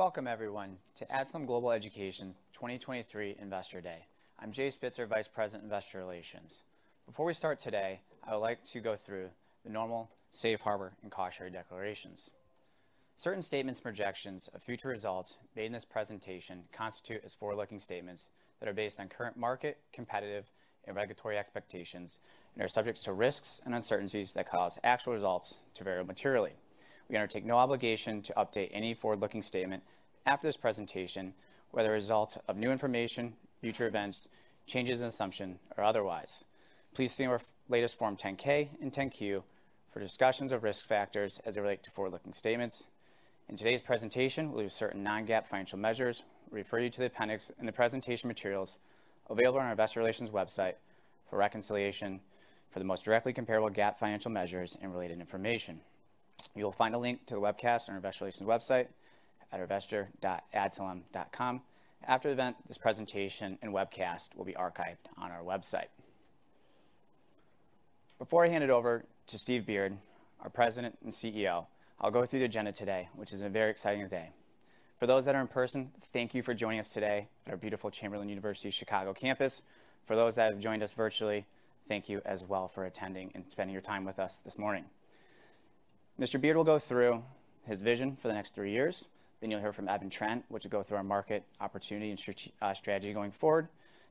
Welcome everyone to Adtalem Global Education's 2023 Investor Day. I'm Jay Spitzer, Vice President, Investor Relations. Before we start today, I would like to go through the normal safe harbor and cautionary declarations. Certain statements and projections of future results made in this presentation constitute as forward-looking statements that are based on current market, competitive, and regulatory expectations, and are subject to risks and uncertainties that cause actual results to vary materially. We undertake no obligation to update any forward-looking statement after this presentation, whether a result of new information, future events, changes in assumption, or otherwise. Please see our latest Form 10-K and 10-Q for discussions of risk factors as they relate to forward-looking statements. In today's presentation, we'll use certain non-GAAP financial measures. We refer you to the appendix in the presentation materials available on our Investor Relations website for reconciliation for the most directly comparable GAAP financial measures and related information. You'll find a link to the webcast on our Investor Relations website at investor.adtalem.com. After the event, this presentation and webcast will be archived on our website. Before I hand it over to Steve Beard, our President and CEO, I'll go through the agenda today, which is a very exciting day. For those that are in person, thank you for joining us today at our beautiful Chamberlain University - Chicago campus. For those that have joined us virtually, thank you as well for attending and spending your time with us this morning. Mr. Beard will go through his vision for the next three years. You'll hear from Evan Trent, which will go through our market opportunity and strategy going forward.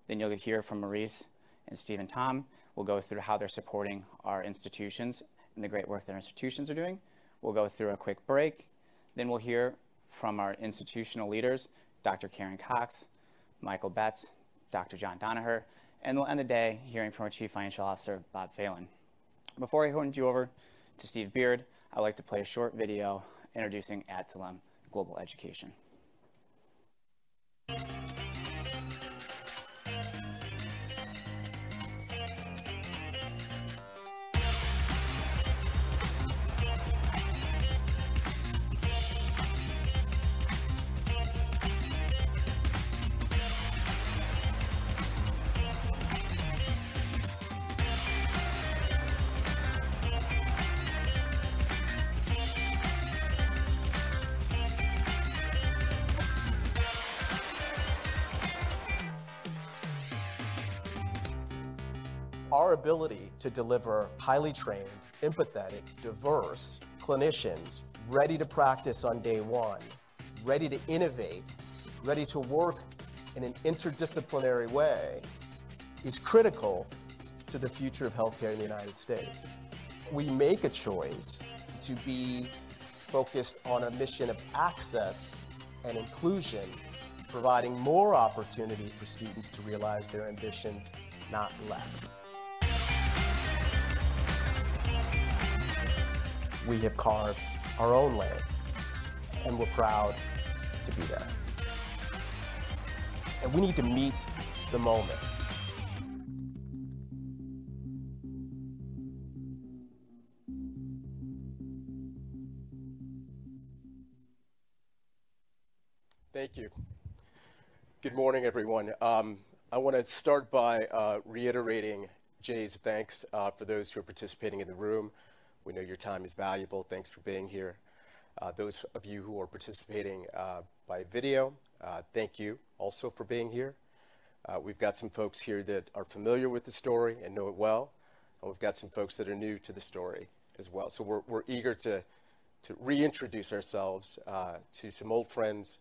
You'll hear from Maurice and Steven Tom, will go through how they're supporting our institutions and the great work that our institutions are doing. We'll go through a quick break, then we'll hear from our institutional leaders, Dr. Karen Cox, Michael Betz, Dr. John Danaher, and we'll end the day hearing from our Chief Financial Officer, Bob Phelan. Before I hand you over to Steve Beard, I'd like to play a short video introducing Adtalem Global Education. Our ability to deliver highly trained, empathetic, diverse clinicians ready to practice on day one, ready to innovate, ready to work in an interdisciplinary way, is critical to the future of healthcare in the United States. We make a choice to be focused on a mission of access and inclusion, providing more opportunity for students to realize their ambitions, not less. We have carved our own lane, and we're proud to be there. We need to meet the moment. Thank you. Good morning, everyone. I want to start by reiterating Jay's thanks for those who are participating in the room. We know your time is valuable. Thanks for being here. Those of you who are participating by video, thank you also for being here. We've got some folks here that are familiar with the story and know it well, and we've got some folks that are new to the story as well. We're eager to reintroduce ourselves to some old friends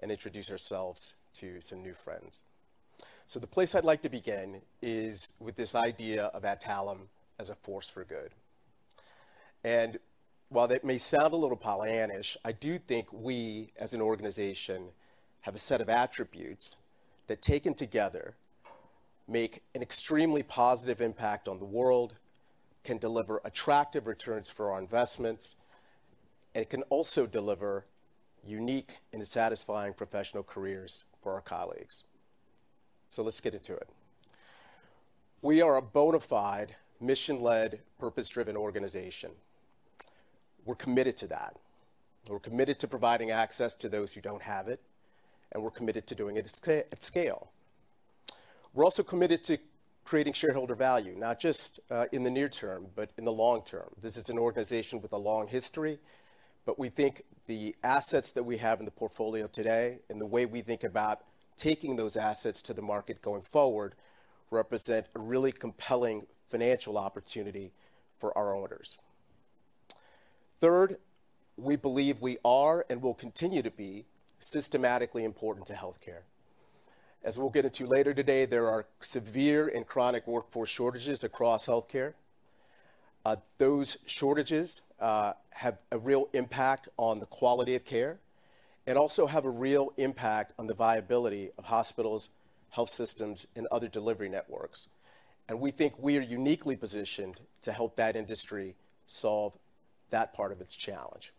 and introduce ourselves to some new friends. The place I'd like to begin is with this idea of Adtalem as a force for good. While that may sound a little pollyannish, I do think we, as an organization, have a set of attributes that, taken together, make an extremely positive impact on the world, can deliver attractive returns for our investments, and it can also deliver unique and satisfying professional careers for our colleagues. Let's get into it. We are a bona fide, mission-led, purpose-driven organization. We're committed to that. We're committed to providing access to those who don't have it, and we're committed to doing it at scale. We're also committed to creating shareholder value, not just in the near term, but in the long term. This is an organization with a long history, but we think the assets that we have in the portfolio today and the way we think about taking those assets to the market going forward, represent a really compelling financial opportunity for our owners. Third, we believe we are, and will continue to be, systematically important to healthcare. As we'll get into later today, there are severe and chronic workforce shortages across healthcare. Those shortages have a real impact on the quality of care and also have a real impact on the viability of hospitals, health systems, and other delivery networks. We think we are uniquely positioned to help that industry solve that part of its challenge.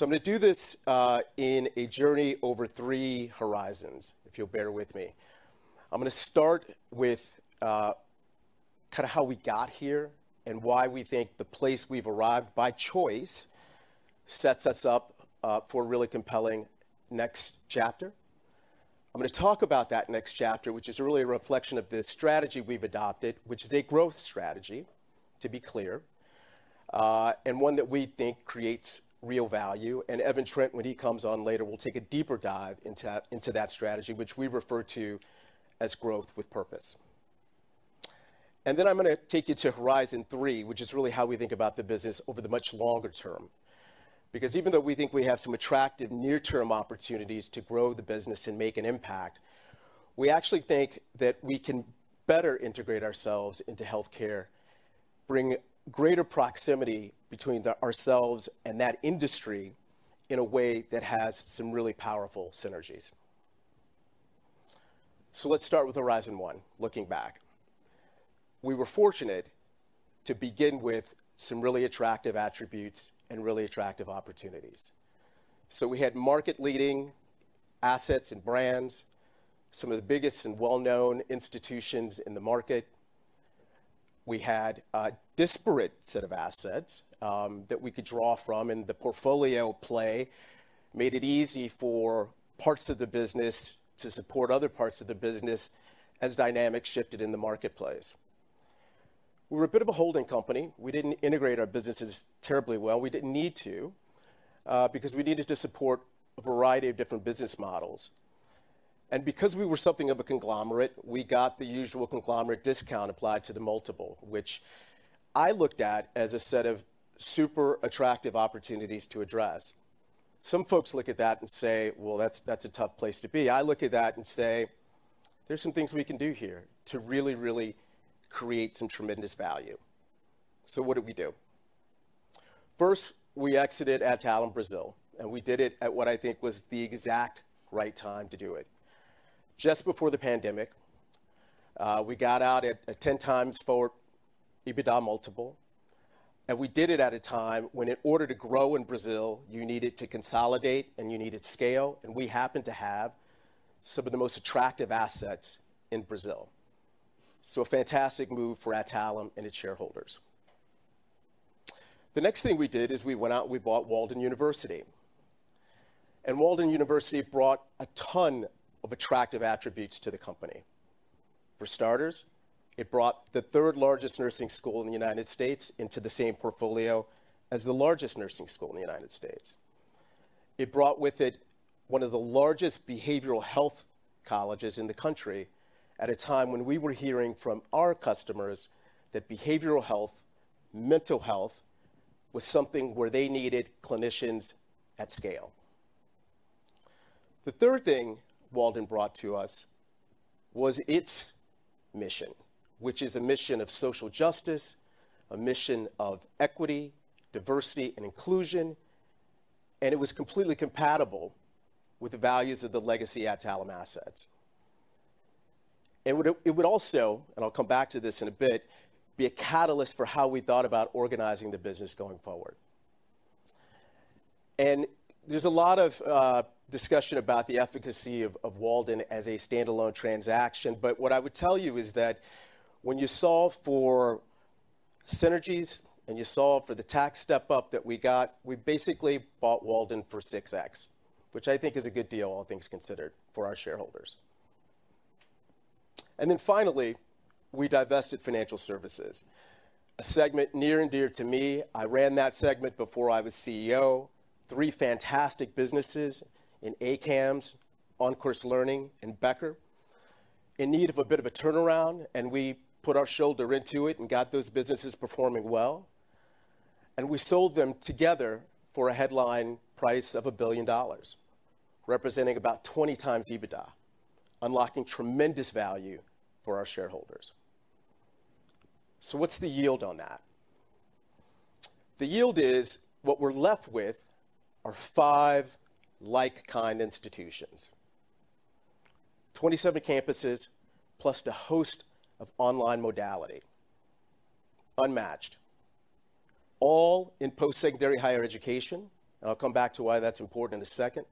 I'm gonna do this in a journey over three horizons, if you'll bear with me. I'm gonna start with how we got here and why we think the place we've arrived, by choice, sets us up for a really compelling next chapter. I'm gonna talk about that next chapter, which is really a reflection of the strategy we've adopted, which is a growth strategy, to be clear, and one that we think creates real value. Evan Trent, when he comes on later, will take a deeper dive into that, into that strategy, which we refer to as Growth with Purpose. Then I'm gonna take you to Horizon 3, which is really how we think about the business over the much longer term. Even though we think we have some attractive near-term opportunities to grow the business and make an impact, we actually think that we can better integrate ourselves into healthcare, bring greater proximity between ourselves and that industry in a way that has some really powerful synergies. Let's start with Horizon 3, looking back. We were fortunate to begin with some really attractive attributes and really attractive opportunities. We had market-leading assets and brands, some of the biggest and well-known institutions in the market. We had a disparate set of assets that we could draw from, and the portfolio play made it easy for parts of the business to support other parts of the business as dynamics shifted in the marketplace. We were a bit of a holding company. We didn't integrate our businesses terribly well. We didn't need to, because we needed to support a variety of different business models. Because we were something of a conglomerate, we got the usual conglomerate discount applied to the multiple, which I looked at as a set of super attractive opportunities to address. Some folks look at that and say, "Well, that's a tough place to be." I look at that and say, "There's some things we can do here to really create some tremendous value." What did we do? First, we exited Adtalem Brazil, and we did it at what I think was the exact right time to do it. Just before the pandemic, we got out at a 10x forward EBITDA multiple. We did it at a time when in order to grow in Brazil, you needed to consolidate and you needed scale, and we happened to have some of the most attractive assets in Brazil. A fantastic move for Adtalem and its shareholders. The next thing we did is we went out and we bought Walden University. Walden University brought a ton of attractive attributes to the company. For starters, it brought the third-largest nursing school in the United States into the same portfolio as the largest nursing school in the United States. It brought with it one of the largest behavioral health colleges in the country at a time when we were hearing from our customers that behavioral health, mental health, was something where they needed clinicians at scale. The third thing Walden brought to us was its mission, which is a mission of social justice, a mission of equity, diversity, and inclusion. It was completely compatible with the values of the legacy Adtalem assets. It would also, and I'll come back to this in a bit, be a catalyst for how we thought about organizing the business going forward. There's a lot of discussion about the efficacy of Walden as a standalone transaction, but what I would tell you is that when you solve for synergies and you solve for the tax step-up that we got, we basically bought Walden for 6x, which I think is a good deal, all things considered, for our shareholders. Then finally, we divested financial services, a segment near and dear to me. I ran that segment before I was CEO. Three fantastic businesses in ACAMS, OnCourse Learning, and Becker, in need of a bit of a turnaround, and we put our shoulder into it and got those businesses performing well, and we sold them together for a headline price of a billion dollars, representing about 20x EBITDA, unlocking tremendous value for our shareholders. What's the yield on that? The yield is what we're left with are five like-kind institutions, 27 campuses, plus a host of online modality. Unmatched. All in post-secondary higher education, and I'll come back to why that's important in a second,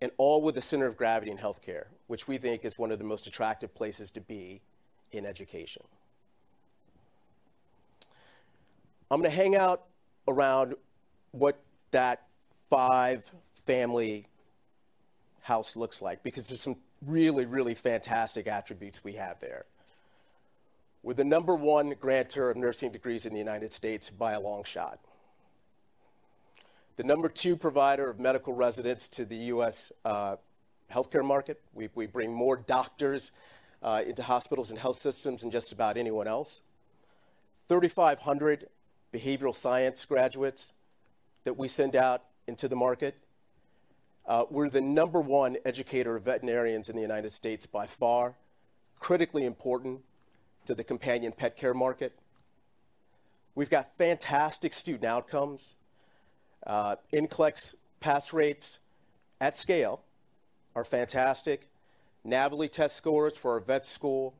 and all with a center of gravity in healthcare, which we think is one of the most attractive places to be in education. I'm gonna hang out around what that five-family house looks like, because there's some really, really fantastic attributes we have there. We're the number one granter of nursing degrees in the United States by a long shot. The number two provider of medical residents to the US healthcare market. We bring more doctors into hospitals and health systems than just about anyone else. 3,500 behavioral science graduates that we send out into the market. We're the number one educator of veterinarians in the United States by far, critically important to the companion pet care market. We've got fantastic student outcomes. NCLEX pass rates at scale are fantastic. NAVLE test scores for our vet school.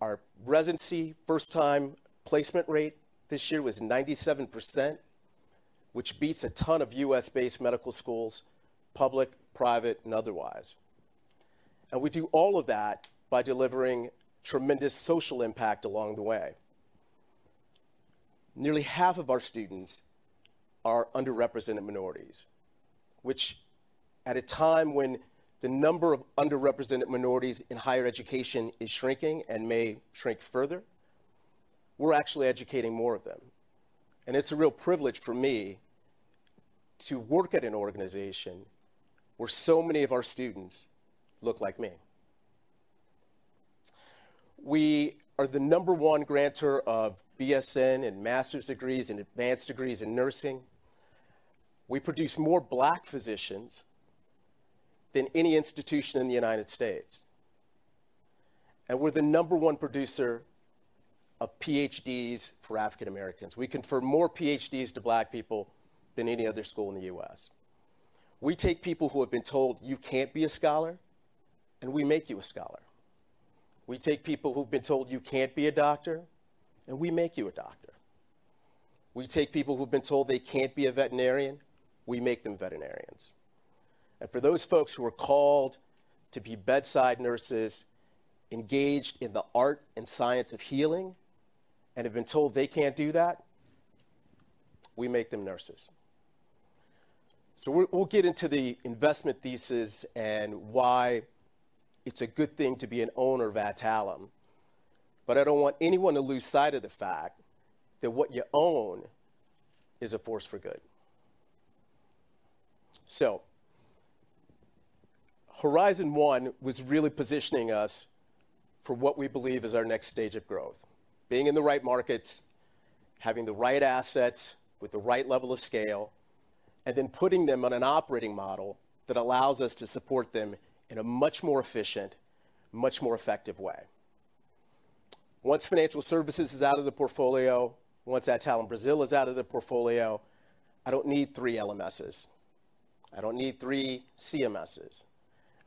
Our residency first-time placement rate this year was 97%, which beats a ton of U.S.-based medical schools, public, private, and otherwise. We do all of that by delivering tremendous social impact along the way. Nearly half of our students are underrepresented minorities, which at a time when the number of underrepresented minorities in higher education is shrinking and may shrink further, we're actually educating more of them. It's a real privilege for me to work at an organization where so many of our students look like me. We are the number one granter of BSN and master's degrees and advanced degrees in nursing. We produce more black physicians than any institution in the United States, and we're the number one producer of PhDs for African Americans. We confer more PhDs to black people than any other school in the US. We take people who have been told, "You can't be a scholar," and we make you a scholar. We take people who've been told, "You can't be a doctor," and we make you a doctor. We take people who've been told they can't be a veterinarian, we make them veterinarians. For those folks who are called to be bedside nurses, engaged in the art and science of healing, and have been told they can't do that, we make them nurses. We'll get into the investment thesis and why it's a good thing to be an owner of Adtalem, but I don't want anyone to lose sight of the fact that what you own is a force for good. Horizon 1 was really positioning us for what we believe is our next stage of growth. Being in the right markets, having the right assets with the right level of scale, and then putting them on an operating model that allows us to support them in a much more efficient, much more effective way. Once financial services is out of the portfolio, once Adtalem Educacional do Brasil is out of the portfolio, I don't need three LMSs. I don't need three CMSs.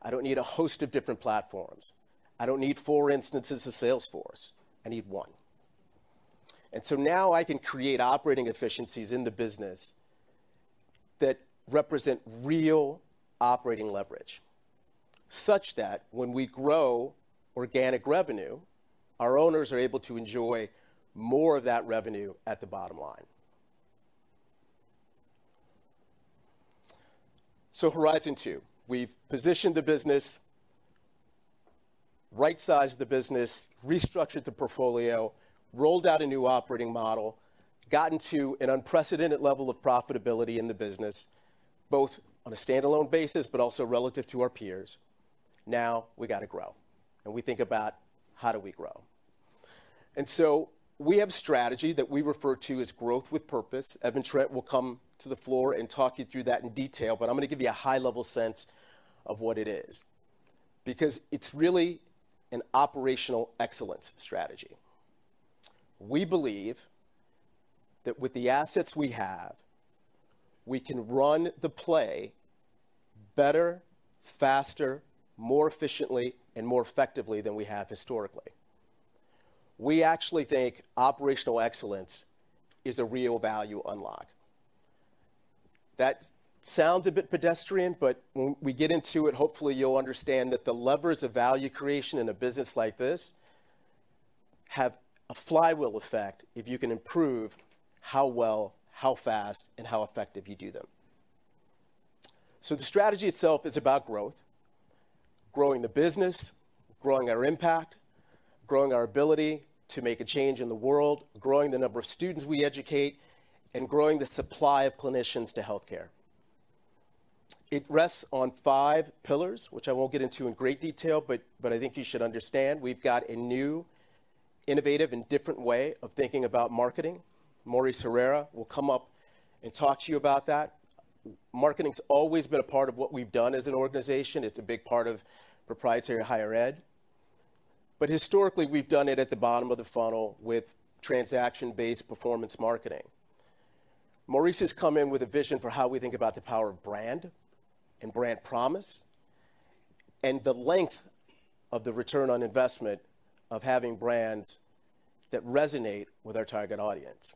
I don't need a host of different platforms. I don't need four instances of Salesforce. I need one. I can create operating efficiencies in the business that represent real operating leverage, such that when we grow organic revenue, our owners are able to enjoy more of that revenue at the bottom line. Horizon 2, we've positioned the business, right-sized the business, restructured the portfolio, rolled out a new operating model, gotten to an unprecedented level of profitability in the business, both on a standalone basis, but also relative to our peers. We got to grow, and we think about: How do we grow? We have a strategy that we refer to as Growth with Purpose. Evan Trent will come to the floor and talk you through that in detail. I'm gonna give you a high-level sense of what it is, because it's really an operational excellence strategy. We believe that with the assets we have, we can run the play better, faster, more efficiently, and more effectively than we have historically. We actually think operational excellence is a real value unlock. That sounds a bit pedestrian. When we get into it, hopefully, you'll understand that the levers of value creation in a business like this have a flywheel effect if you can improve how well, how fast, and how effective you do them. The strategy itself is about growth, growing the business, growing our impact, growing our ability to make a change in the world, growing the number of students we educate, and growing the supply of clinicians to healthcare. It rests on five pillars, which I won't get into in great detail, but I think you should understand. We've got a new, innovative, and different way of thinking about marketing. Maurice Herrera will come up and talk to you about that. Marketing's always been a part of what we've done as an organization. It's a big part of proprietary higher ed. Historically, we've done it at the bottom of the funnel with transaction-based performance marketing. Maurice has come in with a vision for how we think about the power of brand and brand promise, and the length of the return on investment of having brands that resonate with our target audience.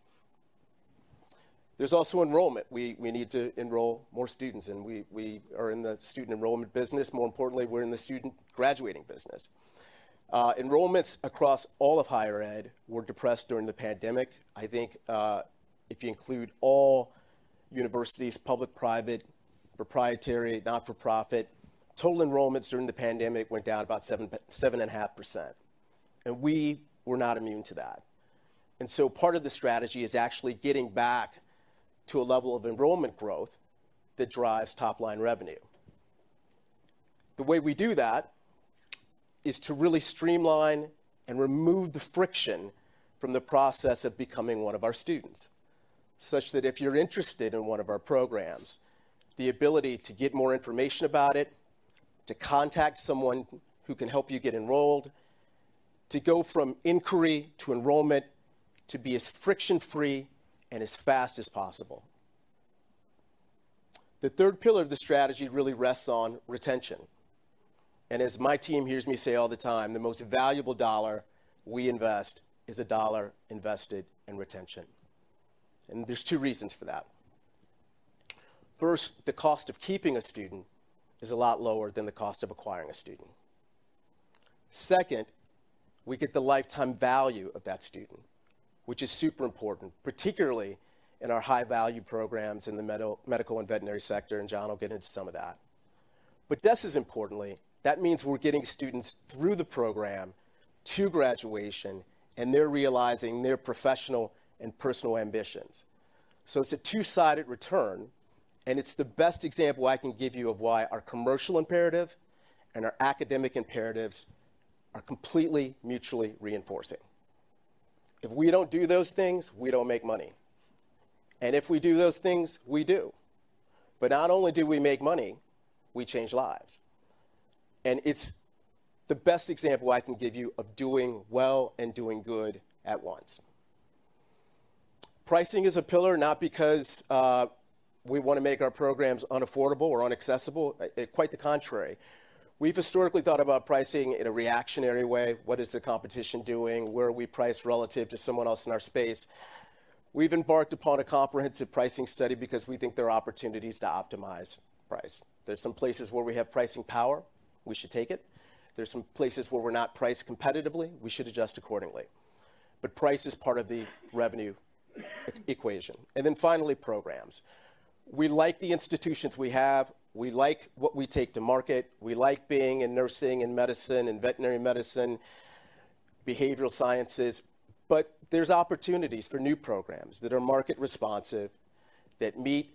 There's also enrollment. We need to enroll more students, and we are in the student enrollment business. More importantly, we're in the student graduating business. Enrollments across all of higher ed were depressed during the pandemic. I think, if you include all universities, public, private, proprietary, not-for-profit, total enrollments during the pandemic went down about 7.5%, and we were not immune to that. Part of the strategy is actually getting back to a level of enrollment growth that drives top-line revenue. The way we do that is to really streamline and remove the friction from the process of becoming one of our students, such that if you're interested in one of our programs, the ability to get more information about it, to contact someone who can help you get enrolled, to go from inquiry to enrollment, to be as friction-free and as fast as possible. The third pillar of the strategy really rests on retention. As my team hears me say all the time, the most valuable dollar we invest is a dollar invested in retention. There's two reasons for that. First, the cost of keeping a student is a lot lower than the cost of acquiring a student. Second, we get the lifetime value of that student, which is super important, particularly in our high-value programs in the medical and veterinary sector, John will get into some of that. Just as importantly, that means we're getting students through the program to graduation, they're realizing their professional and personal ambitions. It's a two-sided return, it's the best example I can give you of why our commercial imperative and our academic imperatives are completely mutually reinforcing. If we don't do those things, we don't make money, if we do those things, we do. Not only do we make money, we change lives. It's the best example I can give you of doing well and doing good at once. Pricing is a pillar, not because we want to make our programs unaffordable or inaccessible. Quite the contrary. We've historically thought about pricing in a reactionary way. What is the competition doing? Where are we priced relative to someone else in our space? We've embarked upon a comprehensive pricing study because we think there are opportunities to optimize price. There's some places where we have pricing power, we should take it. There's some places where we're not priced competitively, we should adjust accordingly. Price is part of the revenue equation. Then finally, programs. We like the institutions we have. We like what we take to market. We like being in nursing, and medicine, and veterinary medicine, behavioral sciences. There's opportunities for new programs that are market responsive, that meet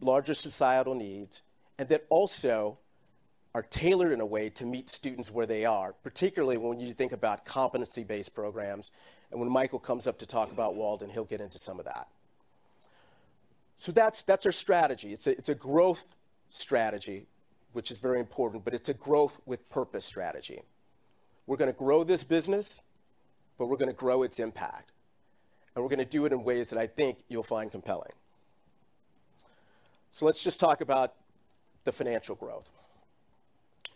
larger societal needs, and that also are tailored in a way to meet students where they are, particularly when you think about competency-based programs. When Michael comes up to talk about Walden, he'll get into some of that. That's our strategy. It's a growth strategy, which is very important, but it's a Growth with Purpose strategy. We're gonna grow this business, but we're gonna grow its impact, and we're gonna do it in ways that I think you'll find compelling. Let's just talk about the financial growth.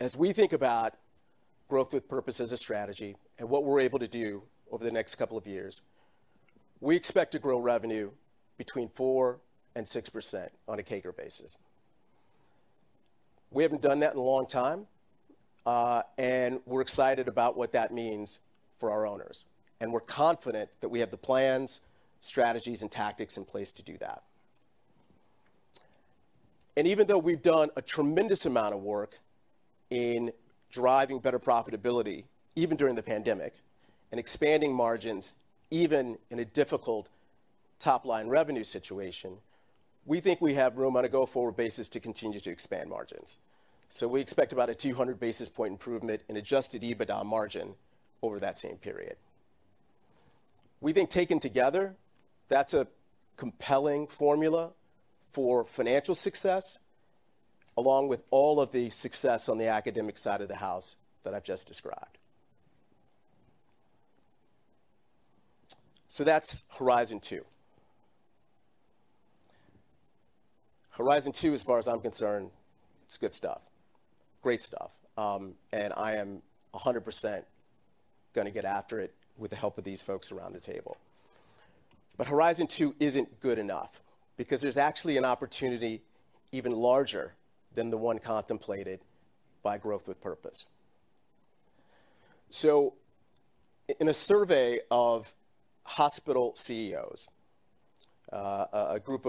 As we think about Growth with Purpose as a strategy and what we're able to do over the next couple of years, we expect to grow revenue between 4% and 6% on a CAGR basis. We haven't done that in a long time, and we're excited about what that means for our owners, and we're confident that we have the plans, strategies, and tactics in place to do that. Even though we've done a tremendous amount of work in driving better profitability, even during the pandemic, and expanding margins, even in a difficult top-line revenue situation, we think we have room on a go-forward basis to continue to expand margins. We expect about a 200 basis point improvement in adjusted EBITDA margin over that same period. We think, taken together, that's a compelling formula for financial success, along with all of the success on the academic side of the house that I've just described. That's Horizon Two. Horizon 2, as far as I'm concerned, it's good stuff, great stuff, I am 100% gonna get after it with the help of these folks around the table. Horizon 2 isn't good enough because there's actually an opportunity even larger than the one contemplated by Growth with Purpose. In a survey of hospital CEOs, a group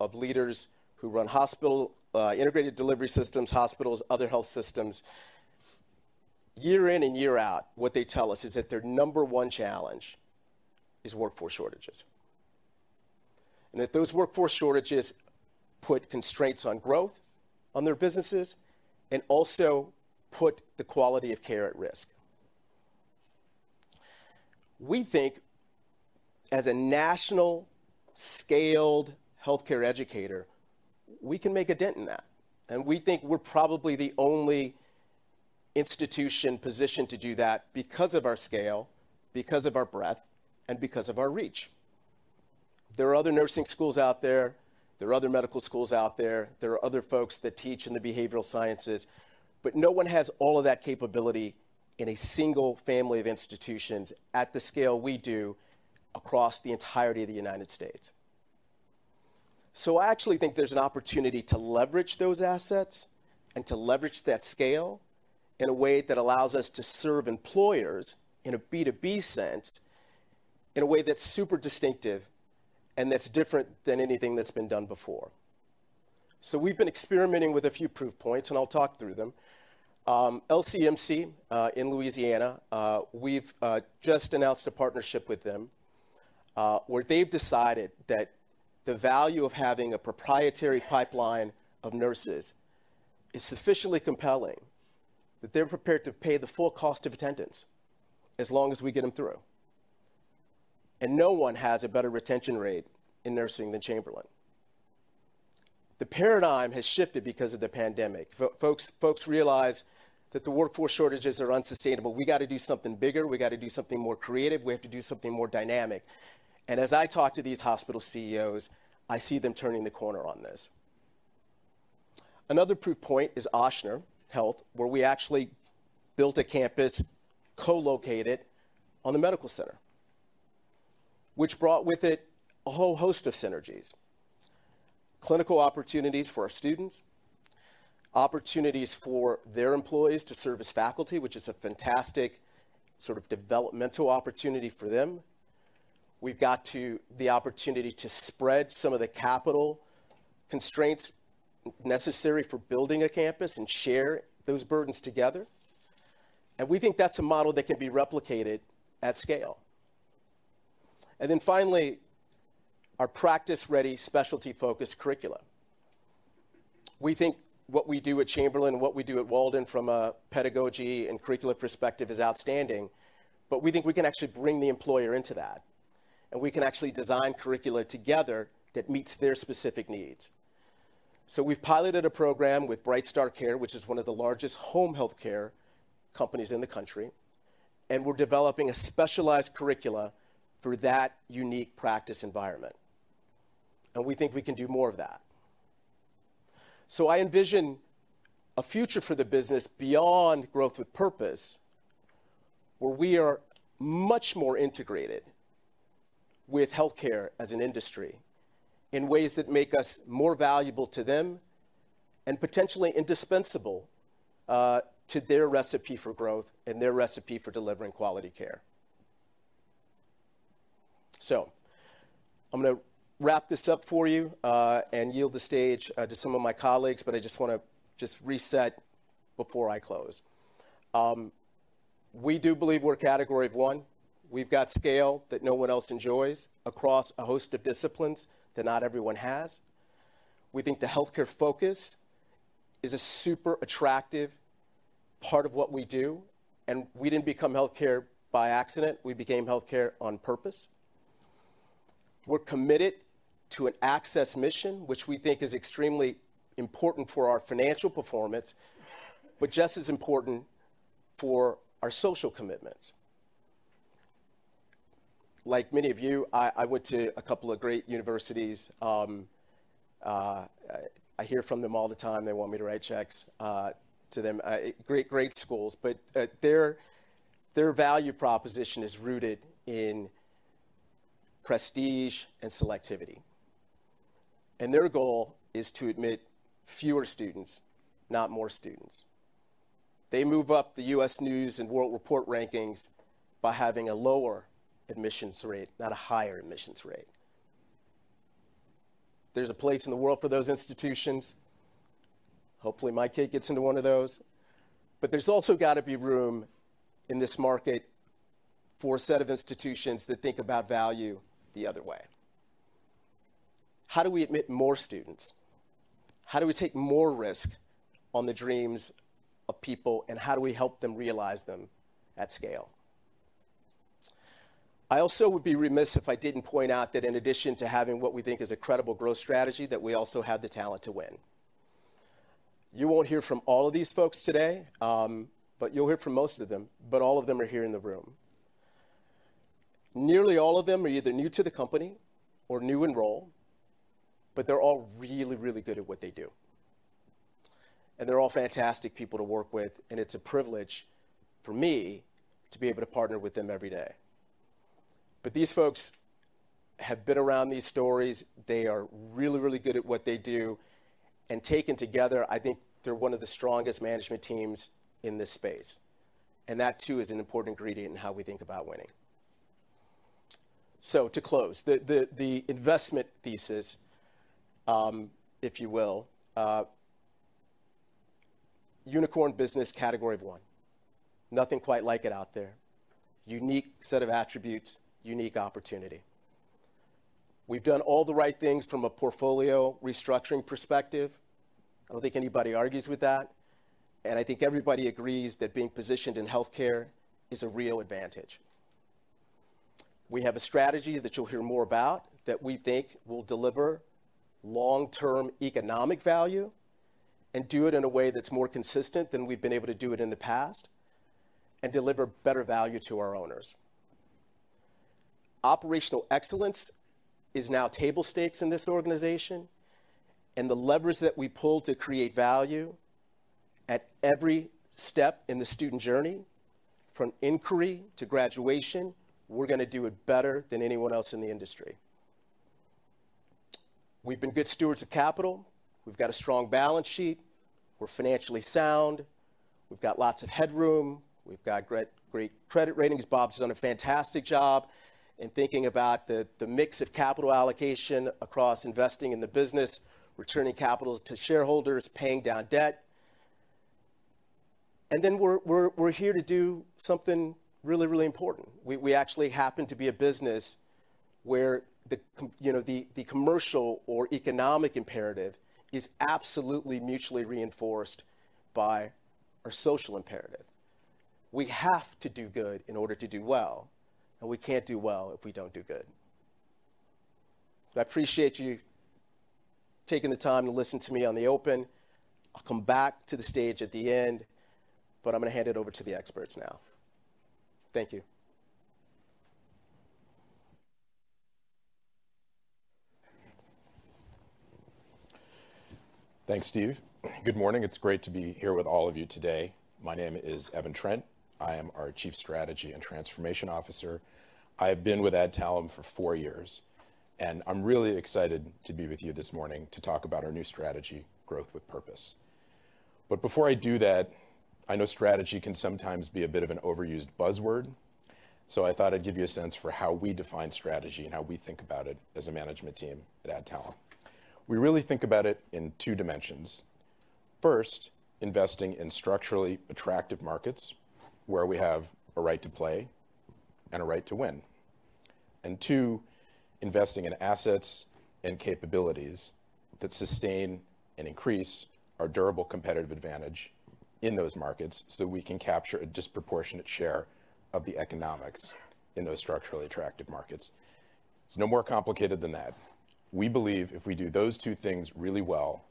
of leaders who run hospital, integrated delivery systems, hospitals, other health systems, year in and year out, what they tell us is that their number one challenge is workforce shortages, and that those workforce shortages put constraints on growth on their businesses and also put the quality of care at risk. We think as a national scaled healthcare educator, we can make a dent in that, we think we're probably the only institution positioned to do that because of our scale, because of our breadth, and because of our reach. There are other nursing schools out there are other medical schools out there are other folks that teach in the behavioral sciences, no one has all of that capability in a single family of institutions at the scale we do across the entirety of the United States. I actually think there's an opportunity to leverage those assets and to leverage that scale in a way that allows us to serve employers in a B2B sense, in a way that's super distinctive and that's different than anything that's been done before. We've been experimenting with a few proof points, and I'll talk through them. LCMC in Louisiana, we've just announced a partnership with them, where they've decided that the value of having a proprietary pipeline of nurses is sufficiently compelling, that they're prepared to pay the full cost of attendance as long as we get them through. No one has a better retention rate in nursing than Chamberlain. The paradigm has shifted because of the pandemic. folks realize that the workforce shortages are unsustainable. We got to do something bigger, we got to do something more creative, we have to do something more dynamic. As I talk to these hospital CEOs, I see them turning the corner on this. Another proof point is Ochsner Health, where we actually built a campus co-located on the medical center, which brought with it a whole host of synergies. Clinical opportunities for our students, opportunities for their employees to serve as faculty, which is a fantastic sort of developmental opportunity for them. We've got to the opportunity to spread some of the capital constraints necessary for building a campus and share those burdens together, and we think that's a model that can be replicated at scale. Then finally, our practice-ready, specialty-focused curricula. We think what we do at Chamberlain and what we do at Walden from a pedagogy and curricula perspective is outstanding, but we think we can actually bring the employer into that, and we can actually design curricula together that meets their specific needs. We've piloted a program with BrightStar Care, which is one of the largest home healthcare companies in the country, and we're developing a specialized curricula for that unique practice environment, and we think we can do more of that. I envision a future for the business beyond Growth with Purpose, where we are much more integrated with healthcare as an industry in ways that make us more valuable to them and potentially indispensable to their recipe for growth and their recipe for delivering quality care. I'm going to wrap this up for you and yield the stage to some of my colleagues, but I just want to reset before I close. We do believe we're a category of one. We've got scale that no one else enjoys across a host of disciplines that not everyone has. We think the healthcare focus is a super attractive part of what we do, and we didn't become healthcare by accident, we became healthcare on purpose. We're committed to an access mission, which we think is extremely important for our financial performance, but just as important for our social commitments. Like many of you, I went to a couple of great universities, I hear from them all the time. They want me to write checks to them. Great schools, but their value proposition is rooted in prestige and selectivity. Their goal is to admit fewer students, not more students. They move up the U.S. News & World Report rankings by having a lower admissions rate, not a higher admissions rate. There's a place in the world for those institutions. Hopefully, my kid gets into one of those. There's also got to be room in this market for a set of institutions that think about value the other way. How do we admit more students? How do we take more risk on the dreams of people, and how do we help them realize them at scale? I also would be remiss if I didn't point out that in addition to having what we think is a credible growth strategy, that we also have the talent to win. You won't hear from all of these folks today, but you'll hear from most of them, but all of them are here in the room. Nearly all of them are either new to the company or new in role, but they're all really, really good at what they do, and they're all fantastic people to work with, and it's a privilege for me to be able to partner with them every day. These folks have been around these stories. They are really good at what they do, taken together, I think they're one of the strongest management teams in this space. That, too, is an important ingredient in how we think about winning. To close, the investment thesis, if you will, unicorn business, category of one, nothing quite like it out there. Unique set of attributes, unique opportunity. We've done all the right things from a portfolio restructuring perspective. I don't think anybody argues with that, and I think everybody agrees that being positioned in healthcare is a real advantage. We have a strategy that you'll hear more about, that we think will deliver long-term economic value and do it in a way that's more consistent than we've been able to do it in the past, and deliver better value to our owners. Operational excellence is now table stakes in this organization. The levers that we pull to create value at every step in the student journey, from inquiry to graduation, we're going to do it better than anyone else in the industry. We've been good stewards of capital. We've got a strong balance sheet. We're financially sound. We've got lots of headroom. We've got great credit ratings. Bob's done a fantastic job in thinking about the mix of capital allocation across investing in the business, returning capital to shareholders, paying down debt. We're here to do something really important. We actually happen to be a business where you know, the commercial or economic imperative is absolutely mutually reinforced by our social imperative. We have to do good in order to do well. We can't do well if we don't do good. I appreciate you taking the time to listen to me on the open. I'll come back to the stage at the end. I'm going to hand it over to the experts now. Thank you. Thanks, Steve. Good morning. It's great to be here with all of you today. My name is Evan Trent. I am our Chief Strategy and Transformation Officer. I have been with Adtalem for four years, and I'm really excited to be with you this morning to talk about our new strategy, Growth with Purpose. Before I do that, I know strategy can sometimes be a bit of an overused buzzword, I thought I'd give you a sense for how we define strategy and how we think about it as a management team at Adtalem. We really think about it in two dimensions. First, investing in structurally attractive markets where we have a right to play and a right to win. Two, investing in assets and capabilities that sustain and increase our durable competitive advantage in those markets, so we can capture a disproportionate share of the economics in those structurally attractive markets. It's no more complicated than that. We believe if we do those two things really well,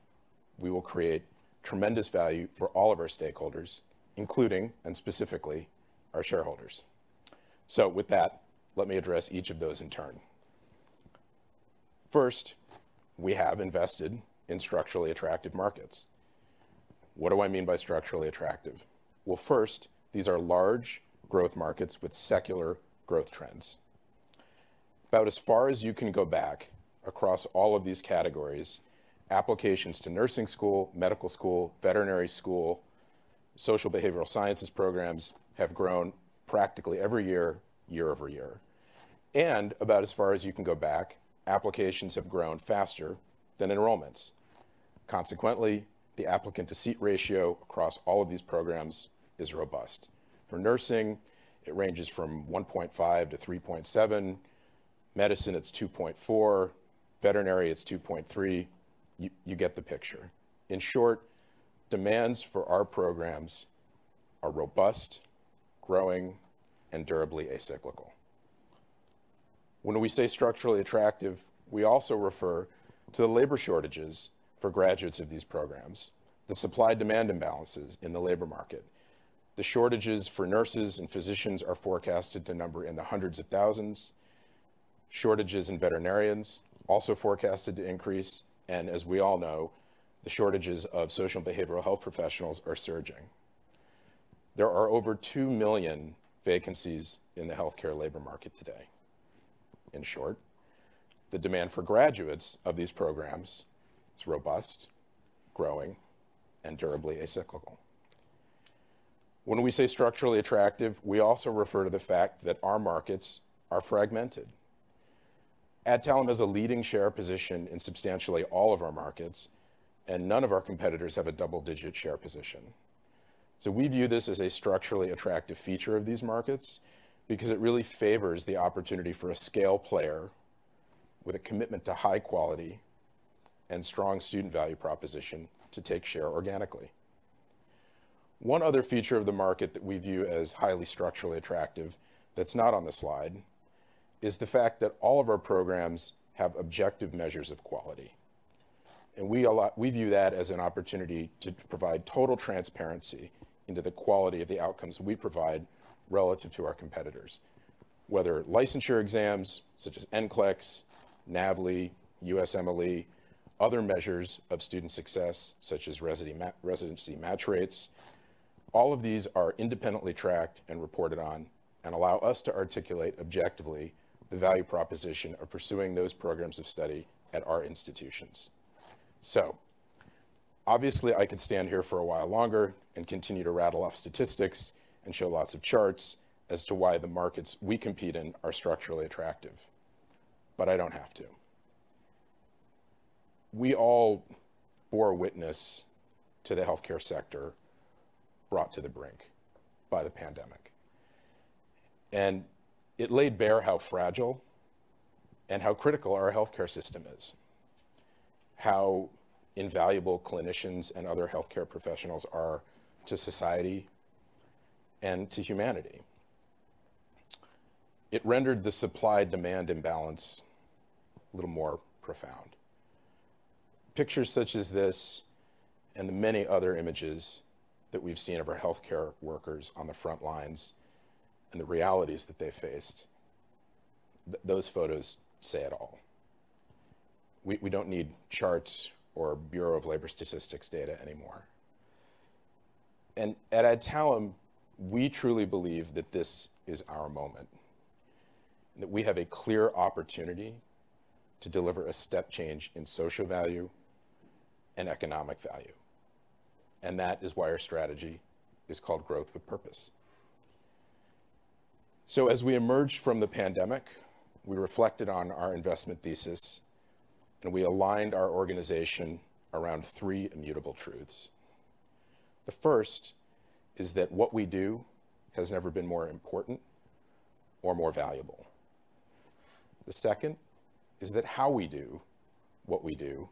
we will create tremendous value for all of our stakeholders, including, and specifically, our shareholders. With that, let me address each of those in turn. First, we have invested in structurally attractive markets. What do I mean by structurally attractive? Well, first, these are large growth markets with secular growth trends. About as far as you can go back across all of these categories, applications to nursing school, medical school, veterinary school, social behavioral sciences programs have grown practically every year-over-year. About as far as you can go back, applications have grown faster than enrollments. Consequently, the applicant-to-seat ratio across all of these programs is robust. For nursing, it ranges from 1.5 to 3.7. Medicine, it's 2.4. Veterinary, it's 2.3. You get the picture. In short, demands for our programs are robust, growing, and durably acyclical. When we say structurally attractive, we also refer to the labor shortages for graduates of these programs, the supply-demand imbalances in the labor market. The shortages for nurses and physicians are forecasted to number in the hundreds of thousands. Shortages in veterinarians also forecasted to increase. As we all know, the shortages of social and behavioral health professionals are surging. There are over 2 million vacancies in the healthcare labor market today. In short, the demand for graduates of these programs is robust, growing, and durably acyclical. When we say structurally attractive, we also refer to the fact that our markets are fragmented. Adtalem has a leading share position in substantially all of our markets, and none of our competitors have a double-digit share position. We view this as a structurally attractive feature of these markets because it really favors the opportunity for a scale player with a commitment to high quality and strong student value proposition to take share organically. One other feature of the market that we view as highly structurally attractive, that's not on the slide, is the fact that all of our programs have objective measures of quality. We view that as an opportunity to provide total transparency into the quality of the outcomes we provide relative to our competitors. Whether licensure exams such as NCLEX, NAVLE, USMLE, other measures of student success, such as residency match rates, all of these are independently tracked and reported on and allow us to articulate objectively the value proposition of pursuing those programs of study at our institutions. Obviously, I could stand here for a while longer and continue to rattle off statistics and show lots of charts as to why the markets we compete in are structurally attractive, but I don't have to. We all bore witness to the healthcare sector brought to the brink by the pandemic. It laid bare how fragile and how critical our healthcare system is, how invaluable clinicians and other healthcare professionals are to society and to humanity. It rendered the supply-demand imbalance a little more profound. Pictures such as this and the many other images that we've seen of our healthcare workers on the front lines and the realities that they faced, those photos say it all. We don't need charts or Bureau of Labor Statistics data anymore. At Adtalem, we truly believe that this is our moment, and that we have a clear opportunity to deliver a step change in social value and economic value, and that is why our strategy is called Growth with Purpose. As we emerged from the pandemic, we reflected on our investment thesis, and we aligned our organization around three immutable truths. The first is that what we do has never been more important or more valuable. The second is that how we do what we do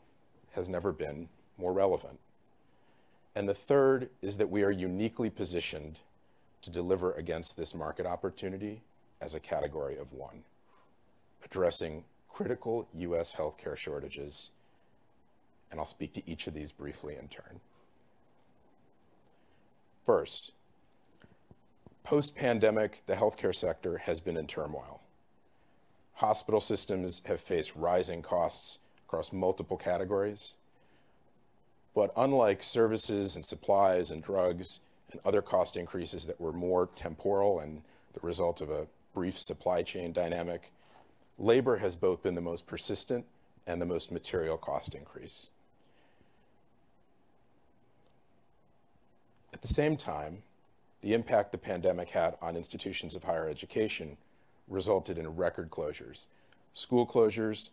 has never been more relevant. The third is that we are uniquely positioned to deliver against this market opportunity as a category of one, addressing critical U.S. healthcare shortages, and I'll speak to each of these briefly in turn. First, post-pandemic, the healthcare sector has been in turmoil. Hospital systems have faced rising costs across multiple categories, unlike services and supplies and drugs and other cost increases that were more temporal and the result of a brief supply chain dynamic, labor has both been the most persistent and the most material cost increase. At the same time, the impact the pandemic had on institutions of higher education resulted in record closures, school closures,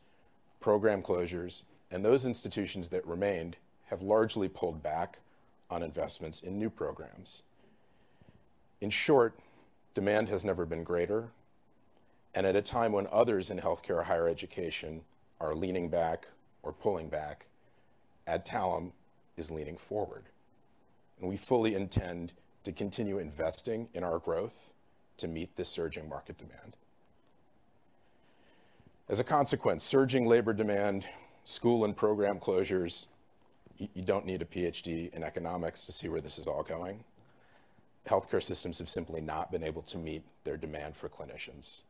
program closures, and those institutions that remained have largely pulled back on investments in new programs. In short, demand has never been greater. At a time when others in healthcare or higher education are leaning back or pulling back, Adtalem is leaning forward. We fully intend to continue investing in our growth to meet the surging market demand. As a consequence, surging labor demand, school and program closures, you don't need a PhD in economics to see where this is all going. Healthcare systems have simply not been able to meet their demand for clinicians,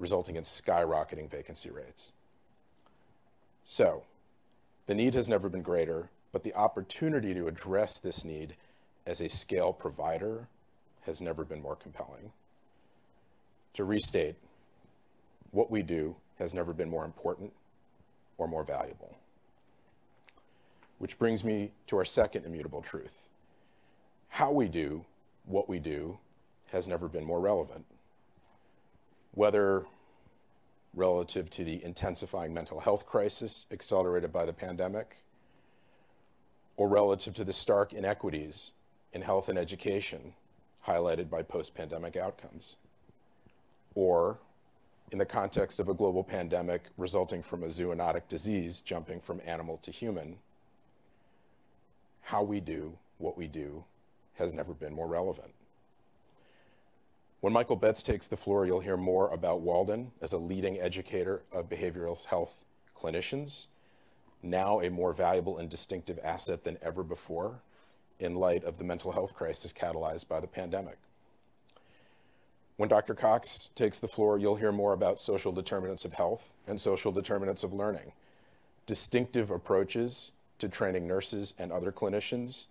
resulting in skyrocketing vacancy rates. The need has never been greater, but the opportunity to address this need as a scale provider has never been more compelling. To restate, what we do has never been more important or more valuable, which brings me to our second immutable truth: how we do what we do has never been more relevant. Whether relative to the intensifying mental health crisis accelerated by the pandemic, or relative to the stark inequities in health and education highlighted by post-pandemic outcomes, or in the context of a global pandemic resulting from a zoonotic disease jumping from animal to human, how we do what we do has never been more relevant. When Michael Betz takes the floor, you'll hear more about Walden as a leading educator of behavioral health clinicians, now a more valuable and distinctive asset than ever before in light of the mental health crisis catalyzed by the pandemic. When Dr. Cox takes the floor, you'll hear more about social determinants of health and social determinants of learning, distinctive approaches to training nurses and other clinicians,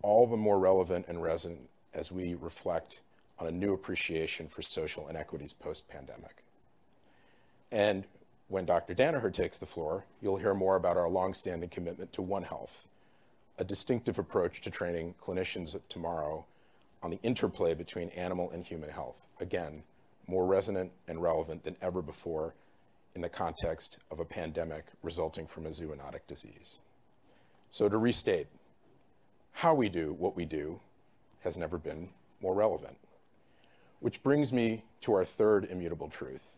all the more relevant and resonant as we reflect on a new appreciation for social inequities post-pandemic. When Dr. Danaher takes the floor, you'll hear more about our long-standing commitment to One Health, a distinctive approach to training clinicians of tomorrow on the interplay between animal and human health. More resonant and relevant than ever before in the context of a pandemic resulting from a zoonotic disease. To restate, how we do what we do has never been more relevant, which brings me to our third immutable truth: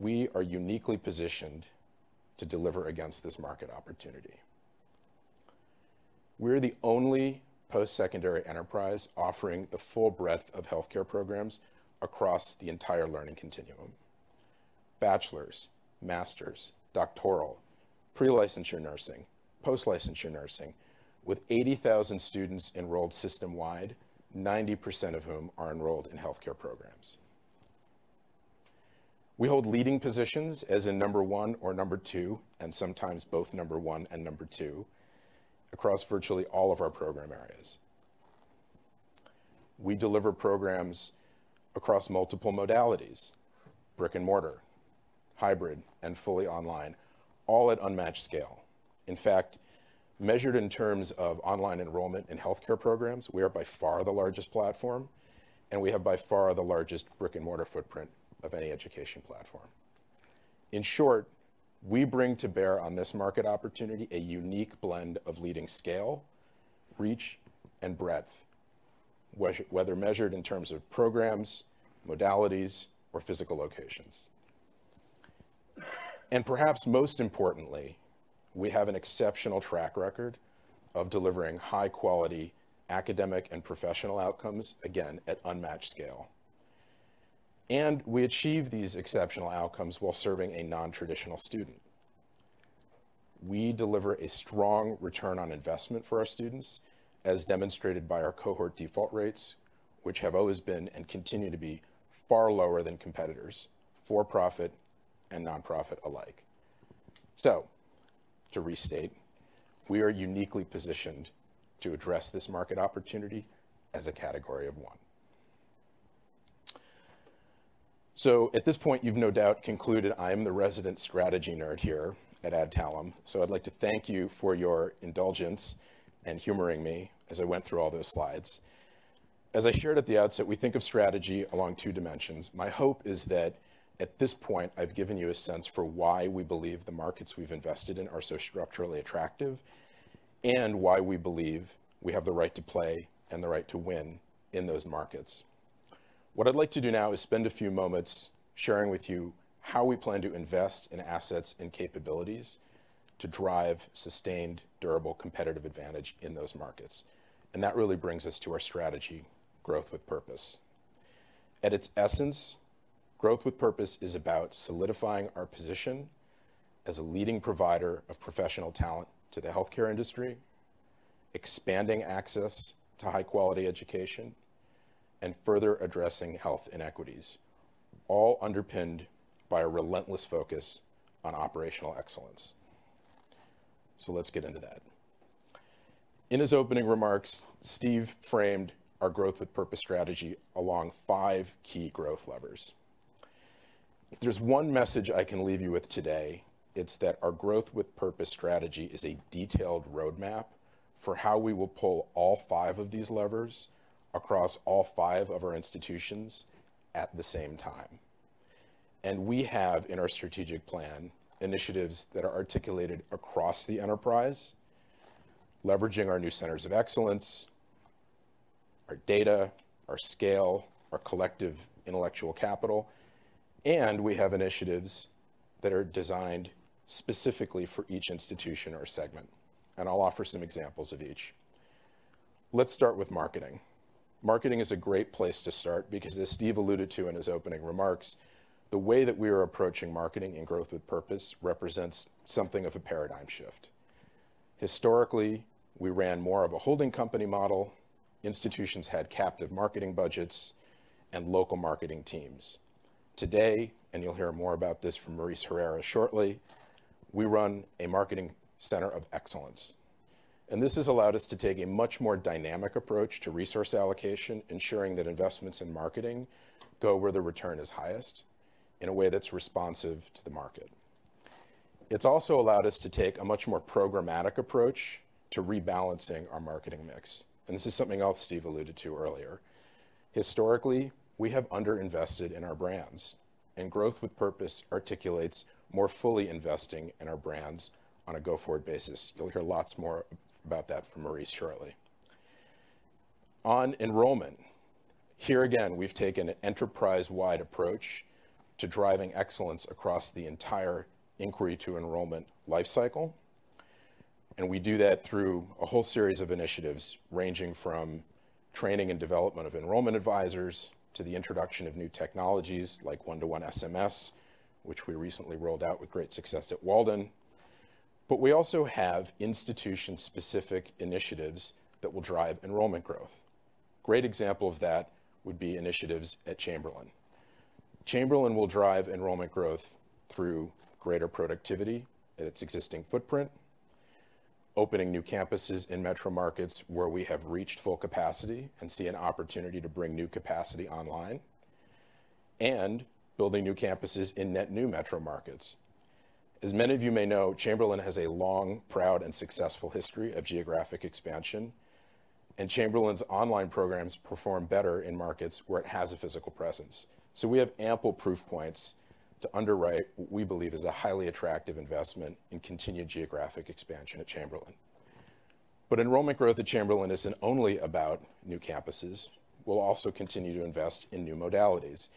We are uniquely positioned to deliver against this market opportunity. We're the only post-secondary enterprise offering the full breadth of healthcare programs across the entire learning continuum: bachelor's, master's, doctoral, pre-licensure nursing, post-licensure nursing, with 80,000 students enrolled system-wide, 90% of whom are enrolled in healthcare programs. We hold leading positions, as in number one or number two, and sometimes both number one and number two, across virtually all of our program areas. We deliver programs across multiple modalities: brick-and-mortar, hybrid, and fully online, all at unmatched scale. In fact, measured in terms of online enrollment in healthcare programs, we are by far the largest platform, and we have by far the largest brick-and-mortar footprint of any education platform. In short, we bring to bear on this market opportunity a unique blend of leading scale, reach, and breadth, whether measured in terms of programs, modalities, or physical locations. Perhaps most importantly, we have an exceptional track record of delivering high-quality academic and professional outcomes, again, at unmatched scale. We achieve these exceptional outcomes while serving a non-traditional student. We deliver a strong return on investment for our students, as demonstrated by our cohort default rates, which have always been and continue to be far lower than competitors, for-profit and nonprofit alike. To restate, we are uniquely positioned to address this market opportunity as a category of one. At this point, you've no doubt concluded I am the resident strategy nerd here at Adtalem, so I'd like to thank you for your indulgence and humoring me as I went through all those slides. As I shared at the outset, we think of strategy along two dimensions. My hope is that at this point, I've given you a sense for why we believe the markets we've invested in are so structurally attractive, and why we believe we have the right to play and the right to win in those markets. What I'd like to do now is spend a few moments sharing with you how we plan to invest in assets and capabilities to drive sustained, durable, competitive advantage in those markets. That really brings us to our strategy, Growth with Purpose. At its essence, Growth with Purpose is about solidifying our position as a leading provider of professional talent to the healthcare industry, expanding access to high quality education, and further addressing health inequities, all underpinned by a relentless focus on operational excellence. Let's get into that. In his opening remarks, Steve framed our Growth with Purpose strategy along five key growth levers. If there's one message I can leave you with today, it's that our Growth with Purpose strategy is a detailed roadmap for how we will pull all five of these levers across all five of our institutions at the same time. We have, in our strategic plan, initiatives that are articulated across the enterprise, leveraging our new centers of excellence, our data, our scale, our collective intellectual capital, and we have initiatives that are designed specifically for each institution or segment, and I'll offer some examples of each. Let's start with marketing. Marketing is a great place to start because as Steve alluded to in his opening remarks, the way that we are approaching marketing and Growth with Purpose represents something of a paradigm shift. Historically, we ran more of a holding company model. Institutions had captive marketing budgets and local marketing teams. Today, you'll hear more about this from Maurice Herrera shortly, we run a Marketing Center of Excellence, and this has allowed us to take a much more dynamic approach to resource allocation, ensuring that investments in marketing go where the return is highest in a way that's responsive to the market. It's also allowed us to take a much more programmatic approach to rebalancing our marketing mix, and this is something else Steve alluded to earlier. Historically, we have underinvested in our brands, Growth with Purpose articulates more fully investing in our brands on a go-forward basis. You'll hear lots more about that from Maurice shortly. On enrollment, here again, we've taken an enterprise-wide approach to driving excellence across the entire inquiry to enrollment lifecycle. We do that through a whole series of initiatives, ranging from training and development of enrollment advisors to the introduction of new technologies like one-to-one SMS, which we recently rolled out with great success at Walden University. We also have institution-specific initiatives that will drive enrollment growth. Great example of that would be initiatives at Chamberlain University. Chamberlain University will drive enrollment growth through greater productivity at its existing footprint, opening new campuses in metro markets where we have reached full capacity and see an opportunity to bring new capacity online, and building new campuses in net new metro markets. As many of you may know, Chamberlain University has a long, proud, and successful history of geographic expansion, and Chamberlain University's online programs perform better in markets where it has a physical presence. We have ample proof points to underwrite what we believe is a highly attractive investment in continued geographic expansion at Chamberlain. Enrollment growth at Chamberlain isn't only about new campuses. We'll also continue to invest in new modalities,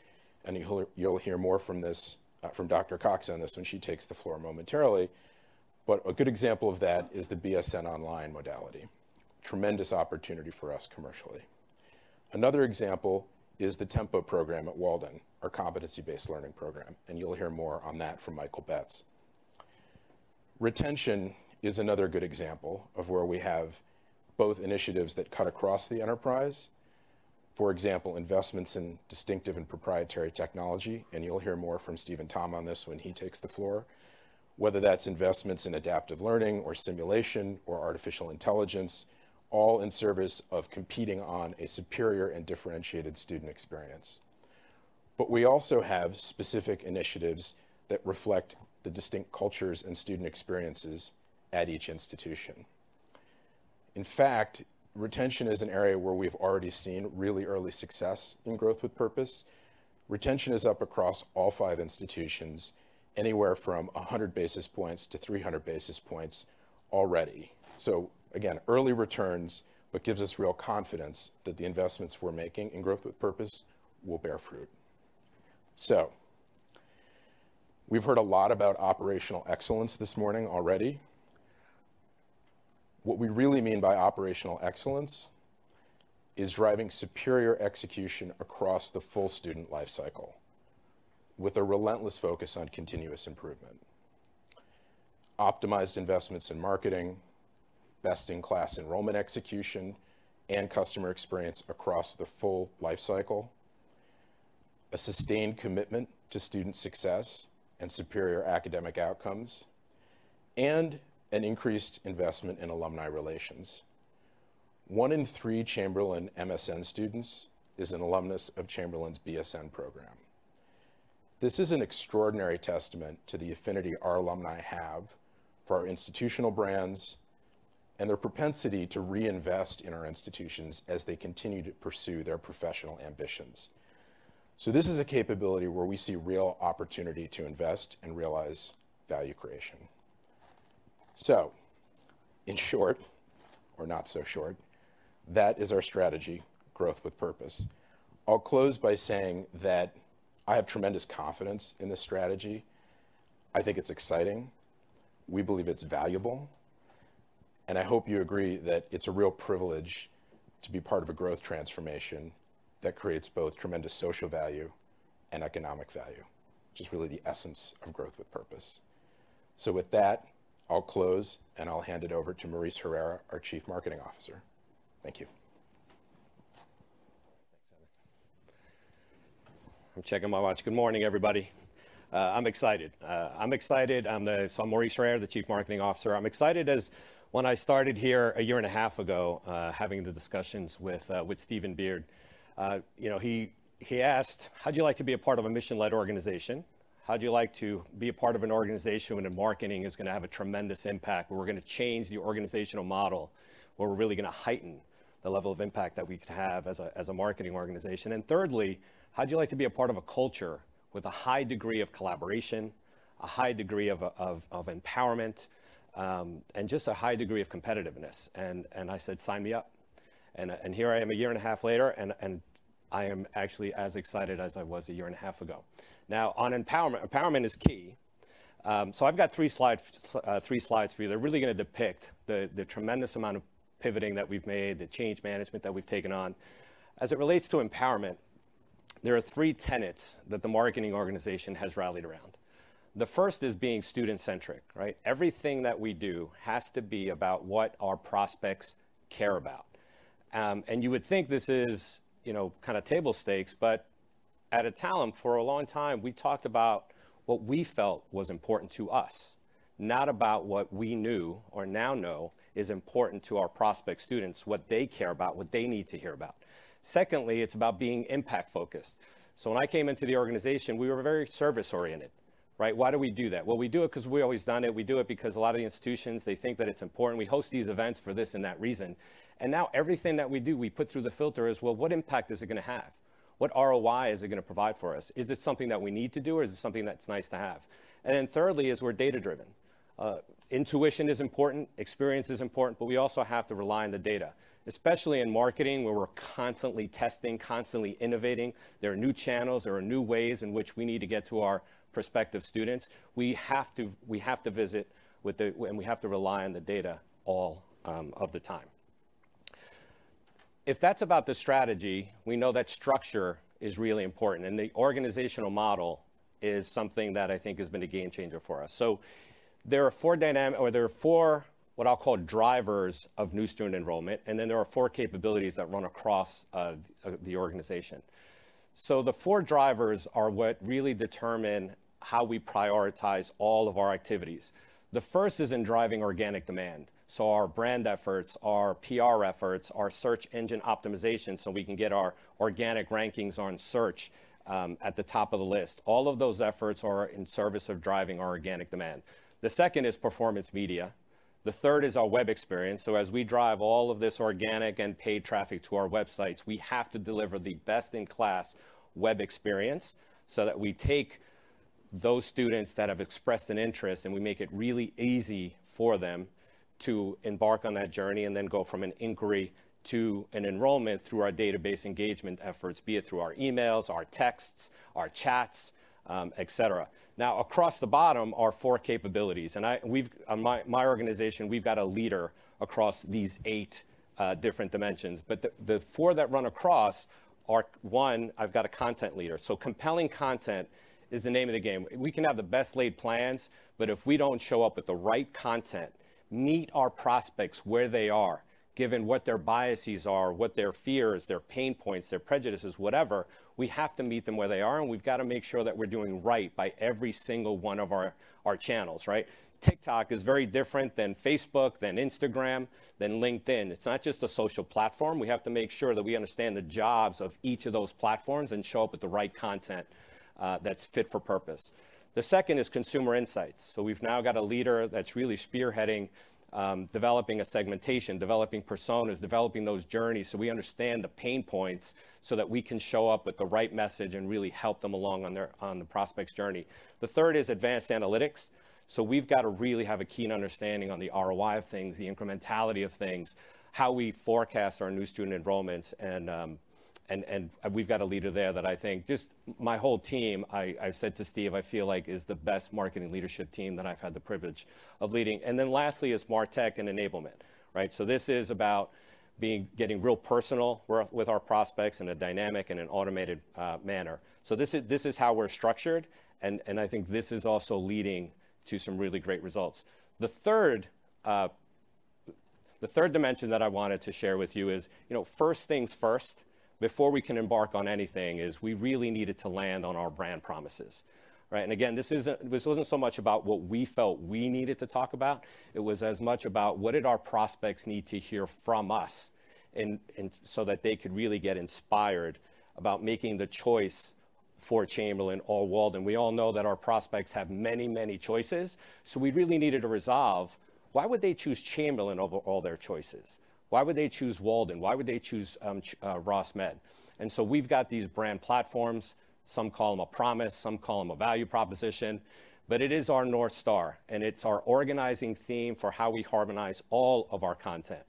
and you'll hear more from this from Dr. Cox on this when she takes the floor momentarily. A good example of that is the BSN Online modality. Tremendous opportunity for us commercially. Another example is the Tempo program at Walden, our competency-based learning program, and you'll hear more on that from Michael Betz. Retention is another good example of where we have both initiatives that cut across the enterprise. For example, investments in distinctive and proprietary technology, and you'll hear more from Steven Tom on this when he takes the floor. Whether that's investments in adaptive learning or simulation or artificial intelligence, all in service of competing on a superior and differentiated student experience. We also have specific initiatives that reflect the distinct cultures and student experiences at each institution. In fact, retention is an area where we've already seen really early success in Growth with Purpose. Retention is up across all five institutions, anywhere from 100 basis points to 300 basis points already. Again, early returns, but gives us real confidence that the investments we're making in Growth with Purpose will bear fruit. We've heard a lot about operational excellence this morning already. What we really mean by operational excellence is driving superior execution across the full student life cycle with a relentless focus on continuous improvement, optimized investments in marketing, best-in-class enrollment execution, and customer experience across the full life cycle, a sustained commitment to student success and superior academic outcomes, and an increased investment in alumni relations. One in three Chamberlain MSN students is an alumnus of Chamberlain's BSN program. This is an extraordinary testament to the affinity our alumni have for our institutional brands and their propensity to reinvest in our institutions as they continue to pursue their professional ambitions. This is a capability where we see real opportunity to invest and realize value creation. In short, or not so short, that is our strategy, Growth with Purpose. I'll close by saying that I have tremendous confidence in this strategy. I think it's exciting. We believe it's valuable. I hope you agree that it's a real privilege to be part of a growth transformation that creates both tremendous social value and economic value, which is really the essence of Growth with Purpose. With that, I'll close, I'll hand it over to Maurice Herrera, our Chief Marketing Officer. Thank you. Thanks, Evan. I'm checking my watch. Good morning, everybody. I'm excited. I'm Maurice Herrera, the Chief Marketing Officer. I'm excited as when I started here a year and a half ago, having the discussions with Stephen Beard. You know, he asked, "How'd you like to be a part of a mission-led organization? How'd you like to be a part of an organization where the marketing is gonna have a tremendous impact, where we're gonna change the organizational model, where we're really gonna heighten the level of impact that we could have as a, as a marketing organization? Thirdly, how'd you like to be a part of a culture with a high degree of collaboration, a high degree of empowerment, and just a high degree of competitiveness?" I said, "Sign me up." Here I am a year and a half later, I am actually as excited as I was a year and a half ago. On empowerment is key. I've got three slides for you. They're really gonna depict the tremendous amount of pivoting that we've made, the change management that we've taken on. As it relates to empowerment, there are three tenets that the marketing organization has rallied around. The first is being student-centric, right? Everything that we do has to be about what our prospects care about. You would think this is, you know, kinda table stakes, but Adtalem, for a long time, we talked about what we felt was important to us, not about what we knew or now know is important to our prospect students, what they care about, what they need to hear about. Secondly, it's about being impact-focused. When I came into the organization, we were very service-oriented, right? Why do we do that? Well, we do it 'cause we've always done it. We do it because a lot of the institutions, they think that it's important. We host these events for this and that reason. Now everything that we do, we put through the filter is, well, what impact is it gonna have? What ROI is it gonna provide for us? Is this something that we need to do, or is this something that's nice to have? Thirdly is we're data-driven. Intuition is important, experience is important, but we also have to rely on the data, especially in marketing, where we're constantly testing, constantly innovating. There are new channels, there are new ways in which we need to get to our prospective students. We have to rely on the data all of the time. If that's about the strategy, we know that structure is really important, and the organizational model is something that I think has been a game changer for us. There are four, what I'll call drivers of new student enrollment, and then there are four capabilities that run across the organization. The four drivers are what really determine how we prioritize all of our activities. The first is in driving organic demand, so our brand efforts, our PR efforts, our search engine optimization, so we can get our organic rankings on search at the top of the list. All of those efforts are in service of driving our organic demand. The second is performance media. The third is our web experience. As we drive all of this organic and paid traffic to our websites, we have to deliver the best-in-class web experience so that we take those students that have expressed an interest, and we make it really easy for them to embark on that journey and then go from an inquiry to an enrollment through our database engagement efforts, be it through our emails, our texts, our chats, et cetera. Across the bottom are four capabilities, and we've, my organization, we've got a leader across these eight different dimensions. The four that run across are: one, I've got a content leader. Compelling content is the name of the game. We can have the best-laid plans, but if we don't show up with the right content, meet our prospects where they are, given what their biases are, what their fears, their pain points, their prejudices, whatever, we have to meet them where they are, and we've got to make sure that we're doing right by every single one of our channels, right? TikTok is very different than Facebook, than Instagram, than LinkedIn. It's not just a social platform. We have to make sure that we understand the jobs of each of those platforms and show up with the right content that's fit for purpose. The second is consumer insights. We've now got a leader that's really spearheading developing a segmentation, developing personas, developing those journeys, so we understand the pain points so that we can show up with the right message and really help them along on the prospect's journey. The third is advanced analytics. We've got to really have a keen understanding on the ROI of things, the incrementality of things, how we forecast our new student enrollments, and we've got a leader there that I think, just my whole team, I've said to Steve, I feel like is the best marketing leadership team that I've had the privilege of leading. Lastly is martech and enablement, right? This is about being, getting real personal with our prospects in a dynamic and an automated manner. This is how we're structured, and I think this is also leading to some really great results. The third dimension that I wanted to share with you is, you know, first things first, before we can embark on anything, is we really needed to land on our brand promises, right? Again, this isn't, this wasn't so much about what we felt we needed to talk about. It was as much about what did our prospects need to hear from us, and so that they could really get inspired about making the choice for Chamberlain or Walden. We all know that our prospects have many, many choices, so we really needed to resolve why would they choose Chamberlain over all their choices? Why would they choose Walden? Why would they choose Ross Med? We've got these brand platforms. Some call them a promise, some call them a value proposition, but it is our North Star, and it's our organizing theme for how we harmonize all of our content.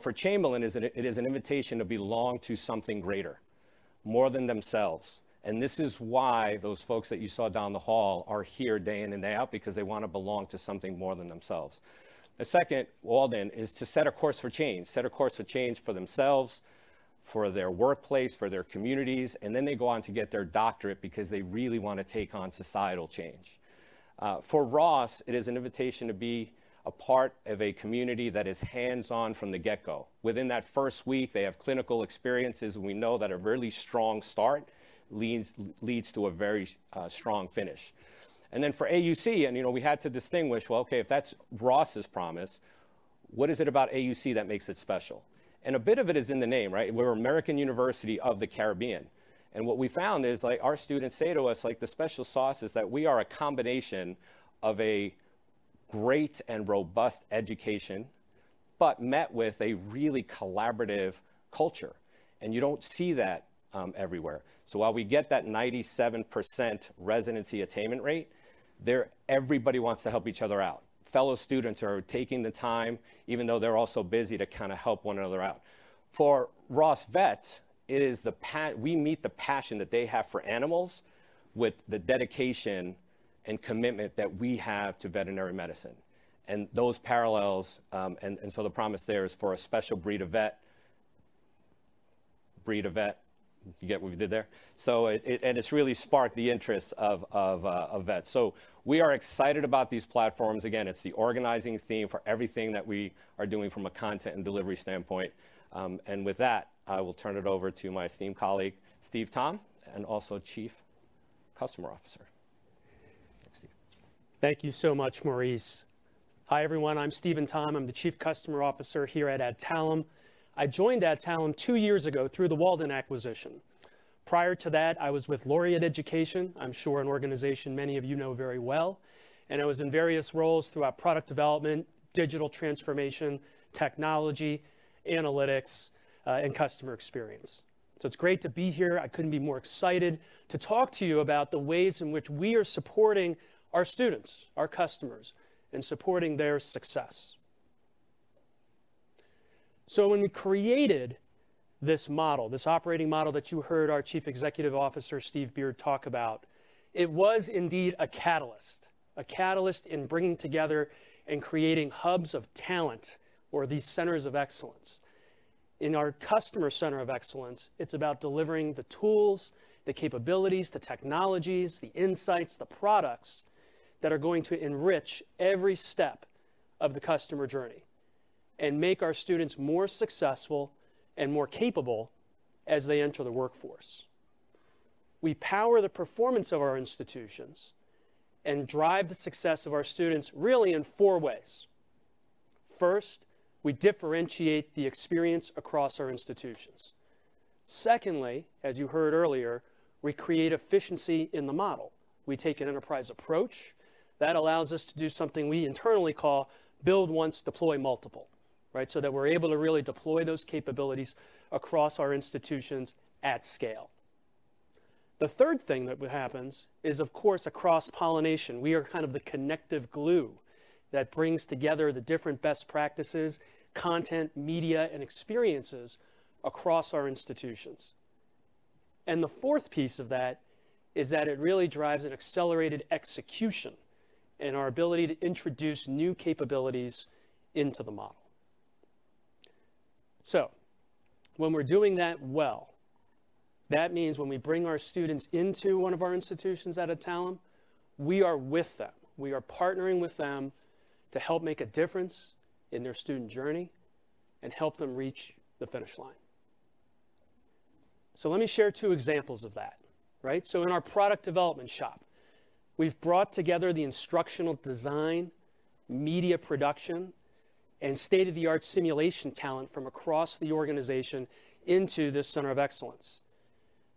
For Chamberlain, it is an invitation to belong to something greater, more than themselves. This is why those folks that you saw down the hall are here day in and day out, because they want to belong to something more than themselves. The second, Walden, is to set a course for change. Set a course of change for themselves, for their workplace, for their communities, and then they go on to get their doctorate because they really want to take on societal change. For Ross, it is an invitation to be a part of a community that is hands-on from the get-go. Within that first week, they have clinical experiences, and we know that a really strong start leads to a very strong finish. For AUC, you know, we had to distinguish, well, okay, if that's Ross's promise, what is it about AUC that makes it special? A bit of it is in the name, right? We're American University of the Caribbean, what we found is, like, our students say to us, like, the special sauce is that we are a combination of a great and robust education, met with a really collaborative culture, you don't see that everywhere. While we get that 97% residency attainment rate, there everybody wants to help each other out. Fellow students are taking the time, even though they're also busy, to kind of help one another out. For Ross Vet, it is we meet the passion that they have for animals, with the dedication and commitment that we have to veterinary medicine. Those parallels, the promise there is for a special breed of vet. Breed of vet, you get what we did there? It's really sparked the interest of vets. We are excited about these platforms. Again, it's the organizing theme for everything that we are doing from a content and delivery standpoint. With that, I will turn it over to my esteemed colleague, Steve Tom, and also Chief Customer Officer. Steve. Thank you so much, Maurice. Hi, everyone, I'm Steven Tom. I'm the Chief Customer Officer here at Adtalem. I joined Adtalem two years ago through the Walden acquisition. Prior to that, I was with Laureate Education, I'm sure an organization many of you know very well, and I was in various roles throughout product development, digital transformation, technology, analytics, and customer experience. It's great to be here. I couldn't be more excited to talk to you about the ways in which we are supporting our students, our customers, in supporting their success. When we created this model, this operating model that you heard our Chief Executive Officer, Steve Beard, talk about, it was indeed a catalyst, a catalyst in bringing together and creating hubs of talent or these centers of excellence. In our customer center of excellence, it's about delivering the tools, the capabilities, the technologies, the insights, the products that are going to enrich every step of the customer journey and make our students more successful and more capable as they enter the workforce. We power the performance of our institutions and drive the success of our students, really in four ways. First, we differentiate the experience across our institutions. Secondly, as you heard earlier, we create efficiency in the model. We take an enterprise approach that allows us to do something we internally call "build once, deploy multiple," right? That we're able to really deploy those capabilities across our institutions at scale. The third thing that happens is, of course, across pollination. We are kind of the connective glue that brings together the different best practices, content, media, and experiences across our institutions. The fourth piece of that is that it really drives an accelerated execution in our ability to introduce new capabilities into the model. When we're doing that well, that means when we bring our students into one of our institutions at Adtalem, we are with them. We are partnering with them to help make a difference in their student journey and help them reach the finish line. Let me share two examples of that. Right? In our product development shop, we've brought together the instructional design, media production, and state-of-the-art simulation talent from across the organization into this center of excellence.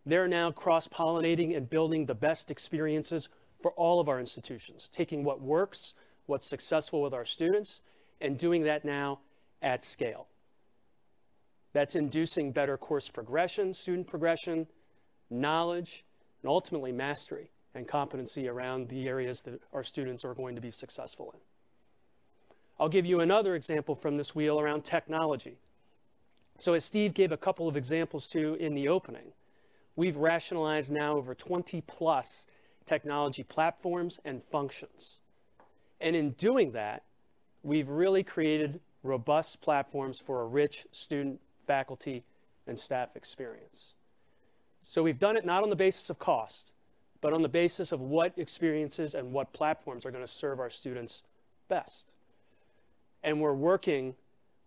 They're now cross-pollinating and building the best experiences for all of our institutions, taking what works, what's successful with our students, and doing that now at scale. That's inducing better course progression, student progression, knowledge, and ultimately mastery and competency around the areas that our students are going to be successful in. I'll give you another example from this wheel around technology. As Steve gave a couple of examples, too, in the opening, we've rationalized now over 20+ technology platforms and functions, and in doing that, we've really created robust platforms for a rich student, faculty, and staff experience. We've done it not on the basis of cost, but on the basis of what experiences and what platforms are gonna serve our students best. We're working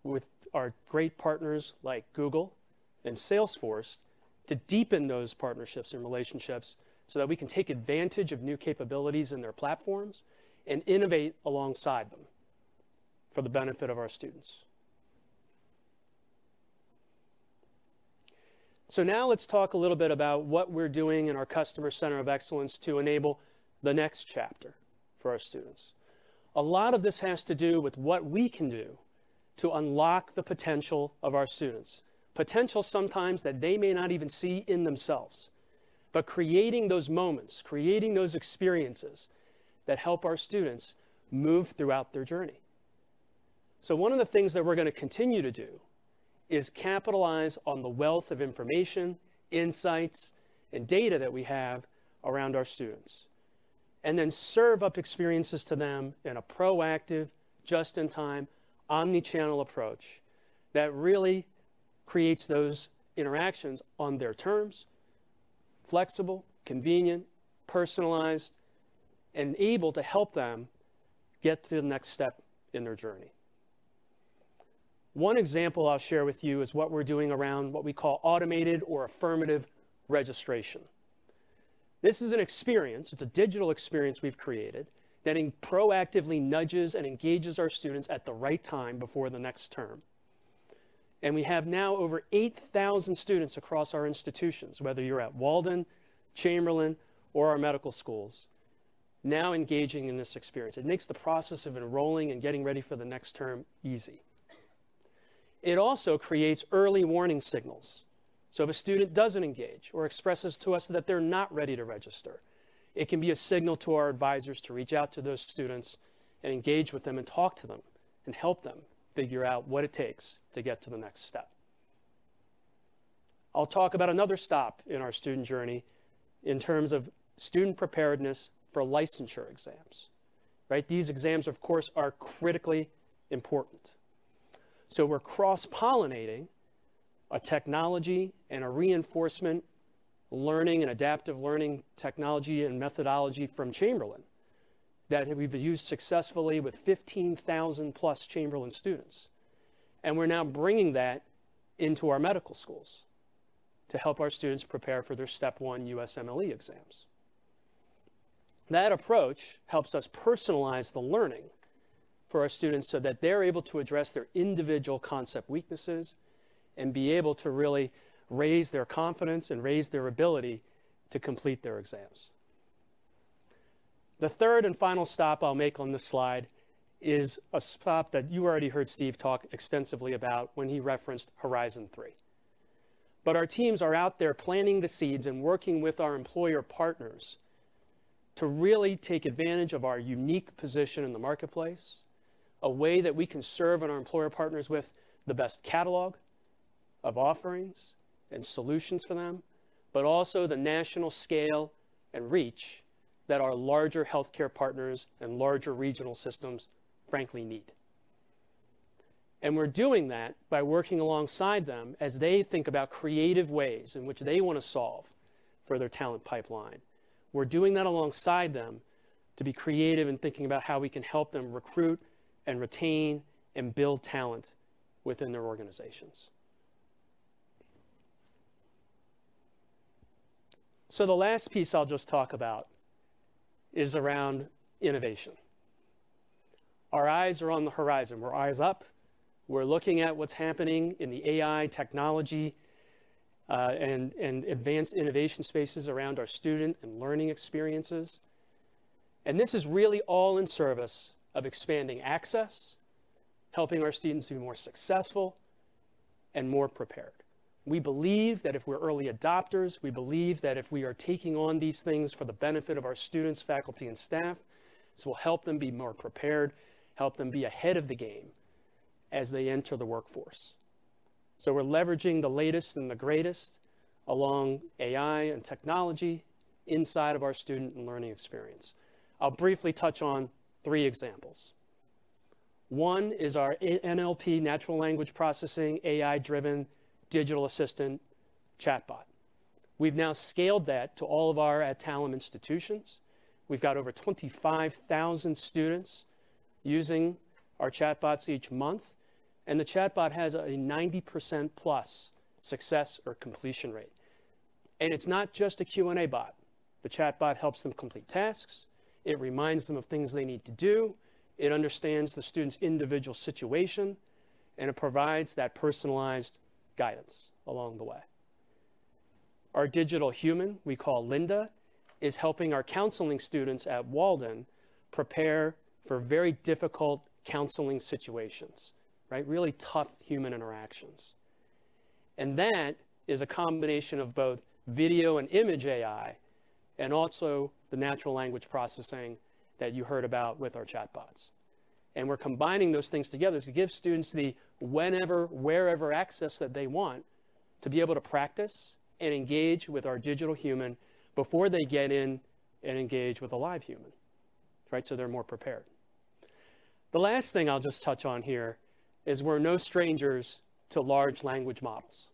with our great partners like Google and Salesforce to deepen those partnerships and relationships so that we can take advantage of new capabilities in their platforms and innovate alongside them for the benefit of our students. Now let's talk a little bit about what we're doing in our customer center of excellence to enable the next chapter for our students. A lot of this has to do with what we can do to unlock the potential of our students, potential sometimes that they may not even see in themselves, but creating those moments, creating those experiences that help our students move throughout their journey. One of the things that we're going to continue to do is capitalize on the wealth of information, insights, and data that we have around our students, and then serve up experiences to them in a proactive, just-in-time, omni-channel approach that really creates those interactions on their terms, flexible, convenient, personalized, and able to help them get to the next step in their journey. One example I'll share with you is what we're doing around what we call automated or affirmative registration. This is an experience, it's a digital experience we've created, that it proactively nudges and engages our students at the right time before the next term. We have now over 8,000 students across our institutions, whether you're at Walden, Chamberlain, or our medical schools, now engaging in this experience. It makes the process of enrolling and getting ready for the next term easy. It also creates early warning signals. If a student doesn't engage or expresses to us that they're not ready to register, it can be a signal to our advisors to reach out to those students and engage with them, and talk to them, and help them figure out what it takes to get to the next step. I'll talk about another stop in our student journey in terms of student preparedness for licensure exams, right? These exams, of course, are critically important. We're cross-pollinating a technology and a reinforcement learning and adaptive learning technology and methodology from Chamberlain that we've used successfully with 15,000+ Chamberlain students, and we're now bringing that into our medical schools to help our students prepare for their Step 1 USMLE exams. That approach helps us personalize the learning for our students so that they're able to address their individual concept weaknesses and be able to really raise their confidence and raise their ability to complete their exams. The third and final stop I'll make on this slide is a stop that you already heard Steve talk extensively about when he referenced Horizon 3. Our teams are out there planting the seeds and working with our employer partners to really take advantage of our unique position in the marketplace, a way that we can serve on our employer partners with the best catalog of offerings and solutions for them, but also the national scale and reach that our larger healthcare partners and larger regional systems, frankly, need. We're doing that by working alongside them as they think about creative ways in which they want to solve for their talent pipeline. We're doing that alongside them to be creative in thinking about how we can help them recruit and retain, and build talent within their organizations. The last piece I'll just talk about is around innovation. Our eyes are on the horizon. We're eyes up. We're looking at what's happening in the AI technology and advanced innovation spaces around our student and learning experiences. This is really all in service of expanding access, helping our students be more successful and more prepared. We believe that if we're early adopters, we believe that if we are taking on these things for the benefit of our students, faculty, and staff, this will help them be more prepared, help them be ahead of the game as they enter the workforce. We're leveraging the latest and the greatest along AI and technology inside of our student and learning experience. I'll briefly touch on three examples. One is our NLP, natural language processing AI-driven digital assistant chatbot. We've now scaled that to all of our Adtalem institutions. We've got over 25,000 students using our chatbots each month, and the chatbot has a 90%+ success or completion rate. It's not just a Q&A bot. The chatbot helps them complete tasks, it reminds them of things they need to do, it understands the student's individual situation, and it provides that personalized guidance along the way. Our digital human, we call Linda, is helping our counseling students at Walden prepare for very difficult counseling situations, right? Really tough human interactions. That is a combination of both video and image AI, and also the natural language processing that you heard about with our chatbots. We're combining those things together to give students the whenever, wherever access that they want to be able to practice and engage with our digital human before they get in and engage with a live human, right? They're more prepared. The last thing I'll just touch on here is we're no strangers to large language models.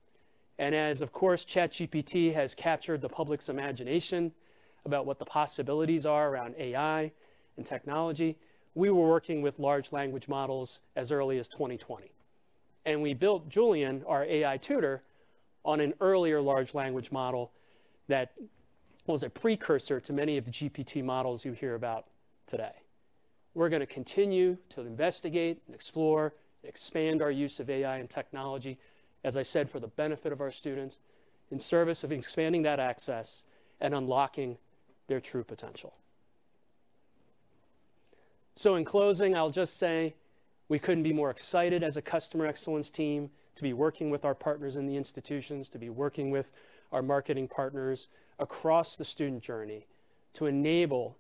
As of course, ChatGPT has captured the public's imagination about what the possibilities are around AI and technology, we were working with large language models as early as 2020. We built Julian, our AI tutor, on an earlier large language model that was a precursor to many of the GPT models you hear about today. We're going to continue to investigate and explore, expand our use of AI and technology, as I said, for the benefit of our students in service of expanding that access and unlocking their true potential. In closing, I'll just say we couldn't be more excited as a customer excellence team to be working with our partners in the institutions, to be working with our marketing partners across the student journey to enable.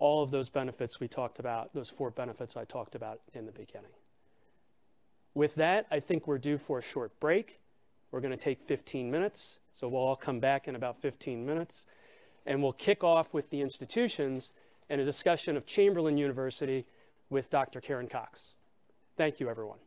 all of those benefits we talked about, those four benefits I talked about in the beginning. I think we're due for a short break. We're going to take 15 minutes, we'll all come back in about 15 minutes, and we'll kick off with the institutions and a discussion of Chamberlain University with Dr. Karen Cox. Thank you everyone.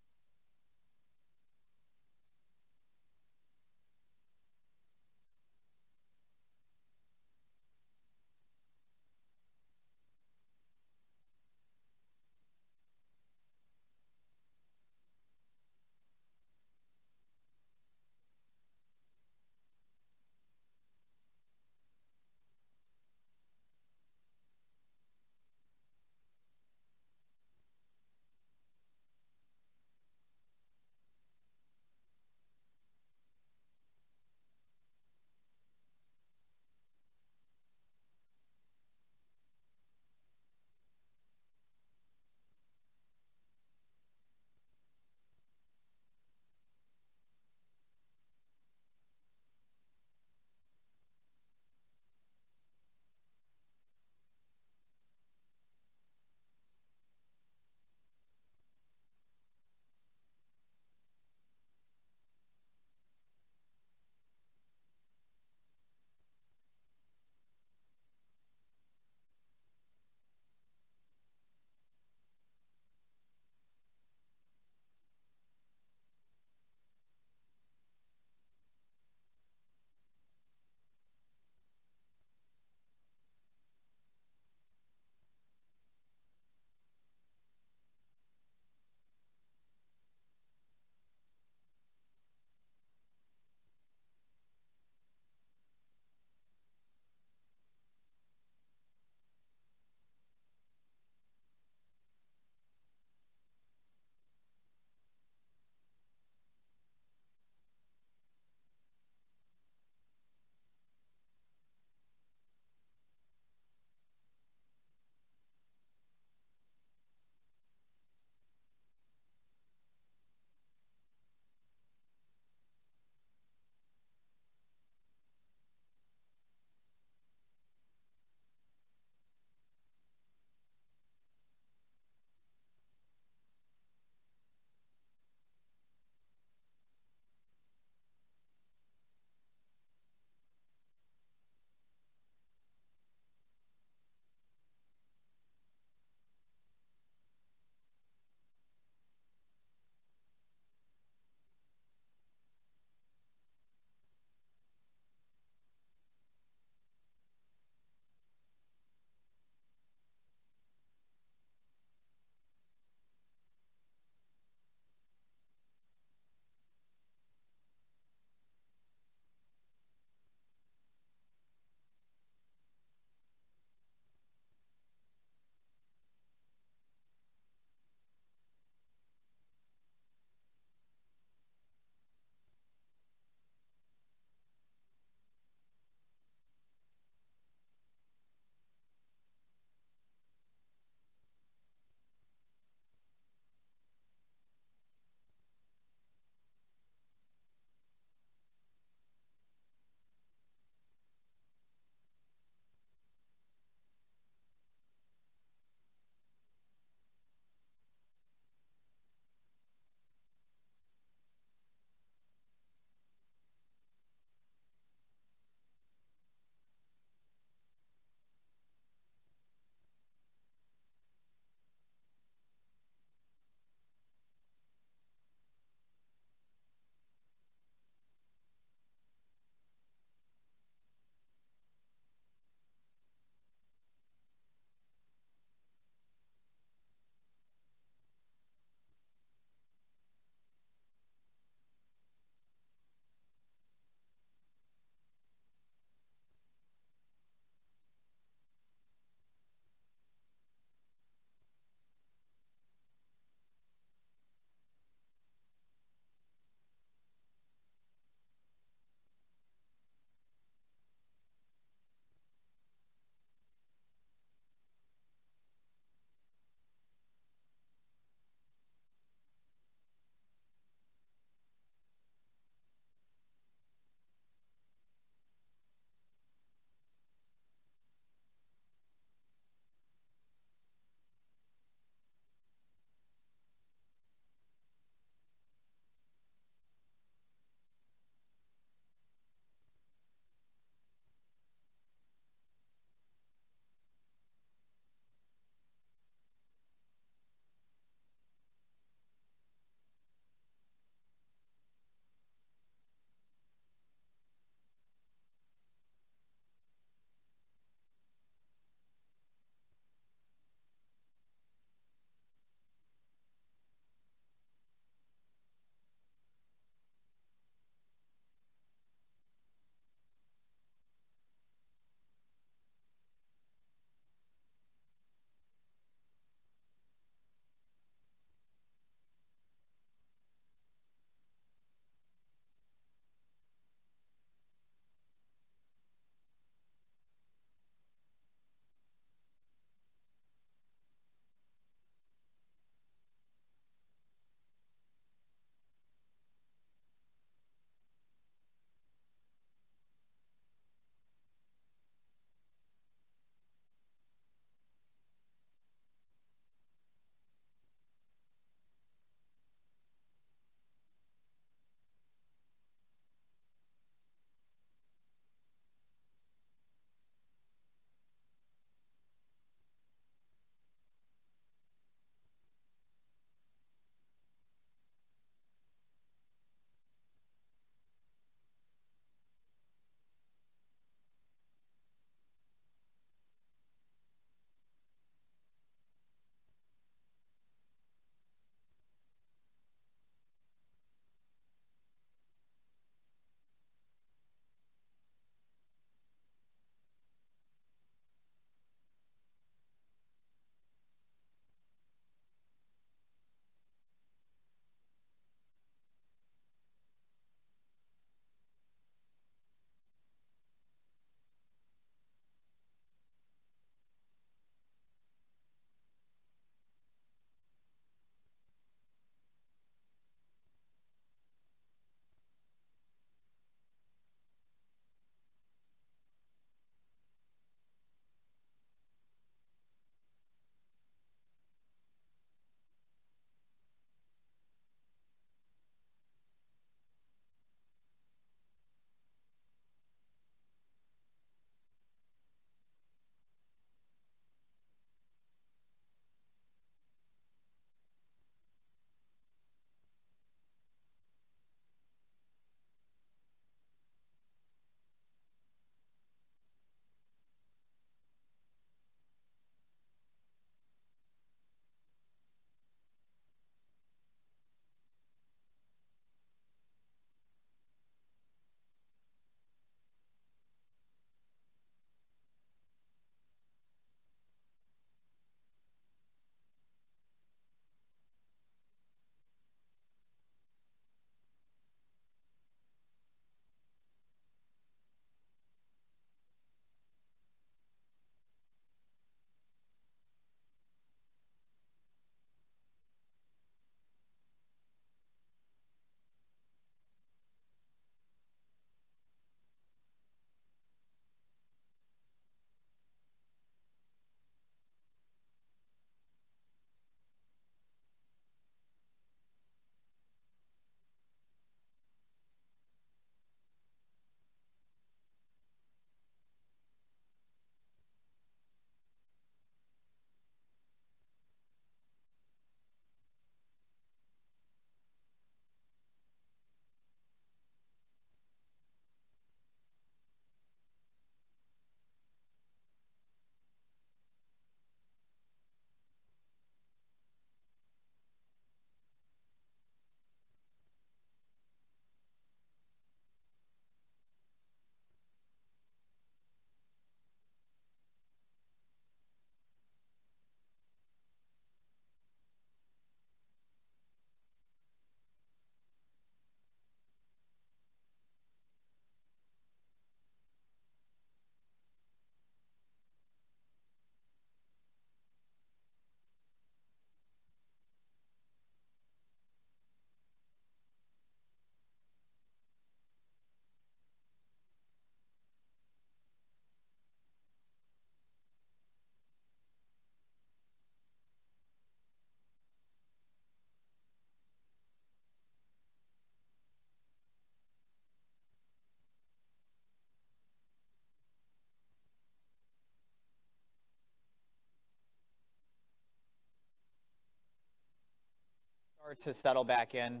Start to settle back in,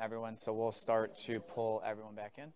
everyone, we'll start to pull everyone back in.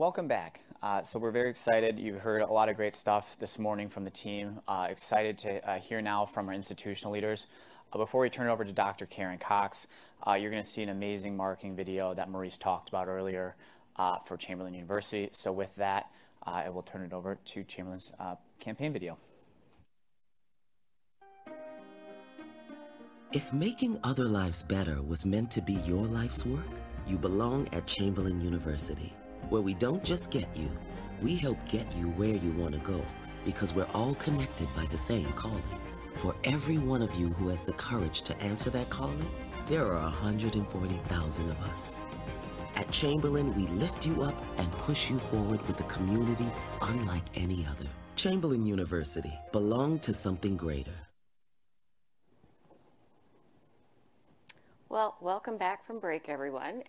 Welcome back. We're very excited. You've heard a lot of great stuff this morning from the team. Excited to hear now from our institutional leaders. Before we turn it over to Dr. Karen Cox, you're gonna see an amazing marketing video that Maurice talked about earlier, for Chamberlain University. With that, I will turn it over to Chamberlain's campaign video. If making other lives better was meant to be your life's work, you belong at Chamberlain University, where we don't just get you, we help get you where you want to go, because we're all connected by the same calling. For every one of you who has the courage to answer that calling, there are 140,000 of us. At Chamberlain, we lift you up and push you forward with a community unlike any other. Chamberlain University: Belong to something greater. Well, welcome back from break, everyone.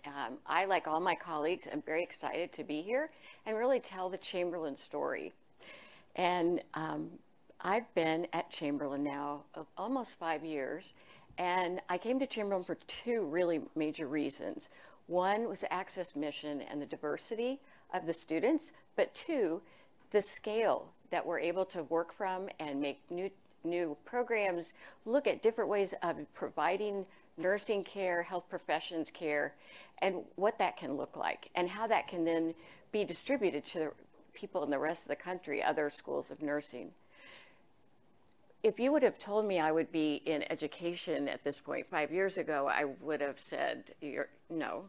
I, like all my colleagues, am very excited to be here and really tell the Chamberlain story. I've been at Chamberlain now of almost five years, and I came to Chamberlain for two really major reasons. One was the access mission and the diversity of the students, but two, the scale that we're able to work from and make new programs, look at different ways of providing nursing care, health professions care, and what that can look like, and how that can then be distributed to the people in the rest of the country, other schools of nursing. If you would have told me I would be in education at this point five years ago, I would have said, "You're no."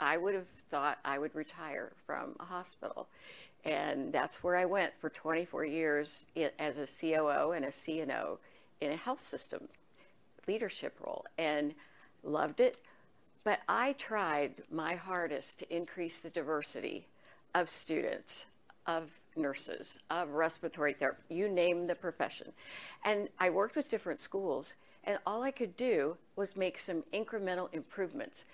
I would have thought I would retire from a hospital, and that's where I went for 24 years, as a COO and a CNO in a health system leadership role, and loved it. I tried my hardest to increase the diversity of students, of nurses, of respiratory therapy, you name the profession. I worked with different schools, and all I could do was make some incremental improvements.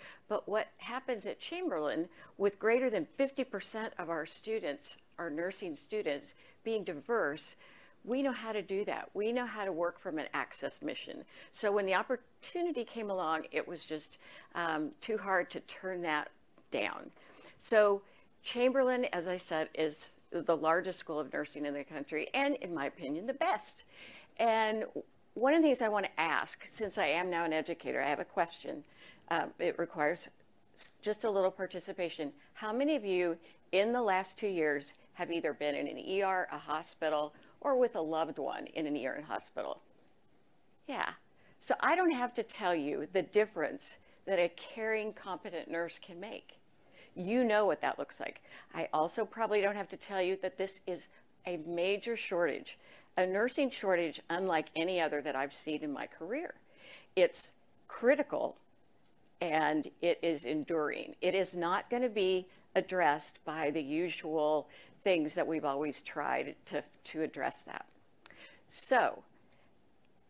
What happens at Chamberlain, with greater than 50% of our students, our nursing students, being diverse, we know how to do that. We know how to work from an access mission. When the opportunity came along, it was just too hard to turn that down. Chamberlain, as I said, is the largest school of nursing in the country, and in my opinion, the best! One of the things I wanna ask, since I am now an educator, I have a question. It requires just a little participation. How many of you in the last two years have either been in an ER, a hospital, or with a loved one in an ER in a hospital? Yeah. I don't have to tell you the difference that a caring, competent nurse can make. You know what that looks like. I also probably don't have to tell you that this is a major shortage, a nursing shortage unlike any other that I've seen in my career. It's critical, and it is enduring. It is not gonna be addressed by the usual things that we've always tried to address that.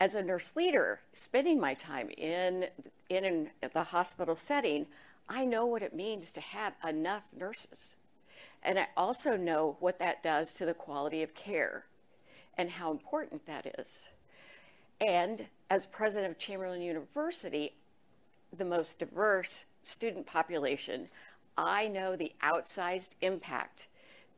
As a nurse leader, spending my time in the hospital setting, I know what it means to have enough nurses, and I also know what that does to the quality of care and how important that is. As president of Chamberlain University, the most diverse student population, I know the outsized impact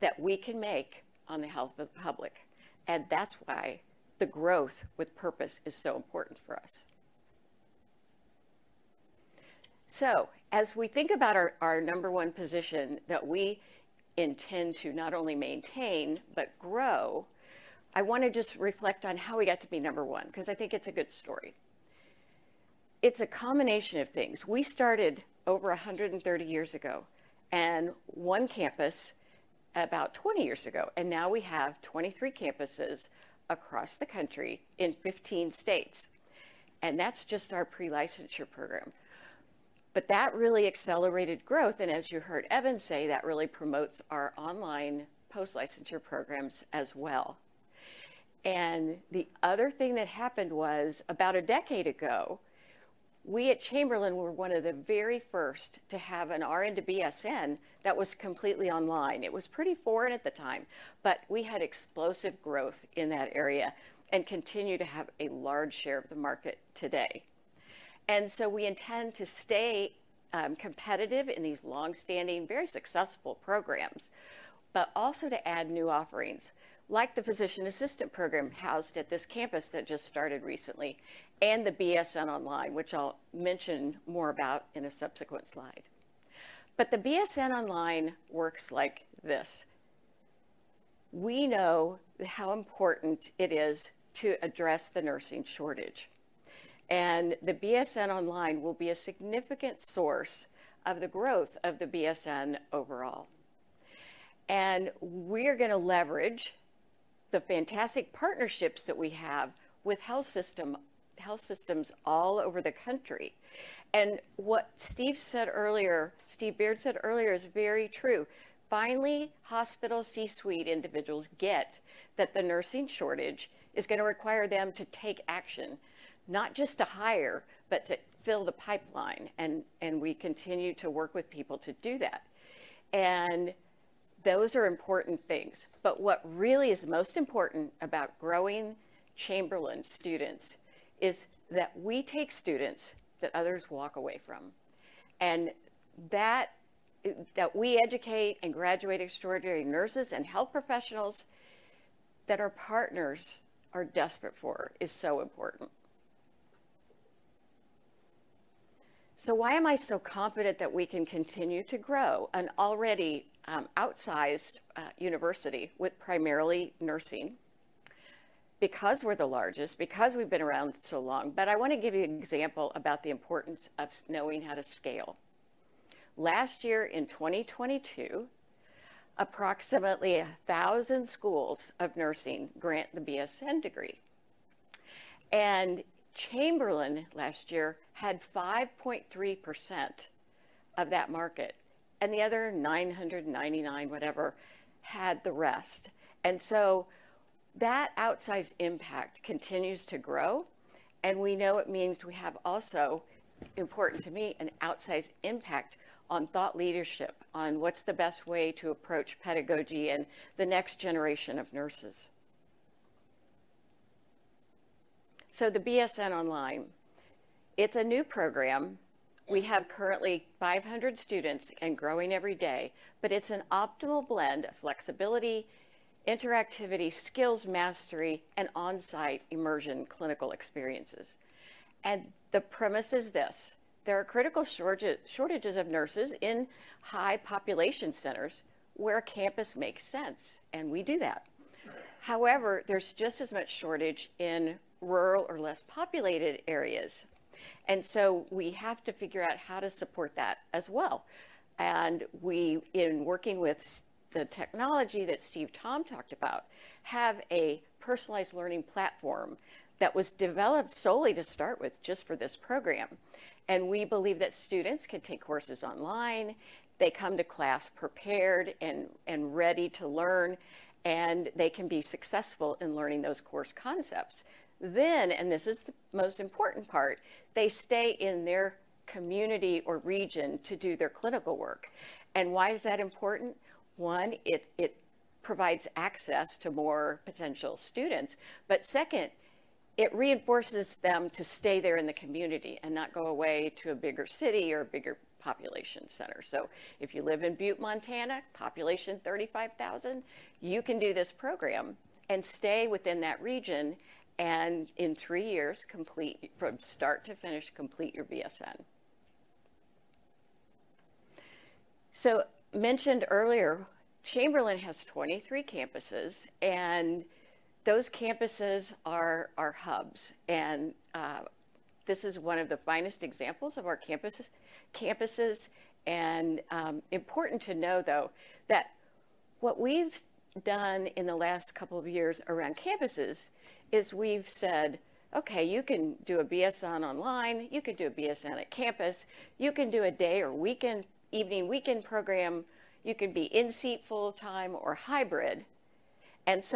that we can make on the health of the public, and that's why the Growth with Purpose is so important for us. As we think about our number one position that we intend to not only maintain, but grow, I wanna just reflect on how we got to be number one, 'cause I think it's a good story. It's a combination of things. We started over 130 years ago, and one campus about 20 years ago, and now we have 23 campuses across the country in 15 states. That's just our pre-licensure program. That really accelerated growth, and as you heard Evan say, that really promotes our online post-licensure programs as well. The other thing that happened was, about a decade ago, we at Chamberlain were one of the very first to have an RN to BSN that was completely online. It was pretty foreign at the time, we had explosive growth in that area and continue to have a large share of the market today. We intend to stay competitive in these long-standing, very successful programs, also to add new offerings, like the physician assistant program housed at this campus that just started recently, and the BSN Online, which I'll mention more about in a subsequent slide. The BSN Online works like this: We know how important it is to address the nursing shortage, and the BSN Online will be a significant source of the growth of the BSN overall. We're gonna leverage the fantastic partnerships that we have with health systems all over the country. What Steve Beard said earlier, is very true. Finally, hospital C-suite individuals get that the nursing shortage is gonna require them to take action, not just to hire, but to fill the pipeline, and we continue to work with people to do that. Those are important things, but what really is most important about growing Chamberlain students is that we take students that others walk away from, and that we educate and graduate extraordinary nurses and health professionals that our partners are desperate for is so important. Why am I so confident that we can continue to grow an already outsized university with primarily nursing? Because we're the largest, because we've been around so long, but I wanna give you an example about the importance of knowing how to scale. Last year, in 2022, approximately 1,000 schools of nursing grant the BSN degree, and Chamberlain last year had 5.3% of that market, and the other 999 whatever had the rest. That outsized impact continues to grow, and we know it means we have also, important to me, an outsized impact on thought leadership, on what's the best way to approach pedagogy and the next generation of nurses. The BSN Online, it's a new program. We have currently 500 students and growing every day, but it's an optimal blend of flexibility, interactivity, skills mastery, and on-site immersion clinical experiences. The premise is this: there are critical shortages of nurses in high population centers where campus makes sense, and we do that. However, there's just as much shortage in rural or less populated areas. We have to figure out how to support that as well. We, in working with the technology that Steve Tom talked about, have a personalized learning platform that was developed solely to start with, just for this program. We believe that students can take courses online, they come to class prepared and ready to learn, and they can be successful in learning those course concepts. And this is the most important part, they stay in their community or region to do their clinical work. Why is that important? One, it provides access to more potential students, second, it reinforces them to stay there in the community and not go away to a bigger city or a bigger population center. If you live in Butte, Montana, population 35,000, you can do this program and stay within that region and in three years, complete, from start to finish, complete your BSN. Mentioned earlier, Chamberlain has 23 campuses, and those campuses are hubs. And this is one of the finest examples of our campuses. Important to know, though, that what we've done in the last couple of years around campuses is we've said, "Okay, you can do a BSN online, you can do a BSN at campus, you can do a day or weekend, evening/weekend program, you can be in-seat full-time or hybrid."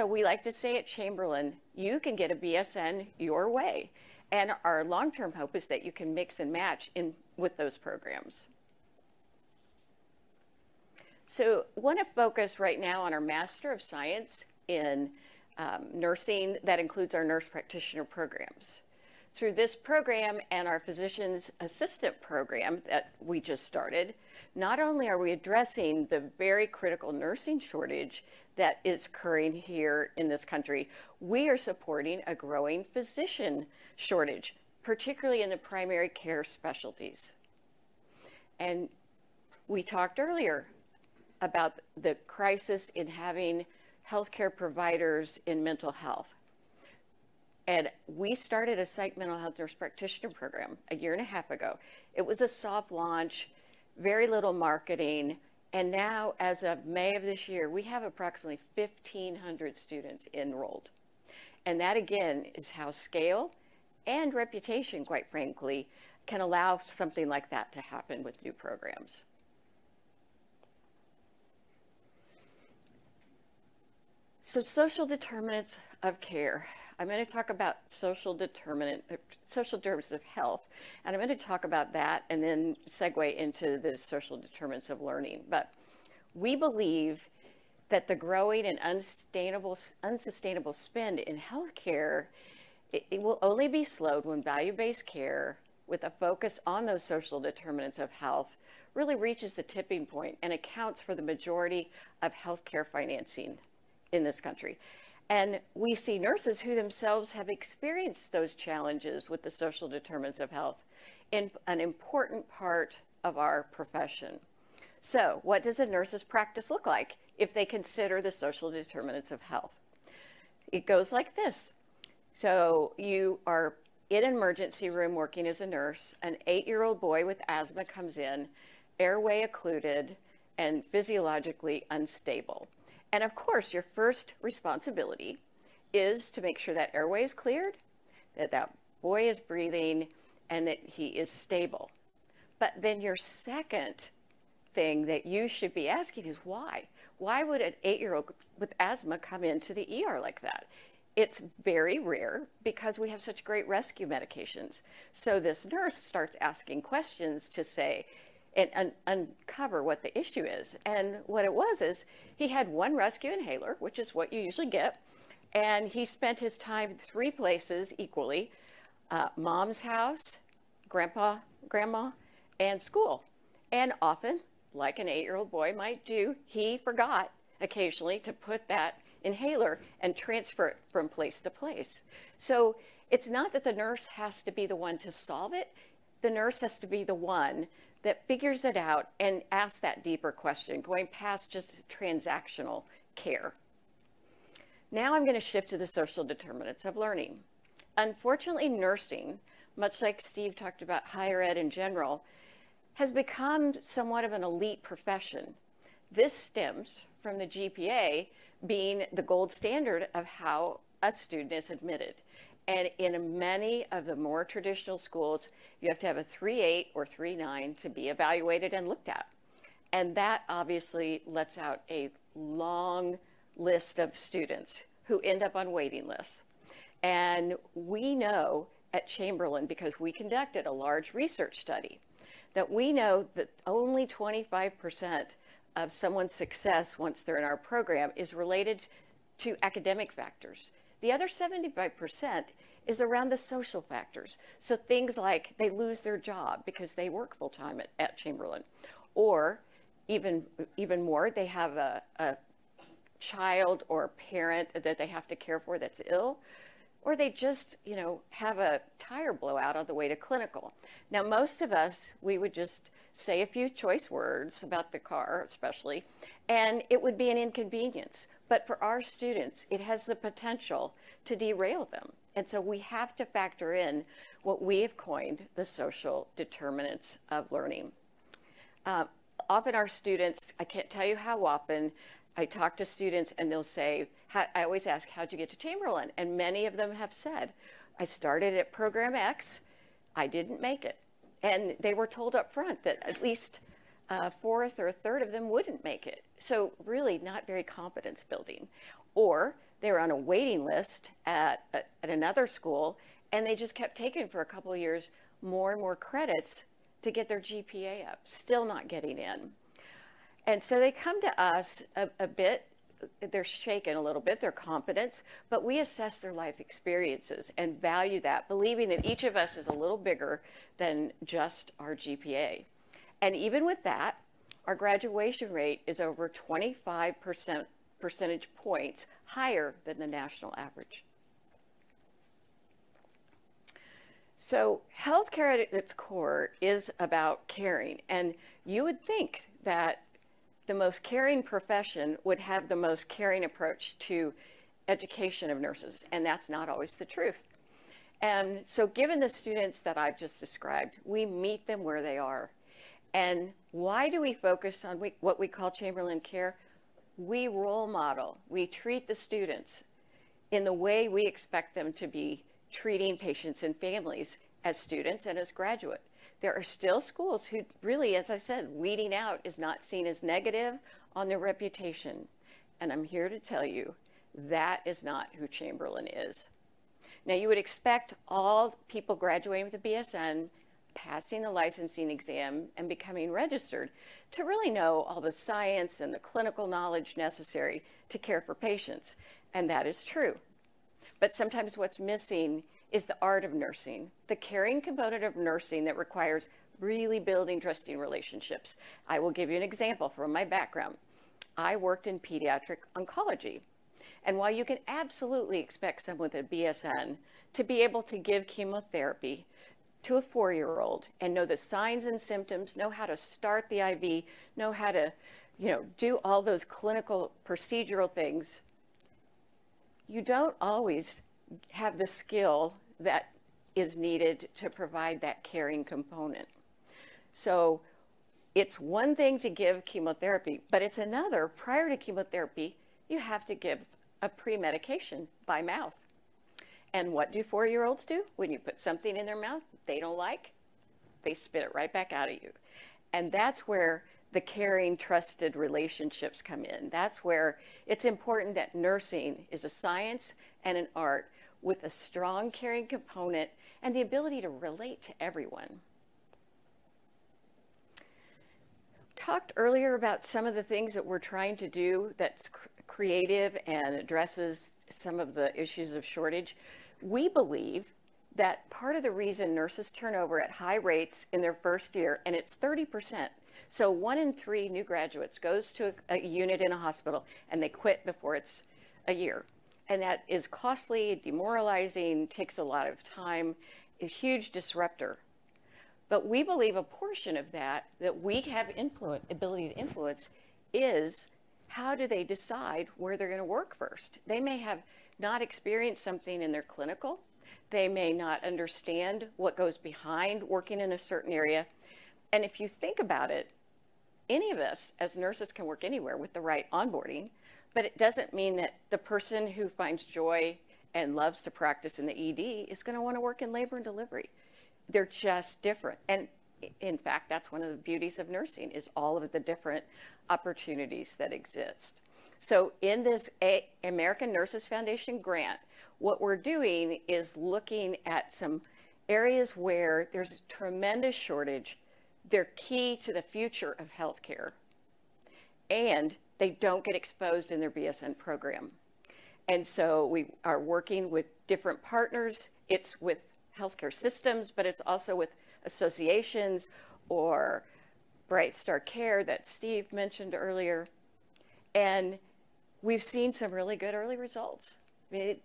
We like to say at Chamberlain, "You can get a BSN your way." Our long-term hope is that you can mix and match with those programs. Wanna focus right now on our Master of Science in Nursing, that includes our nurse practitioner programs. Through this program and our physician assistant program that we just started, not only are we addressing the very critical nursing shortage that is occurring here in this country, we are supporting a growing physician shortage, particularly in the primary care specialties. We talked earlier about the crisis in having healthcare providers in mental health. We started a Psychiatric-Mental Health Nurse Practitioner program a year and a half ago. It was a soft launch, very little marketing, and now, as of May of this year, we have approximately 1,500 students enrolled. That, again, is how scale and reputation, quite frankly, can allow something like that to happen with new programs. Social determinants of care. I'm gonna talk about social determinants of health, and I'm gonna talk about that and then segue into the social determinants of learning. We believe that the growing and unsustainable spend in healthcare, it will only be slowed when value-based care, with a focus on those social determinants of health, really reaches the tipping point and accounts for the majority of healthcare financing in this country. We see nurses who themselves have experienced those challenges with the social determinants of health in an important part of our profession. What does a nurse's practice look like if they consider the social determinants of health? It goes like this: you are in an emergency room working as a nurse. An eight-year-old boy with asthma comes in, airway occluded and physiologically unstable. Of course, your first responsibility is to make sure that airway is cleared, that that boy is breathing, and that he is stable. Your second thing that you should be asking is, why? Why would an eight-year-old with asthma come into the ER like that? It's very rare, because we have such great rescue medications. This nurse starts asking questions to say, uncover what the issue is. What it was is, he had one rescue inhaler, which is what you usually get, and he spent his time three places equally: mom's house, grandpa, grandma, and school. Often, like an eight-year-old boy might do, he forgot occasionally to put that inhaler and transfer it from place to place. It's not that the nurse has to be the one to solve it. The nurse has to be the one that figures it out and asks that deeper question, going past just transactional care. Now I'm gonna shift to the social determinants of learning. Unfortunately, nursing, much like Steve talked about higher ed in general, has become somewhat of an elite profession. This stems from the GPA being the gold standard of how a student is admitted, in many of the more traditional schools, you have to have a 3.8 or 3.9 to be evaluated and looked at. That obviously lets out a long list of students who end up on waiting lists. We know at Chamberlain, because we conducted a large research study, that we know that only 25% of someone's success once they're in our program is related to academic factors. The other 75% is around the social factors. Things like they lose their job because they work full-time at Chamberlain, or even more, they have a child or a parent that they have to care for that's ill, or they just, you know, have a tire blowout on the way to clinical. Most of us, we would just say a few choice words about the car, especially, and it would be an inconvenience. For our students, it has the potential to derail them. We have to factor in what we have coined the social determinants of learning. Often I can't tell you how often I talk to students, and they'll say, "How'd" I always ask: "How'd you get to Chamberlain?" Many of them have said, "I started at program X. I didn't make it." They were told up front that at least, 1/4 or 1/3 of them wouldn't make it. Really, not very confidence building. They were on a waiting list at another school, and they just kept taking for couple years, more and more credits to get their GPA up, still not getting in. They come to us, they're shaken a little bit, their confidence, but we assess their life experiences and value that, believing that each of us is a little bigger than just our GPA. Even with that, our graduation rate is over 25 percentage points higher than the national average. Healthcare at its core is about caring, and you would think that the most caring profession would have the most caring approach to education of nurses, and that's not always the truth. Given the students that I've just described, we meet them where they are. Why do we focus on what we call Chamberlain Care? We role model. We treat the students in the way we expect them to be treating patients and families as students and as graduate. There are still schools who really, as I said, weeding out is not seen as negative on their reputation. I'm here to tell you that is not who Chamberlain is. You would expect all people graduating with a BSN, passing a licensing exam and becoming registered to really know all the science and the clinical knowledge necessary to care for patients, and that is true. Sometimes what's missing is the art of nursing, the caring component of nursing that requires really building trusting relationships. I will give you an example from my background. I worked in pediatric oncology, and while you can absolutely expect someone with a BSN to be able to give chemotherapy to a four-year-old and know the signs and symptoms, know how to start the IV, know how to, you know, do all those clinical procedural things, you don't always have the skill that is needed to provide that caring component. It's one thing to give chemotherapy, but it's another, prior to chemotherapy, you have to give a premedication by mouth. What do four-year-olds do when you put something in their mouth they don't like? They spit it right back out at you. That's where the caring, trusted relationships come in. That's where it's important that nursing is a science and an art with a strong caring component and the ability to relate to everyone. Talked earlier about some of the things that we're trying to do that's creative and addresses some of the issues of shortage. We believe that part of the reason nurses turn over at high rates in their first year, and it's 30%, so one in three new graduates, goes to a unit in a hospital, and they quit before it's a year. That is costly, demoralizing, takes a lot of time, a huge disruptor. We believe a portion of that we have ability to influence, is how do they decide where they're going to work first? They may have not experienced something in their clinical. They may not understand what goes behind working in a certain area. If you think about it, any of us, as nurses, can work anywhere with the right onboarding, but it doesn't mean that the person who finds joy and loves to practice in the ED is gonna wanna work in labor and delivery. They're just different. In fact, that's one of the beauties of nursing, is all of the different opportunities that exist. In this American Nurses Foundation Grant, what we're doing is looking at some areas where there's a tremendous shortage, they're key to the future of healthcare, and they don't get exposed in their BSN program. We are working with different partners. It's with healthcare systems, but it's also with associations or BrightStar Care that Steve mentioned earlier. We've seen some really good early results. I mean,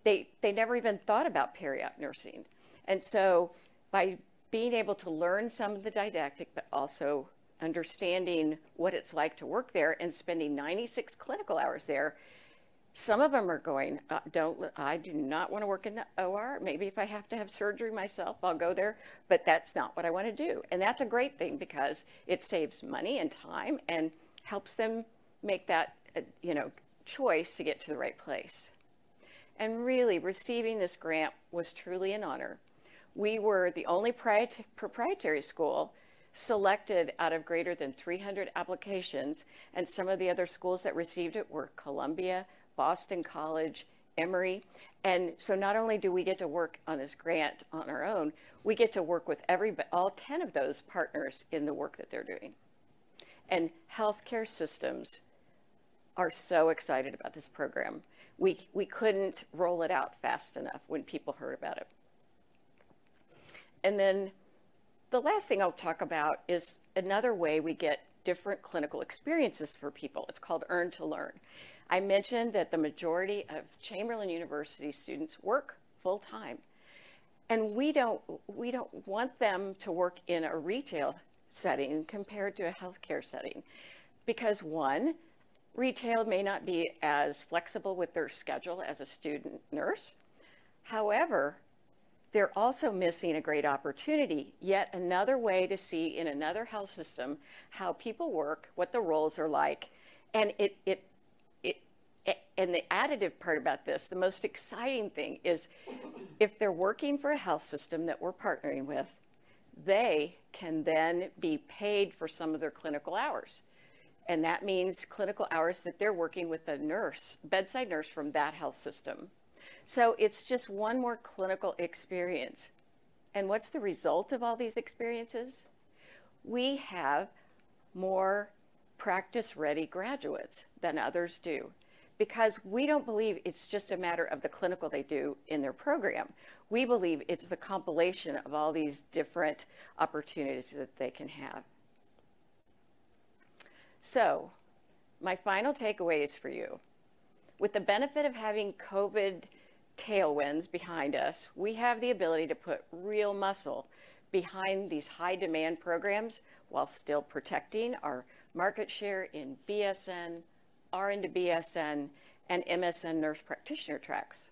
they never even thought about periop nursing. By being able to learn some of the didactic, but also understanding what it's like to work there and spending 96 clinical hours there, some of them are going, "I do not wanna work in the OR. Maybe if I have to have surgery myself, I'll go there, but that's not what I wanna do." That's a great thing because it saves money and time and helps them make that, you know, choice to get to the right place. Really, receiving this grant was truly an honor. We were the only proprietary school selected out of greater than 300 applications, and some of the other schools that received it were Columbia, Boston College, Emory. Not only do we get to work on this grant on our own, we get to work with all 10 of those partners in the work that they're doing. Healthcare systems are so excited about this program. We couldn't roll it out fast enough when people heard about it. The last thing I'll talk about is another way we get different clinical experiences for people. It's called Earn to Learn. I mentioned that the majority of Chamberlain University students work full-time, and we don't want them to work in a retail setting compared to a healthcare setting. One, retail may not be as flexible with their schedule as a student nurse. They're also missing a great opportunity, yet another way to see in another health system how people work, what the roles are like, and the additive part about this, the most exciting thing is, if they're working for a health system that we're partnering with, they can then be paid for some of their clinical hours. That means clinical hours that they're working with a nurse, bedside nurse from that health system. It's just one more clinical experience. What's the result of all these experiences? We have more practice-ready graduates than others do because we don't believe it's just a matter of the clinical they do in their program. We believe it's the compilation of all these different opportunities that they can have. My final takeaway is for you. With the benefit of having COVID tailwinds behind us, we have the ability to put real muscle behind these high-demand programs while still protecting our market share in BSN, RN to BSN, and MSN nurse practitioner tracks.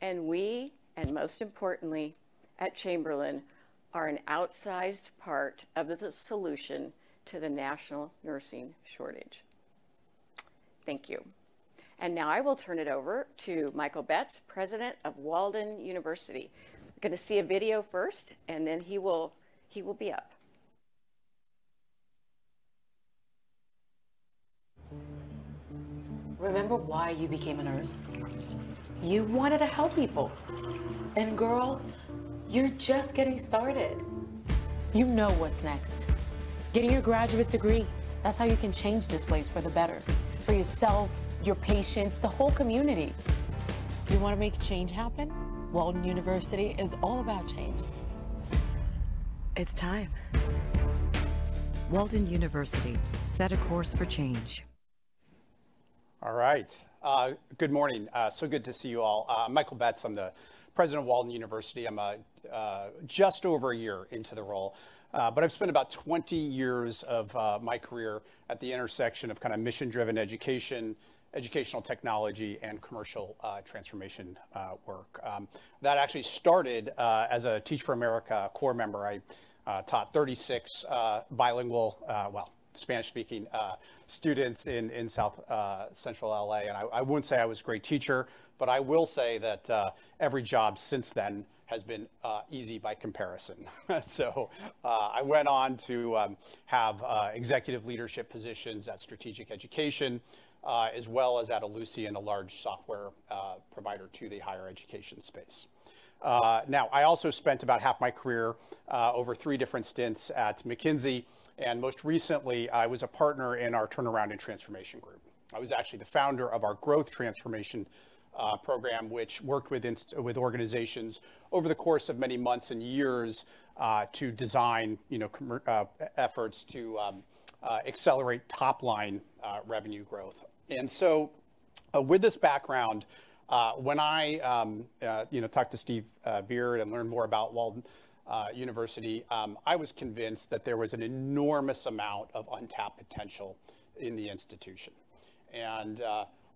We, and most importantly, at Chamberlain, are an outsized part of the solution to the national nursing shortage. Thank you. Now I will turn it over to Michael Betz, President of Walden University. Gonna see a video first, and then he will be up. Remember why you became a nurse? You wanted to help people. Girl, you're just getting started. You know what's next. Getting your graduate degree, that's how you can change this place for the better, for yourself, your patients, the whole community. You wanna make change happen? Walden University is all about change. It's time. Walden University, set a course for change. All right. Good morning. So good to see you all. Michael Betz, I'm the president of Walden University. I'm just over a year into the role, but I've spent about 20 years of my career at the intersection of kinda mission-driven education, educational technology, and commercial transformation work. That actually started as a Teach for America corps member. I taught 36 bilingual, well Spanish-speaking students in South Central LA, and I wouldn't say I was a great teacher, but I will say that every job since then has been easy by comparison. I went on to have executive leadership positions at Strategic Education, as well as at Ellucian, a large software provider to the higher education space. Now, I also spent about half my career over three different stints at McKinsey, and most recently, I was a partner in our Turnaround & Transformation Group. I was actually the founder of our growth transformation program, which worked with organizations over the course of many months and years to design, you know, efforts to accelerate top line revenue growth. With this background, when I, you know, talked to Steve Beard and learned more about Walden University, I was convinced that there was an enormous amount of untapped potential in the institution.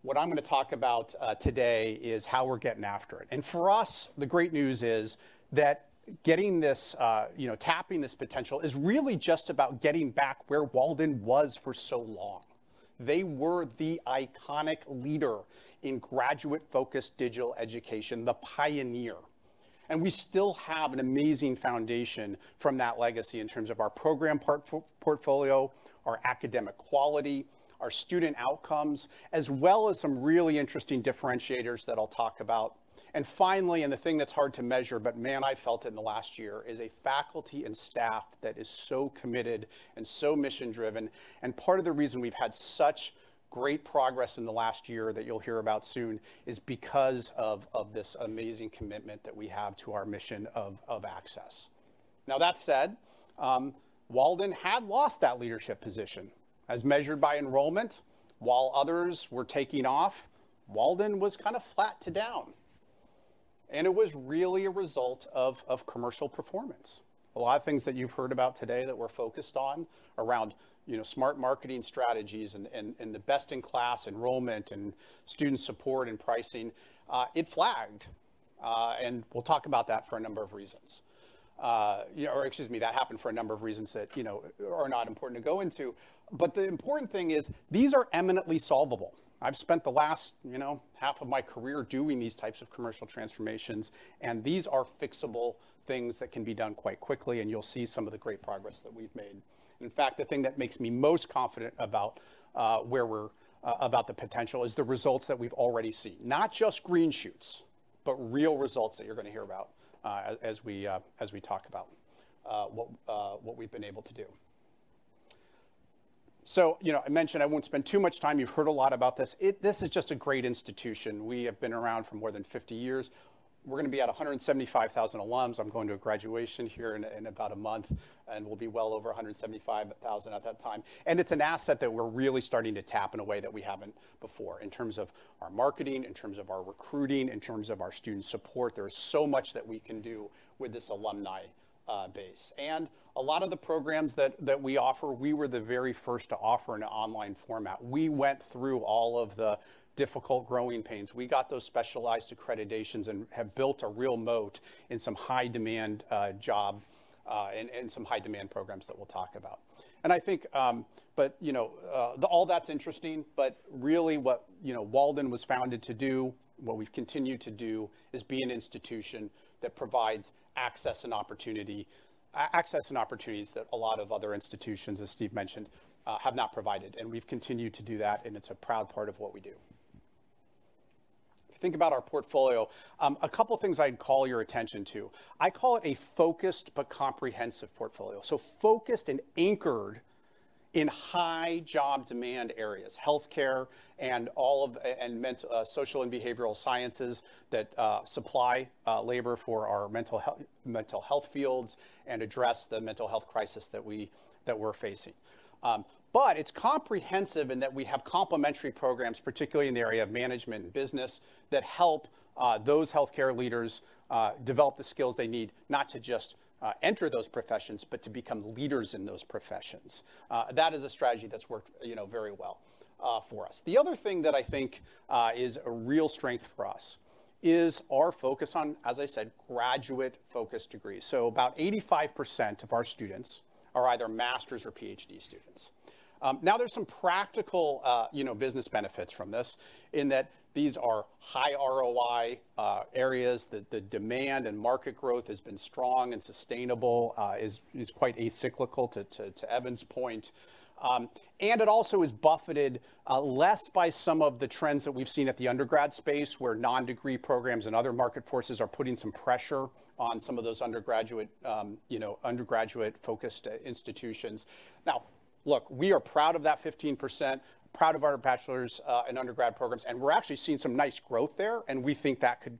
What I'm gonna talk about today is how we're getting after it. For us, the great news is that getting this, you know, tapping this potential is really just about getting back where Walden was for so long. They were the iconic leader in graduate-focused digital education, the pioneer. We still have an amazing foundation from that legacy in terms of our program portfolio, our academic quality, our student outcomes, as well as some really interesting differentiators that I'll talk about. Finally, the thing that's hard to measure, but man, I felt it in the last year, is a faculty and staff that is so committed and so mission-driven. Part of the reason we've had such great progress in the last year that you'll hear about soon is because of this amazing commitment that we have to our mission of access. Now, that said, Walden had lost that leadership position, as measured by enrollment. While others were taking off, Walden was kind of flat to down, and it was really a result of commercial performance. A lot of things that you've heard about today that we're focused on around smart marketing strategies and the best-in-class enrollment and student support and pricing, it flagged. We'll talk about that for a number of reasons. Excuse me, that happened for a number of reasons that are not important to go into. The important thing is, these are eminently solvable. I've spent the last half of my career doing these types of commercial transformations, and these are fixable things that can be done quite quickly, and you'll see some of the great progress that we've made. In fact, the thing that makes me most confident about the potential, is the results that we've already seen. Not just green shoots, but real results that you're gonna hear about as we talk about what we've been able to do. You know, I mentioned I won't spend too much time. You've heard a lot about this. This is just a great institution. We have been around for more than 50 years. We're gonna be at 175,000 alums. I'm going to a graduation here in about a month, and we'll be well over 175,000 alums at that time. It's an asset that we're really starting to tap in a way that we haven't before, in terms of our marketing, in terms of our recruiting, in terms of our student support. There is so much that we can do with this alumni base. A lot of the programs that we offer, we were the very first to offer in an online format. We went through all of the difficult growing pains. We got those specialized accreditations and have built a real moat in some high-demand job in some high-demand programs that we'll talk about. You know, all that's interesting, but really what, you know, Walden was founded to do, what we've continued to do, is be an institution that provides access and opportunities that a lot of other institutions, as Steve mentioned, have not provided. We've continued to do that, and it's a proud part of what we do. If you think about our portfolio, a couple of things I'd call your attention to. I call it a focused but comprehensive portfolio. Focused and anchored in high job demand areas, healthcare and social and behavioral sciences that supply labor for our mental health fields and address the mental health crisis that we're facing. It's comprehensive in that we have complementary programs, particularly in the area of management and business, that help those healthcare leaders develop the skills they need, not to just enter those professions, but to become leaders in those professions. That is a strategy that's worked, you know, very well for us. The other thing that I think is a real strength for us is our focus on, as I said, graduate-focused degrees. About 85% of our students are either master's or PhD students. Now, there's some practical, you know, business benefits from this, in that these are high ROI areas, that the demand and market growth has been strong and sustainable, is quite acyclical, to Evan's point. It also is buffeted less by some of the trends that we've seen at the undergrad space, where non-degree programs and other market forces are putting some pressure on some of those undergraduate-focused institutions. Look, we are proud of that 15%, proud of our bachelor's and undergrad programs, and we're actually seeing some nice growth there, and we think that could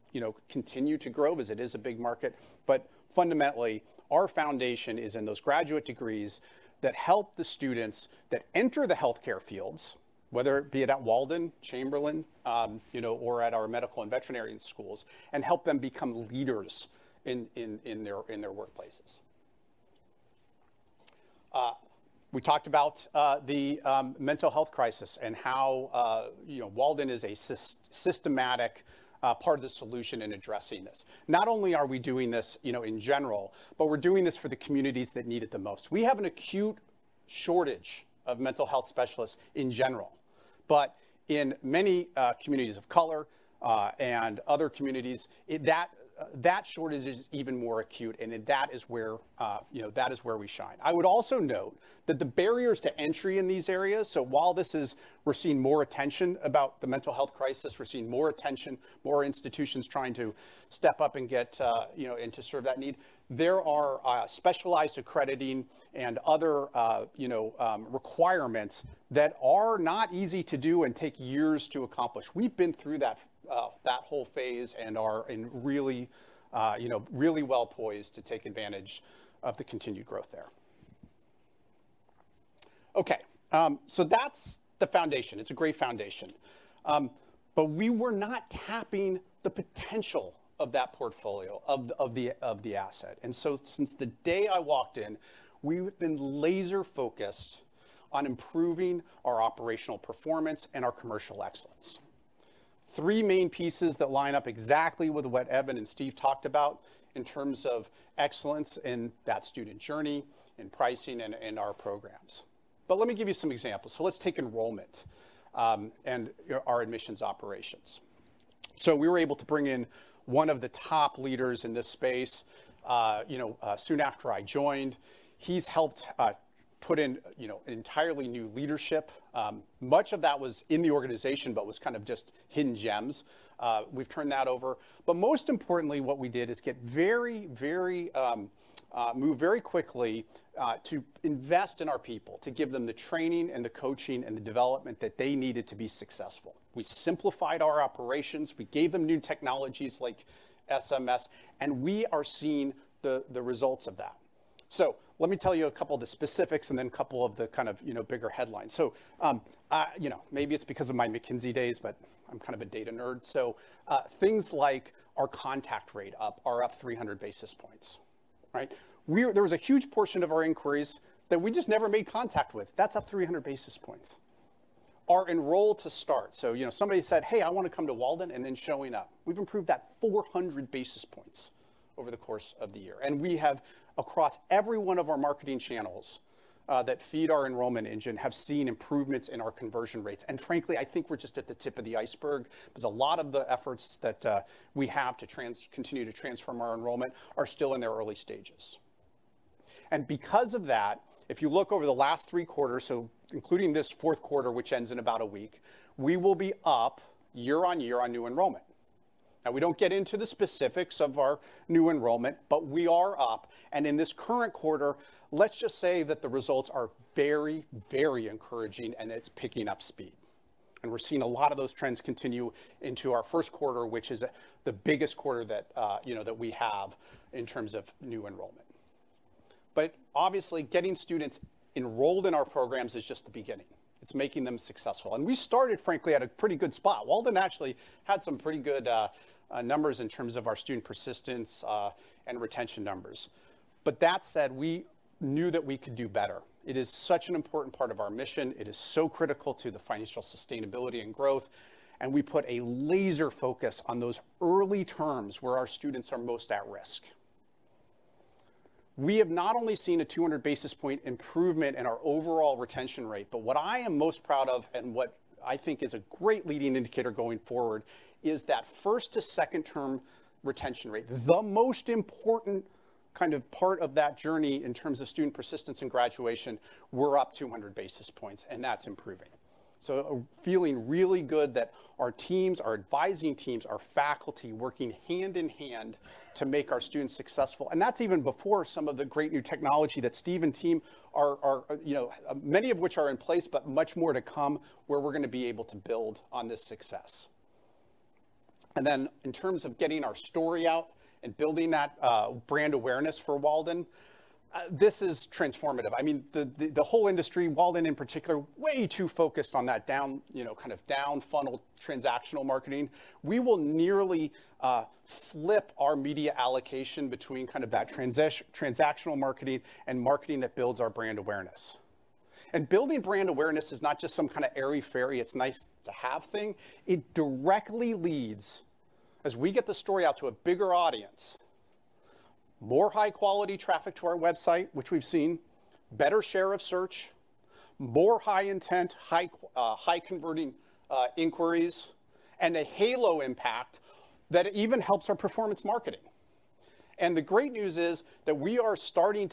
continue to grow as it is a big market. Fundamentally, our foundation is in those graduate degrees that help the students that enter the healthcare fields, whether it be it at Walden, Chamberlain, or at our medical and veterinary schools, and help them become leaders in their workplaces. We talked about the mental health crisis and how, you know, Walden is a systematic part of the solution in addressing this. Not only are we doing this, you know, in general, but we're doing this for the communities that need it the most. We have an acute shortage of mental health specialists in general, but in many communities of color and other communities, that shortage is even more acute, and that is where, you know, that is where we shine. I would also note that the barriers to entry in these areas, while we're seeing more attention about the mental health crisis, we're seeing more attention, more institutions trying to step up and get, you know, and to serve that need, there are, specialized accrediting and other, you know, requirements that are not easy to do and take years to accomplish. We've been through that whole phase and are in really, you know, really well-poised to take advantage of the continued growth there. That's the foundation. It's a great foundation, but we were not tapping the potential of that portfolio, of the asset. Since the day I walked in, we've been laser-focused on improving our operational performance and our commercial excellence. Three main pieces that line up exactly with what Evan and Steve talked about in terms of excellence in that student journey, in pricing, and in our programs. Let me give you some examples. Let's take enrollment, and our admissions operations. We were able to bring in one of the top leaders in this space, you know, soon after I joined. He's helped put in, you know, an entirely new leadership. Much of that was in the organization, but was kind of just hidden gems. We've turned that over. Most importantly, what we did is get very, very, move very quickly, to invest in our people, to give them the training and the coaching and the development that they needed to be successful. We simplified our operations, we gave them new technologies like SMS, we are seeing the results of that. Let me tell you a couple of the specifics and then a couple of the kind of, you know, bigger headlines. You know, maybe it's because of my McKinsey days, but I'm kind of a data nerd. Things like our contact rate up are up 300 basis points, right? There was a huge portion of our inquiries that we just never made contact with. That's up 300 basis points. Our enroll to start, you know, somebody said, "Hey, I want to come to Walden," and then showing up. We've improved that 400 basis points over the course of the year, and we have, across every one of our marketing channels that feed our enrollment engine, have seen improvements in our conversion rates, and frankly, I think we're just at the tip of the iceberg, because a lot of the efforts that we have to continue to transform our enrollment are still in their early stages. Because of that, if you look over the last three quarters, so including this fourth quarter, which ends in about a week, we will be up year-over-year on new enrollment. We don't get into the specifics of our new enrollment, but we are up, and in this current quarter, let's just say that the results are very, very encouraging, and it's picking up speed. We're seeing a lot of those trends continue into our first quarter, which is the biggest quarter that, you know, that we have in terms of new enrollment. Obviously, getting students enrolled in our programs is just the beginning. It's making them successful. We started, frankly, at a pretty good spot. Walden actually had some pretty good numbers in terms of our student persistence and retention numbers. That said, we knew that we could do better. It is such an important part of our mission. It is so critical to the financial sustainability and growth, and we put a laser focus on those early terms where our students are most at risk. We have not only seen a 200 basis point improvement in our overall retention rate, but what I am most proud of, and what I think is a great leading indicator going forward, is that first to second term retention rate. The most important kind of part of that journey in terms of student persistence and graduation, we're up 200 basis points, and that's improving. Feeling really good that our teams, our advising teams, our faculty, working hand in hand to make our students successful, and that's even before some of the great new technology that Steve and team are, you know, many of which are in place, but much more to come, where we're going to be able to build on this success. In terms of getting our story out and building that brand awareness for Walden, this is transformative. I mean, the whole industry, Walden in particular, way too focused on that down, you know, kind of down funnel, transactional marketing. We will nearly flip our media allocation between kind of that transactional marketing and marketing that builds our brand awareness. Building brand awareness is not just some kind of airy-fairy, it's nice to have thing. It directly leads, as we get the story out to a bigger audience, more high-quality traffic to our website, which we've seen, better share of search, more high intent, high converting inquiries, and a halo impact that even helps our performance marketing. The great news is that we are seeing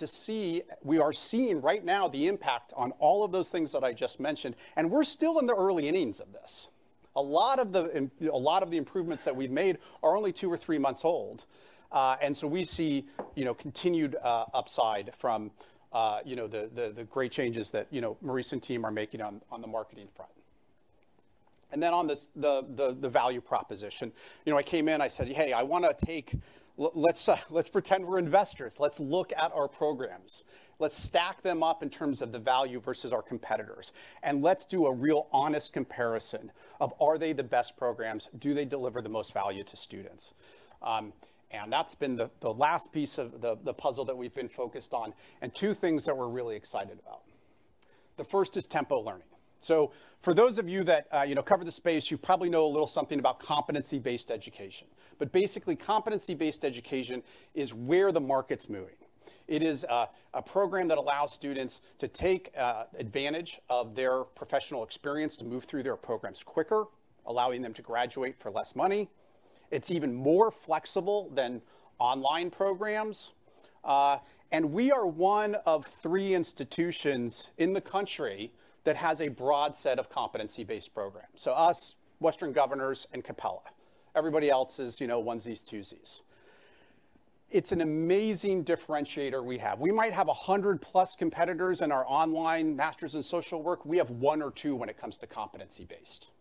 right now the impact on all of those things that I just mentioned, and we're still in the early innings of this. A lot of the improvements that we've made are only two or three months old. We see, you know, continued upside from, you know, the great changes that, you know, Maurice and team are making on the marketing front. On the value proposition, you know, I came in, I said: "Hey, let's pretend we're investors. Let's look at our programs. Let's stack them up in terms of the value versus our competitors, and let's do a real honest comparison of are they the best programs? Do they deliver the most value to students?" That's been the last piece of the puzzle that we've been focused on, and two things that we're really excited about. The first is Tempo Learning. For those of you that, you know, cover the space, you probably know a little something about competency-based education. Basically, competency-based education is where the market's moving. It is a program that allows students to take advantage of their professional experience to move through their programs quicker, allowing them to graduate for less money. It's even more flexible than online programs, and we are one of three institutions in the country that has a broad set of competency-based programs. Us, Western Governors, and Capella. Everybody else is, you know, onesies, twosies. It's an amazing differentiator we have. We might have 100+ competitors in our online Master's in Social Work. We have one or two when it comes to competency-based.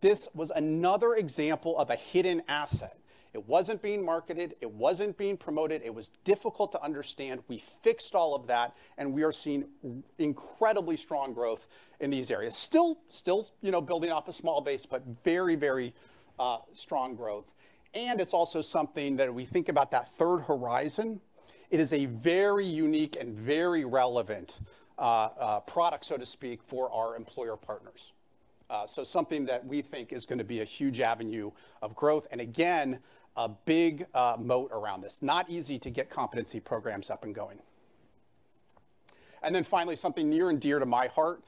This was another example of a hidden asset. It wasn't being marketed, it wasn't being promoted, it was difficult to understand. We fixed all of that. We are seeing incredibly strong growth in these areas. Still, you know, building off a small base, but very strong growth. It's also something that we think about that third horizon. It is a very unique and very relevant product, so to speak, for our employer partners. Something that we think is gonna be a huge avenue of growth, and again, a big moat around this. Not easy to get competency programs up and going. Finally, something near and dear to my heart,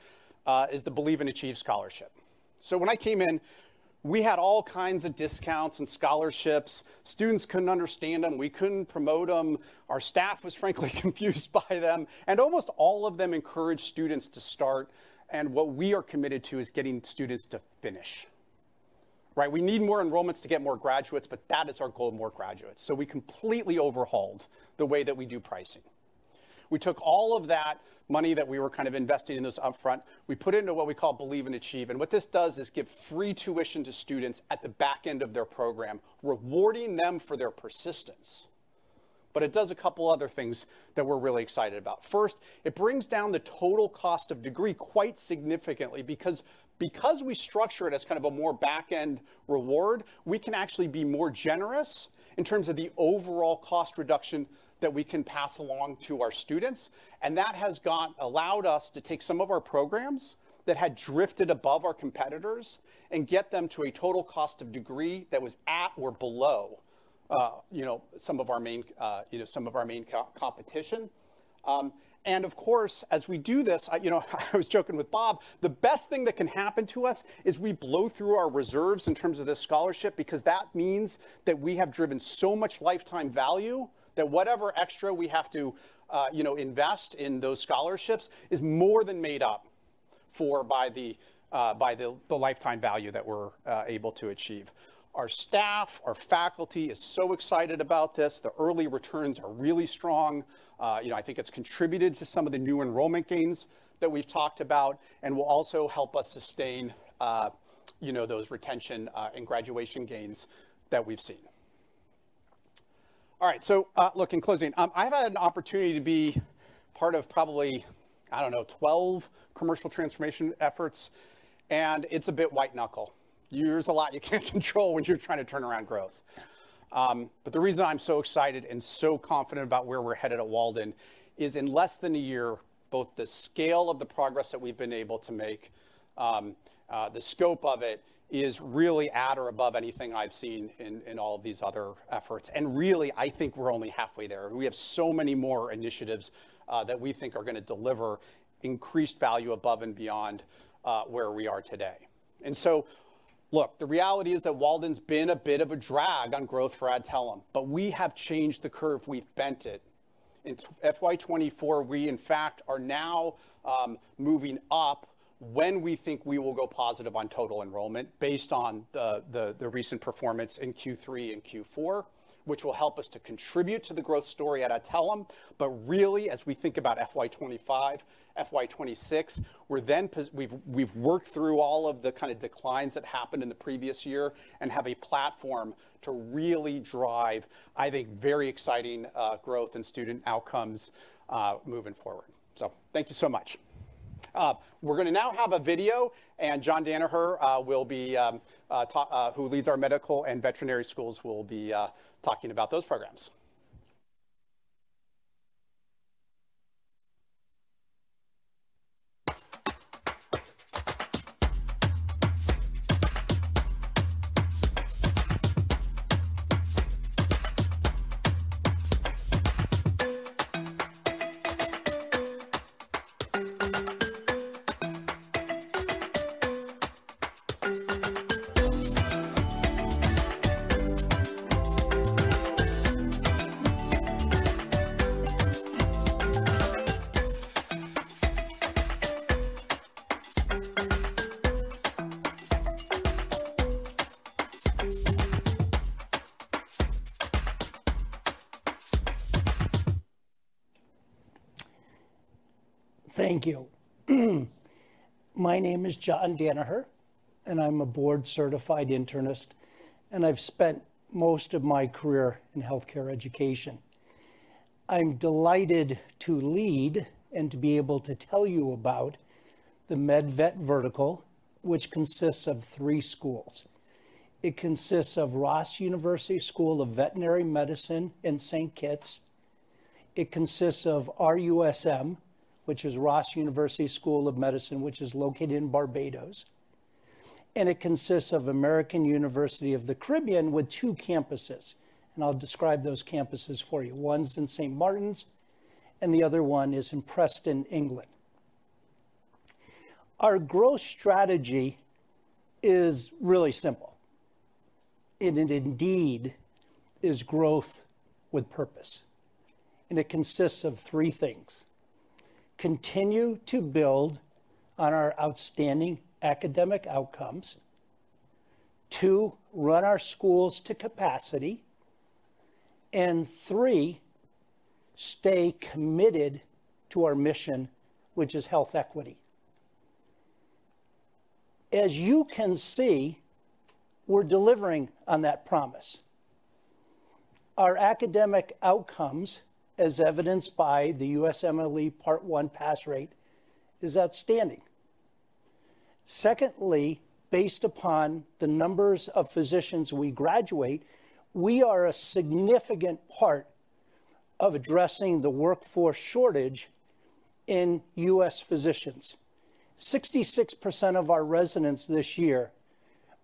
is the Believe & Achieve Scholarship. When I came in, we had all kinds of discounts and scholarships. Students couldn't understand them, we couldn't promote them, our staff was frankly confused by them, and almost all of them encouraged students to start, and what we are committed to is getting students to finish. Right, we need more enrollments to get more graduates, but that is our goal, more graduates. We completely overhauled the way that we do pricing. We took all of that money that we were kind of investing in this upfront, we put it into what we call Believe & Achieve, and what this does is give free tuition to students at the back end of their program, rewarding them for their persistence. It does a couple other things that we're really excited about. First, it brings down the total cost of degree quite significantly, because we structure it as kind of a more back-end reward, we can actually be more generous in terms of the overall cost reduction that we can pass along to our students, and that has allowed us to take some of our programs that had drifted above our competitors and get them to a total cost of degree that was at or below, you know, some of our main, you know, some of our main competition. Of course, as we do this, I, you know, I was joking with Bob, the best thing that can happen to us is we blow through our reserves in terms of this scholarship, because that means that we have driven so much lifetime value, that whatever extra we have to, you know, invest in those scholarships is more than made up for by the, by the lifetime value that we're able to achieve. Our staff, our faculty is so excited about this. The early returns are really strong. You know, I think it's contributed to some of the new enrollment gains that we've talked about and will also help us sustain, you know, those retention and graduation gains that we've seen. All right, look, in closing, I've had an opportunity to be part of probably, I don't know, 12 commercial transformation efforts, and it's a bit white knuckle. There's a lot you can't control when you're trying to turn around growth. The reason I'm so excited and so confident about where we're headed at Walden is, in less than a year, both the scale of the progress that we've been able to make, the scope of it is really at or above anything I've seen in all of these other efforts. Really, I think we're only halfway there. We have so many more initiatives that we think are gonna deliver increased value above and beyond where we are today. Look, the reality is that Walden's been a bit of a drag on growth for Adtalem, but we have changed the curve. We've bent it. In FY 2024, we, in fact, are now moving up when we think we will go positive on total enrollment based on the recent performance in Q3 and Q4, which will help us to contribute to the growth story at Adtalem. Really, as we think about FY 2025, FY 2026, we've worked through all of the kind of declines that happened in the previous year and have a platform to really drive, I think, very exciting growth and student outcomes moving forward. Thank you so much. We're gonna now have a video, and John Danaher, who leads our medical and veterinary schools, will be talking about those programs. Thank you. My name is John Danaher, and I'm a board-certified internist, and I've spent most of my career in healthcare education. I'm delighted to lead and to be able to tell you about the MedVet vertical, which consists of three schools. It consists of Ross University School of Veterinary Medicine in St. Kitts. It consists of RUSM, which is Ross University School of Medicine, which is located in Barbados, and it consists of American University of the Caribbean, with two campuses, and I'll describe those campuses for you. One's in St. Maarten, and the other one is in Preston, England. Our growth strategy is really simple, and it indeed is Growth with Purpose, and it consists of three things: continue to build on our outstanding academic outcomes, two, run our schools to capacity, and three, stay committed to our mission, which is health equity. As you can see, we're delivering on that promise. Our academic outcomes, as evidenced by the USMLE Step 1 pass rate, is outstanding. Secondly, based upon the numbers of physicians we graduate, we are a significant part of addressing the workforce shortage in U.S. physicians. 66% of our residents this year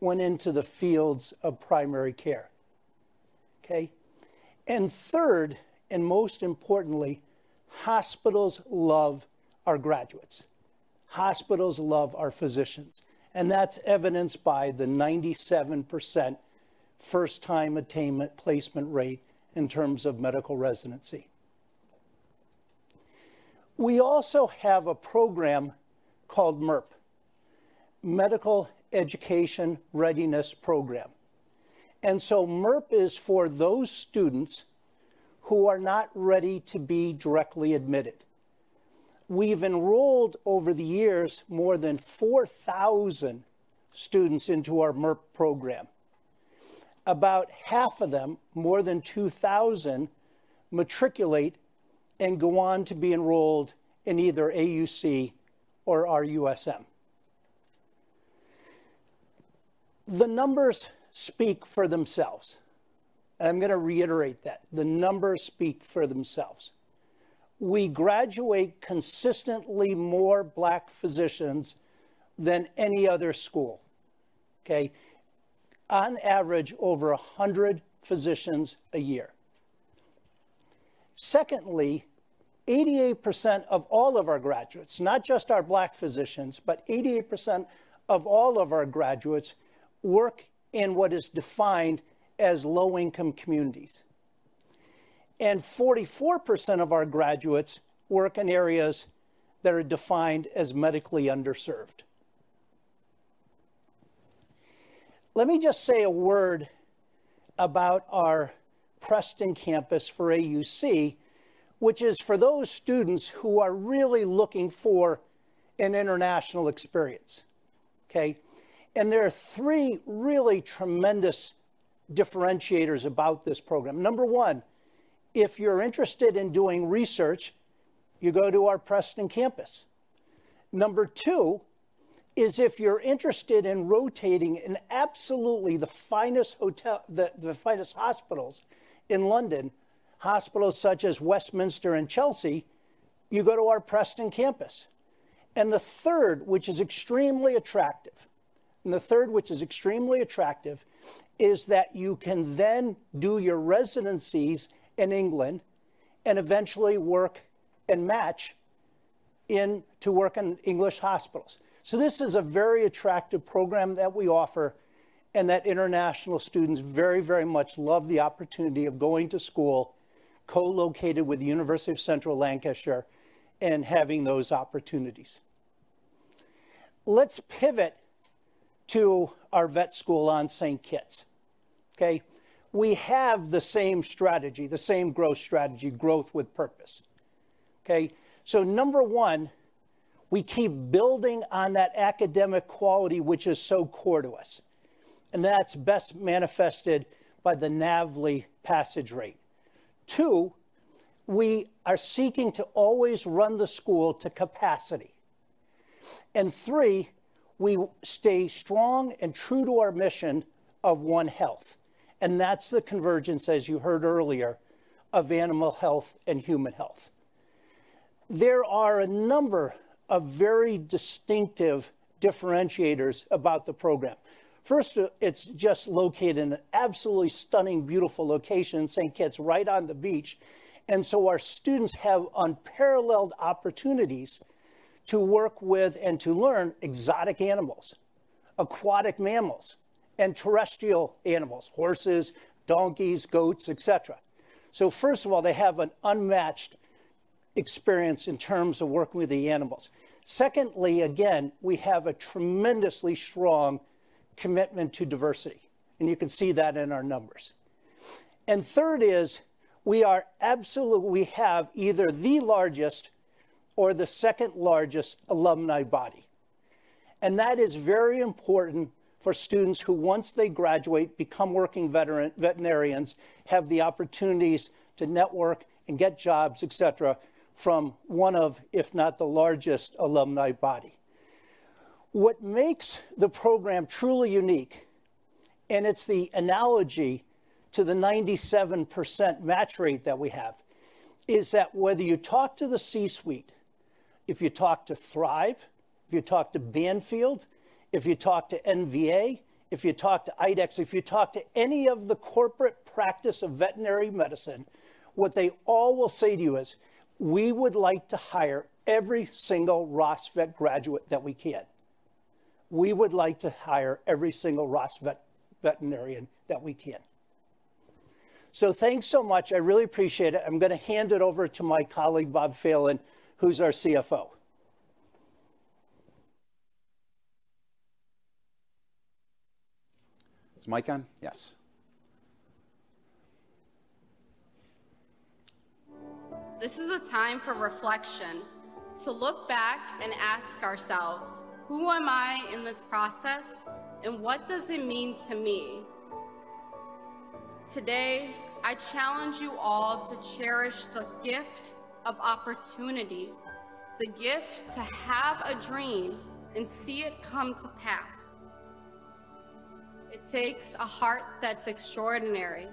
went into the fields of primary care, okay? Third, and most importantly, hospitals love our graduates. Hospitals love our physicians, That's evidenced by the 97% first-time attainment placement rate in terms of medical residency. We also have a program called MERP, Medical Education Readiness Program. MERP is for those students who are not ready to be directly admitted. We've enrolled, over the years, more than 4,000 students into our MERP program. About 1/2 of them, more than 2,000, matriculate and go on to be enrolled in either AUC or RUSM. The numbers speak for themselves, I'm gonna reiterate that. The numbers speak for themselves. We graduate consistently more Black physicians than any other school. Okay? On average, over 100 physicians a year. Secondly, 88% of all of our graduates, not just our Black physicians, but 88% of all of our graduates, work in what is defined as low-income communities. 44% of our graduates work in areas that are defined as medically underserved. Let me just say a word about our Preston campus for AUC, which is for those students who are really looking for an international experience. Okay? There are three really tremendous differentiators about this program. Number one, if you're interested in doing research, you go to our Preston campus. Number two is if you're interested in rotating in absolutely the finest hotel, the finest hospitals in London, hospitals such as Westminster and Chelsea, you go to our Preston campus. The third, which is extremely attractive, is that you can then do your residencies in England and eventually work and match in to work in English hospitals. This is a very attractive program that we offer, and that international students very much love the opportunity of going to school co-located with the University of Central Lancashire and having those opportunities. Let's pivot to our vet school on St. Kitts. We have the same strategy, growth strategy, Growth with Purpose. Number one, we keep building on that academic quality, which is so core to us, and that's best manifested by the NAVLE passage rate. Two, we are seeking to always run the school to capacity. Three, we stay strong and true to our mission of One Health, and that's the convergence, as you heard earlier, of animal health and human health. There are a number of very distinctive differentiators about the program. First, it's just located in an absolutely stunning, beautiful location, St. Kitts, right on the beach. Our students have unparalleled opportunities to work with and to learn exotic animals, aquatic mammals, and terrestrial animals, horses, donkeys, goats, et cetera. First of all, they have an unmatched experience in terms of working with the animals. Secondly, again, we have a tremendously strong commitment to diversity, and you can see that in our numbers. Third is, we absolutely have either the largest or the second-largest alumni body, and that is very important for students who, once they graduate, become working veterinarians, have the opportunities to network and get jobs, et cetera, from one of, if not the largest, alumni body. What makes the program truly unique, and it's the analogy to the 97% match rate that we have, is that whether you talk to the C-suite, if you talk to Thrive, if you talk to Banfield, if you talk to NVA, if you talk to IDEXX, if you talk to any of the corporate practice of veterinary medicine, what they all will say to you is, "We would like to hire every single Ross Vet graduate that we can. We would like to hire every single Ross Vet veterinarian that we can." Thanks so much. I really appreciate it. I'm gonna hand it over to my colleague, Bob Phelan, who's our CFO. Is the mic on? Yes. This is a time for reflection, to look back and ask ourselves: Who am I in this process, and what does it mean to me? Today, I challenge you all to cherish the gift of opportunity, the gift to have a dream and see it come to pass. It takes a heart that's extraordinary.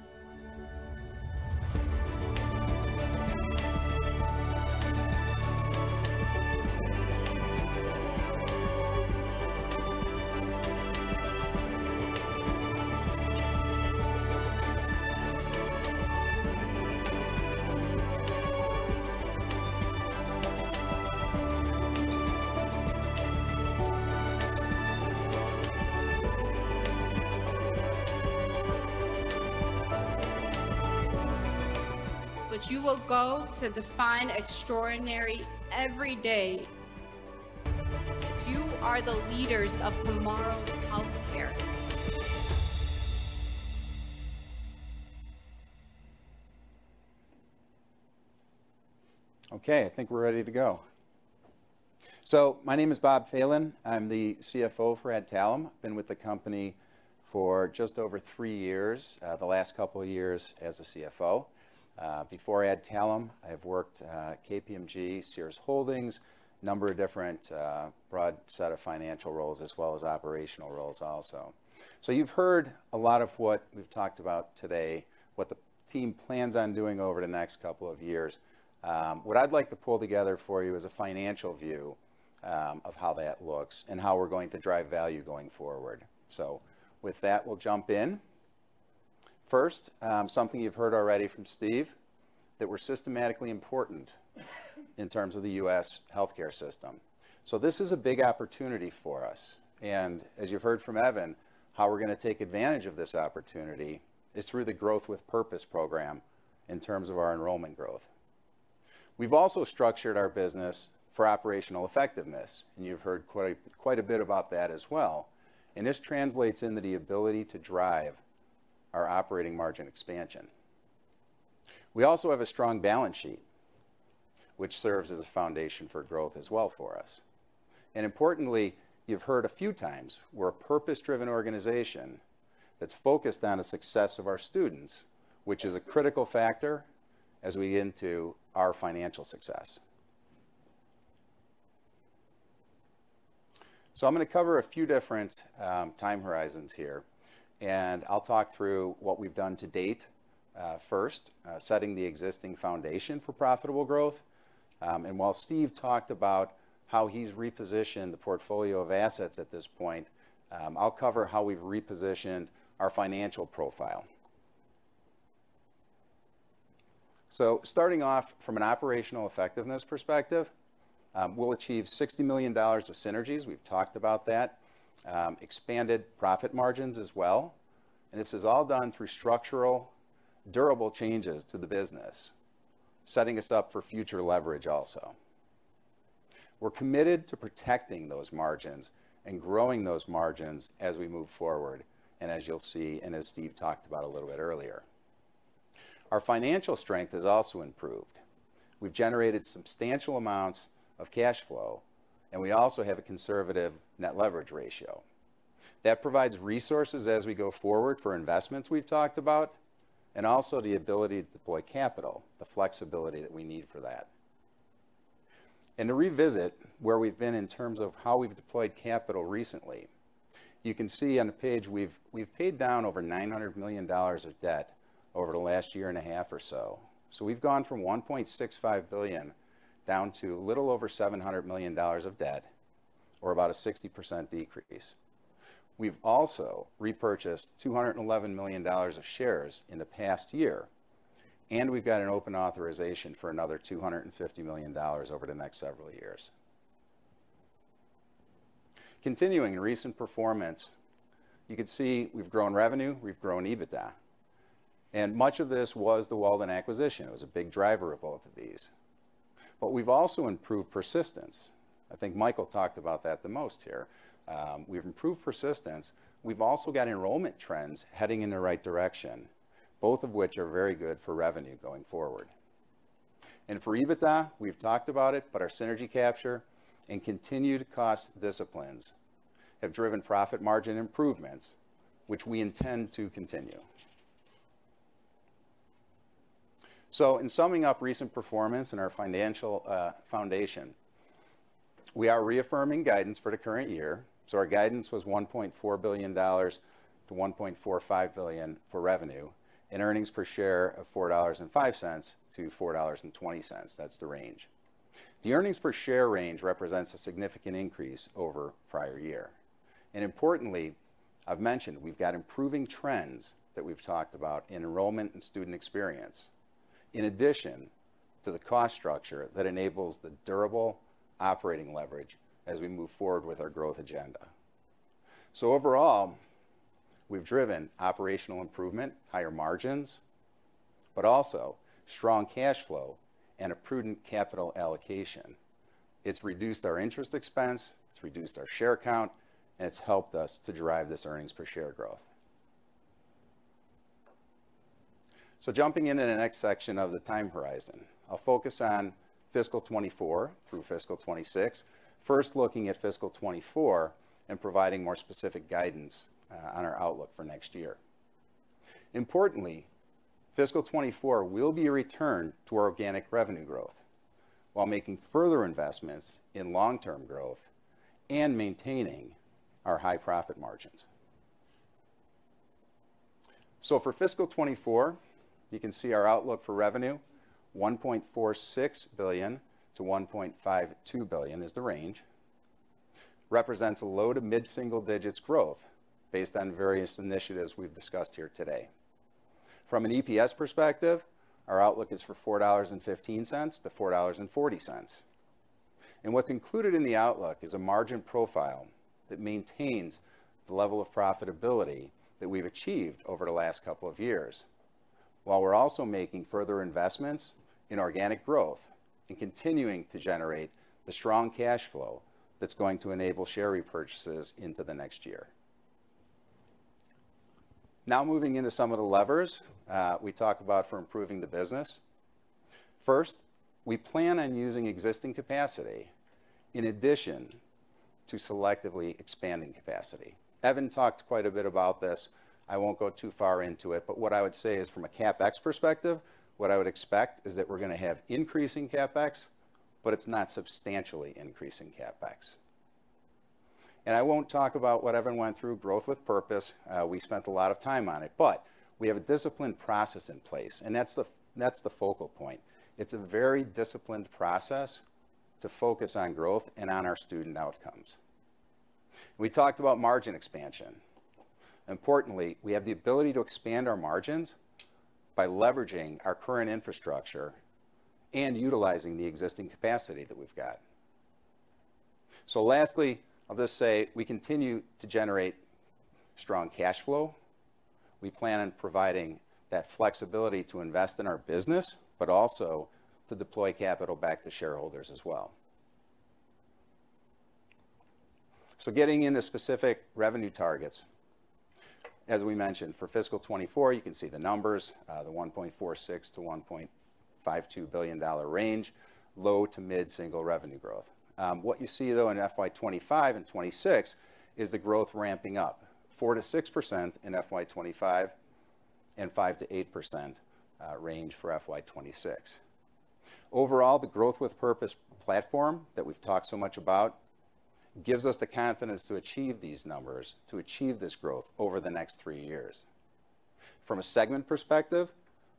You will go to define extraordinary every day. You are the leaders of tomorrow's healthcare. I think we're ready to go. My name is Bob Phelan. I'm the CFO for Adtalem. Been with the company for just over three years, the last two years as the CFO. Before Adtalem, I've worked, KPMG, Sears Holdings, a number of different, broad set of financial roles, as well as operational roles also. You've heard a lot of what we've talked about today, what the team plans on doing over the next two years. What I'd like to pull together for you is a financial view of how that looks and how we're going to drive value going forward. With that, we'll jump in. First, something you've heard already from Steve, that we're systematically important in terms of the U.S. healthcare system. This is a big opportunity for us, and as you've heard from Evan, how we're gonna take advantage of this opportunity is through the Growth with Purpose program in terms of our enrollment growth. We've also structured our business for operational effectiveness, and you've heard quite a bit about that as well, and this translates into the ability to drive our operating margin expansion. We also have a strong balance sheet, which serves as a foundation for growth as well for us. Importantly, you've heard a few times, we're a purpose-driven organization that's focused on the success of our students, which is a critical factor as we get into our financial success. I'm gonna cover a few different time horizons here, and I'll talk through what we've done to date, first, setting the existing foundation for profitable growth. While Steve talked about how he's repositioned the portfolio of assets at this point, I'll cover how we've repositioned our financial profile. Starting off from an operational effectiveness perspective, we'll achieve $60 million of synergies. We've talked about that. Expanded profit margins as well. This is all done through structural, durable changes to the business, setting us up for future leverage also. We're committed to protecting those margins and growing those margins as we move forward, and as you'll see, and as Steve talked about a little bit earlier. Our financial strength has also improved. We've generated substantial amounts of cash flow, and we also have a conservative net leverage ratio. That provides resources as we go forward for investments we've talked about, and also the ability to deploy capital, the flexibility that we need for that. To revisit where we've been in terms of how we've deployed capital recently, you can see on the page, we've paid down over $900 million of debt over the last year and a half or so. We've gone from $1.65 billion down to a little over $700 million of debt, or about a 60% decrease. We've also repurchased $211 million of shares in the past year, and we've got an open authorization for another $250 million over the next several years. Continuing recent performance, you can see we've grown revenue, we've grown EBITDA, and much of this was the Walden acquisition. It was a big driver of both of these. We've also improved persistence. I think Michael talked about that the most here. We've improved persistence. We've also got enrollment trends heading in the right direction, both of which are very good for revenue going forward. For EBITDA, we've talked about it, but our synergy capture and continued cost disciplines have driven profit margin improvements, which we intend to continue. In summing up recent performance and our financial foundation, we are reaffirming guidance for the current year. Our guidance was $1.4 billion-$1.45 billion for revenue, and earnings per share of $4.05-$4.20. That's the range. The earnings per share range represents a significant increase over prior year. Importantly, I've mentioned we've got improving trends that we've talked about in enrollment and student experience, in addition to the cost structure that enables the durable operating leverage as we move forward with our growth agenda. Overall, we've driven operational improvement, higher margins, but also strong cash flow and a prudent capital allocation. It's reduced our interest expense, it's reduced our share count, and it's helped us to drive this earnings per share growth. Jumping into the next section of the time horizon, I'll focus on fiscal 2024 through fiscal 2026, first looking at fiscal 2024 and providing more specific guidance on our outlook for next year. Importantly, fiscal 2024 will be a return to our organic revenue growth while making further investments in long-term growth and maintaining our high profit margins. For fiscal 2024, you can see our outlook for revenue, $1.46 billion-$1.52 billion is the range, represents a low to mid-single-digit growth based on various initiatives we've discussed here today. From an EPS perspective, our outlook is for $4.15-$4.40. What's included in the outlook is a margin profile that maintains the level of profitability that we've achieved over the last couple of years, while we're also making further investments in organic growth and continuing to generate the strong cash flow that's going to enable share repurchases into the next year. Now, moving into some of the levers we talked about for improving the business. First, we plan on using existing capacity in addition to selectively expanding capacity. Evan talked quite a bit about this. I won't go too far into it, but what I would say is from a CapEx perspective, what I would expect is that we're gonna have increasing CapEx, but it's not substantially increasing CapEx. I won't talk about what everyone went through, Growth with Purpose. We spent a lot of time on it, but we have a disciplined process in place, and that's the focal point. It's a very disciplined process to focus on growth and on our student outcomes. We talked about margin expansion. Importantly, we have the ability to expand our margins by leveraging our current infrastructure and utilizing the existing capacity that we've got. Lastly, I'll just say, we continue to generate strong cash flow. We plan on providing that flexibility to invest in our business, but also to deploy capital back to shareholders as well. Getting into specific revenue targets. As we mentioned, for fiscal 2024, you can see the numbers, the $1.46 billion-$1.52 billion range, low to mid-single revenue growth. What you see, though, in FY 2025 and 2026, is the growth ramping up, 4%-6% in FY 2025 and 5%-8% range for FY 2026. Overall, the Growth with Purpose platform that we've talked so much about, gives us the confidence to achieve these numbers, to achieve this growth over the next three years. From a segment perspective,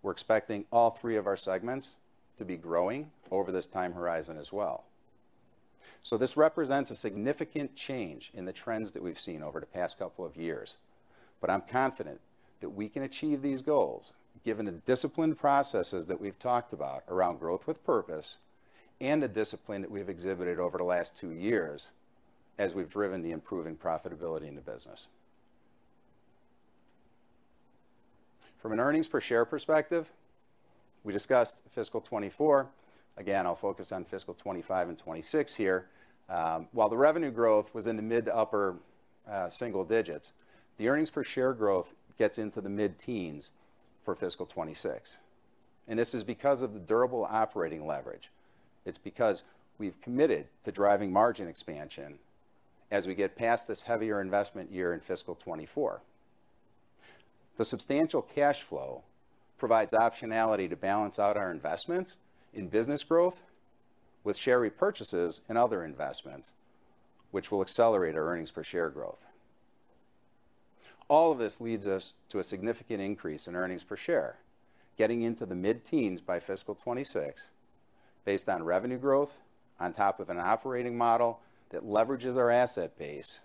we're expecting all three of our segments to be growing over this time horizon as well. This represents a significant change in the trends that we've seen over the past couple of years, but I'm confident that we can achieve these goals, given the disciplined processes that we've talked about around Growth with Purpose and the discipline that we've exhibited over the last two years as we've driven the improving profitability in the business. From an earnings per share perspective, we discussed fiscal 2024. I'll focus on fiscal 2025 and 2026 here. While the revenue growth was in the mid to upper single digits, the earnings per share growth gets into the mid-teens for fiscal 2026, this is because of the durable operating leverage. It's because we've committed to driving margin expansion as we get past this heavier investment year in fiscal 2024. The substantial cash flow provides optionality to balance out our investments in business growth with share repurchases and other investments, which will accelerate our earnings per share growth. All of this leads us to a significant increase in earnings per share, getting into the mid-teens by fiscal 2026, based on revenue growth, on top of an operating model that leverages our asset base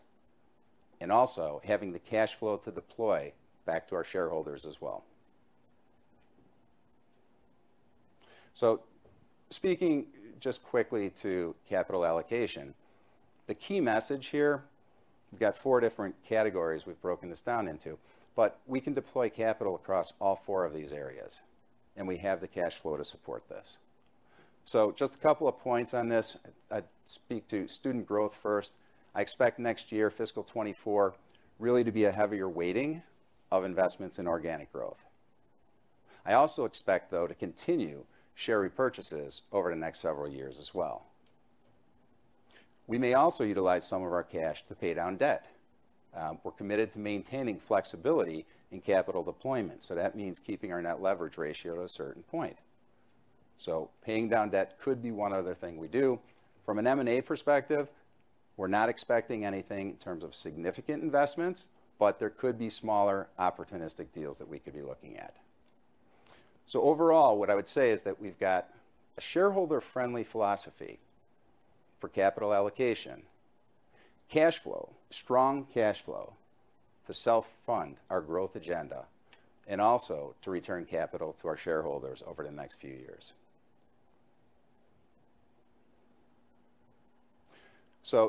and also having the cash flow to deploy back to our shareholders as well. Speaking just quickly to capital allocation, the key message here, we've got four different categories we've broken this down into, but we can deploy capital across all four of these areas, and we have the cash flow to support this. Just a couple of points on this. I'd speak to student growth first. I expect next year, fiscal 2024, really to be a heavier weighting of investments in organic growth. I also expect, though, to continue share repurchases over the next several years as well. We may also utilize some of our cash to pay down debt. We're committed to maintaining flexibility in capital deployment, that means keeping our net leverage ratio at a certain point. Paying down debt could be one other thing we do. From an M&A perspective, we're not expecting anything in terms of significant investments, but there could be smaller, opportunistic deals that we could be looking at. Overall, what I would say is that we've got a shareholder-friendly philosophy for capital allocation, cash flow, strong cash flow to self-fund our growth agenda, and also to return capital to our shareholders over the next few years.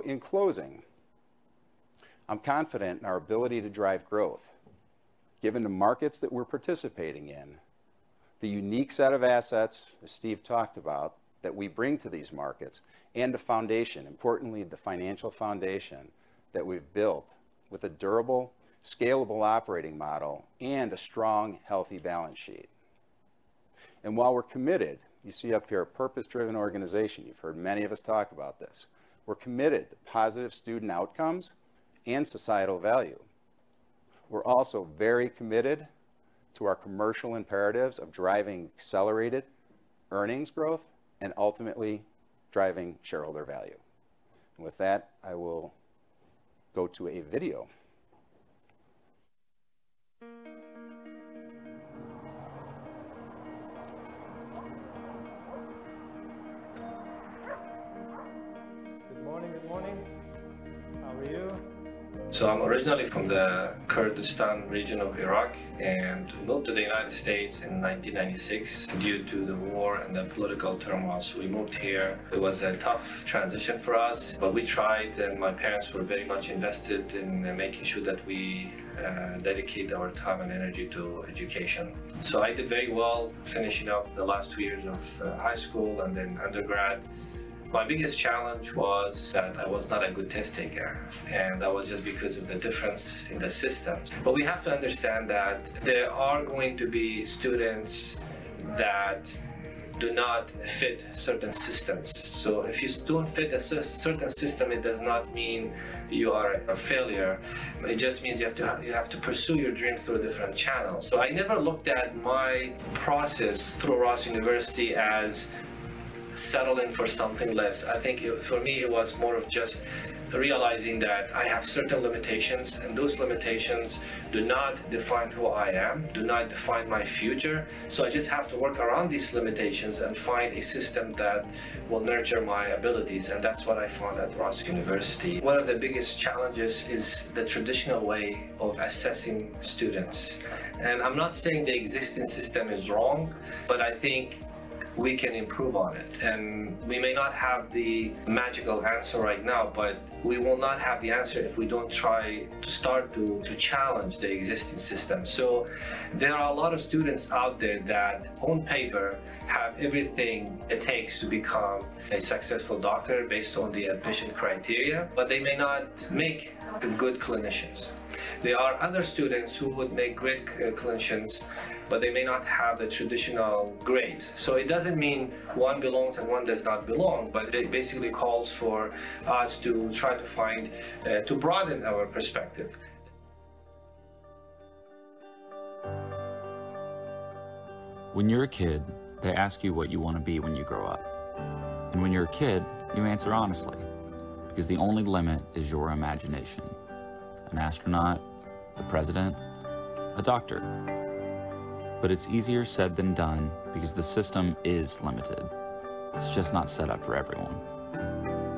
In closing, I'm confident in our ability to drive growth, given the markets that we're participating in, the unique set of assets, as Steve talked about, that we bring to these markets, and the foundation, importantly, the financial foundation that we've built with a durable, scalable operating model and a strong, healthy balance sheet. While we're committed, you see up here, a purpose-driven organization, you've heard many of us talk about this. We're committed to positive student outcomes and societal value. We're also very committed to our commercial imperatives of driving accelerated earnings growth and ultimately driving shareholder value. With that, I will go to a video. Good morning. Good morning. How are you? I'm originally from the Kurdistan region of Iraq, and we moved to the United States in 1996. Due to the war and the political turmoil, we moved here. It was a tough transition for us, but we tried, and my parents were very much invested in making sure that we dedicate our time and energy to education. I did very well, finishing up the last two years of high school and then undergrad. My biggest challenge was that I was not a good test taker, and that was just because of the difference in the systems. We have to understand that there are going to be students that do not fit certain systems. If you don't fit a certain system, it does not mean you are a failure. It just means you have to pursue your dreams through a different channel. I never looked at my process through Ross University as settle in for something less. I think for me, it was more of just realizing that I have certain limitations, and those limitations do not define who I am, do not define my future. I just have to work around these limitations and find a system that will nurture my abilities, and that's what I found at Ross University. One of the biggest challenges is the traditional way of assessing students. I'm not saying the existing system is wrong, but I think we can improve on it. We may not have the magical answer right now, but we will not have the answer if we don't try to start to challenge the existing system. There are a lot of students out there that, on paper, have everything it takes to become a successful doctor based on the admission criteria, but they may not make good clinicians. There are other students who would make great clinicians, but they may not have the traditional grades. It doesn't mean one belongs and one does not belong, but it basically calls for us to try to find to broaden our perspective. When you're a kid, they ask you what you wanna be when you grow up. When you're a kid, you answer honestly, because the only limit is your imagination: an astronaut, the president, a doctor. It's easier said than done because the system is limited. It's just not set up for everyone.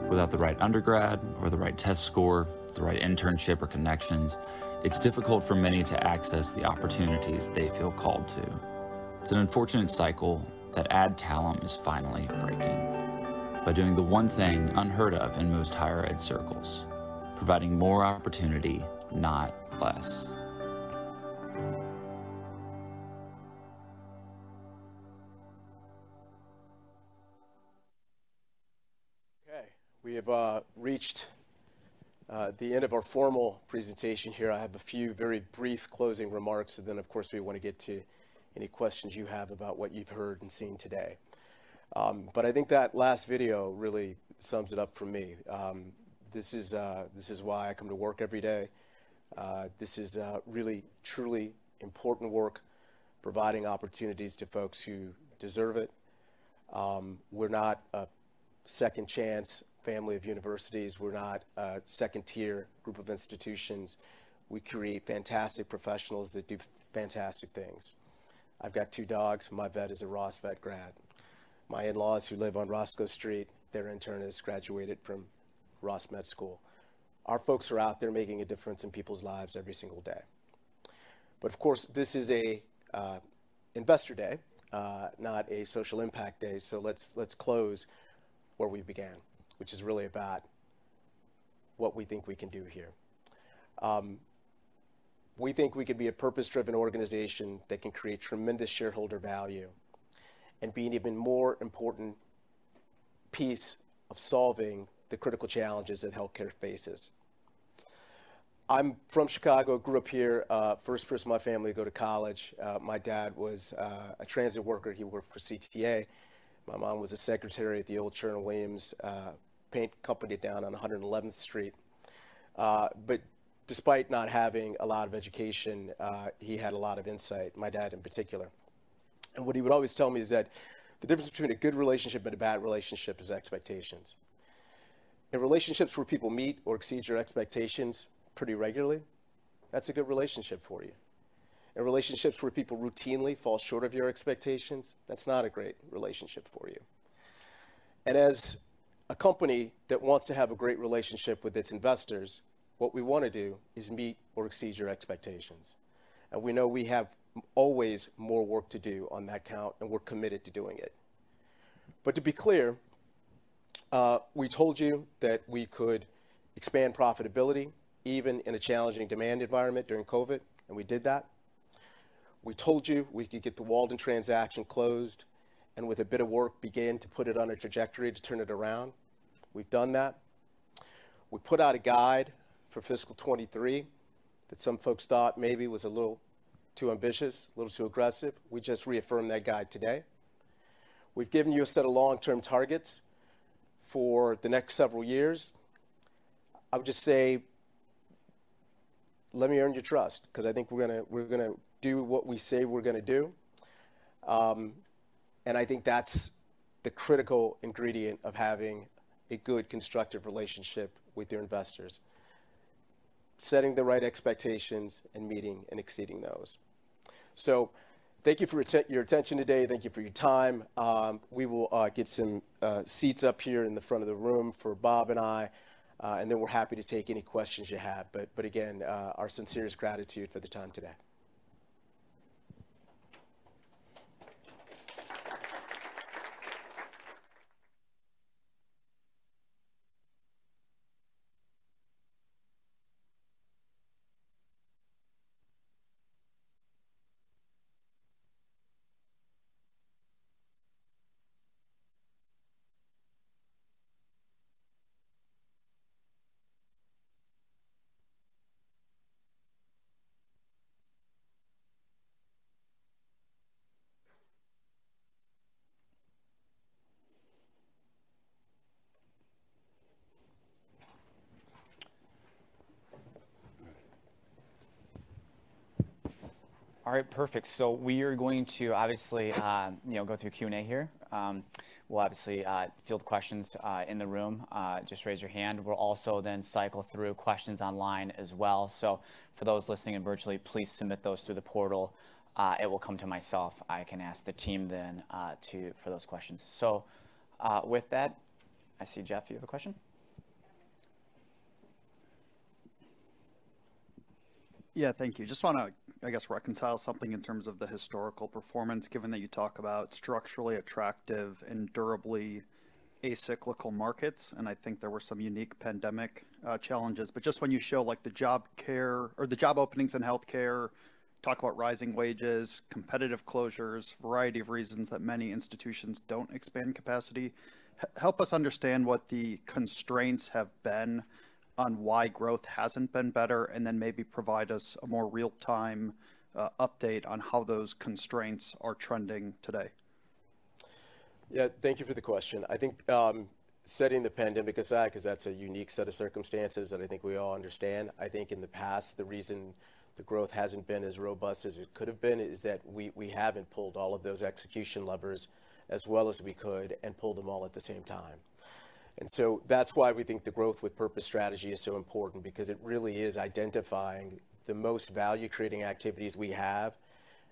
Without the right undergrad or the right test score, the right internship or connections, it's difficult for many to access the opportunities they feel called to. It's an unfortunate cycle that Adtalem is finally breaking by doing the one thing unheard of in most higher ed circles: providing more opportunity, not less. Okay. We have reached the end of our formal presentation here. I have a few very brief closing remarks. Then, of course, we wanna get to any questions you have about what you've heard and seen today. I think that last video really sums it up for me. This is why I come to work every day. This is really truly important work, providing opportunities to folks who deserve it. We're not a second chance family of universities. We're not a second-tier group of institutions. We create fantastic professionals that do fantastic things. I've got two dogs, and my vet is a Ross Vet grad. My in-laws, who live on Roscoe Street, their internist graduated from Ross Med School. Our folks are out there making a difference in people's lives every single day. Of course, this is an investor day, not a social impact day, so let's close where we began, which is really about what we think we can do here. We think we could be a purpose-driven organization that can create tremendous shareholder value and be an even more important piece of solving the critical challenges that healthcare faces. I'm from Chicago, grew up here, first person in my family to go to college. My dad was a transit worker. He worked for CTA. My mom was a secretary at the old Sherwin-Williams paint company down on 111th Street. Despite not having a lot of education, he had a lot of insight, my dad in particular. What he would always tell me is that the difference between a good relationship and a bad relationship is expectations. In relationships where people meet or exceed your expectations pretty regularly, that's a good relationship for you. In relationships where people routinely fall short of your expectations, that's not a great relationship for you. As a company that wants to have a great relationship with its investors, what we wanna do is meet or exceed your expectations. We know we have always more work to do on that count, and we're committed to doing it. To be clear, we told you that we could expand profitability, even in a challenging demand environment during COVID, and we did that. We told you we could get the Walden transaction closed, and with a bit of work, began to put it on a trajectory to turn it around. We've done that. We put out a guide for fiscal 2023, that some folks thought maybe was a little too ambitious, a little too aggressive. We just reaffirmed that guide today. We've given you a set of long-term targets for the next several years. I would just say, let me earn your trust, 'cause I think we're gonna do what we say we're gonna do. I think that's the critical ingredient of having a good, constructive relationship with your investors: setting the right expectations and meeting and exceeding those. Thank you for your attention today. Thank you for your time. We will get some seats up here in the front of the room for Bob and I, and then we're happy to take any questions you have. Again, our sincerest gratitude for the time today. All right, perfect. We are going to obviously, you know, go through Q&A here. We'll obviously, field questions, in the room, just raise your hand. We'll also then cycle through questions online as well. For those listening in virtually, please submit those through the portal. It will come to myself. I can ask the team then, for those questions. With that, I see, Jeff, you have a question? Thank you. Just wanna, I guess, reconcile something in terms of the historical performance, given that you talk about structurally attractive and durably acyclical markets, and I think there were some unique pandemic challenges. Just when you show, like, the job care or the job openings in healthcare, talk about rising wages, competitive closures, variety of reasons that many institutions don't expand capacity. Help us understand what the constraints have been on why growth hasn't been better, and then maybe provide us a more real-time update on how those constraints are trending today. Yeah, thank you for the question. I think, setting the pandemic aside, because that's a unique set of circumstances that I think we all understand. I think in the past, the reason the growth hasn't been as robust as it could have been is that we haven't pulled all of those execution levers as well as we could and pulled them all at the same time. That's why we think the Growth with Purpose strategy is so important, because it really is identifying the most value-creating activities we have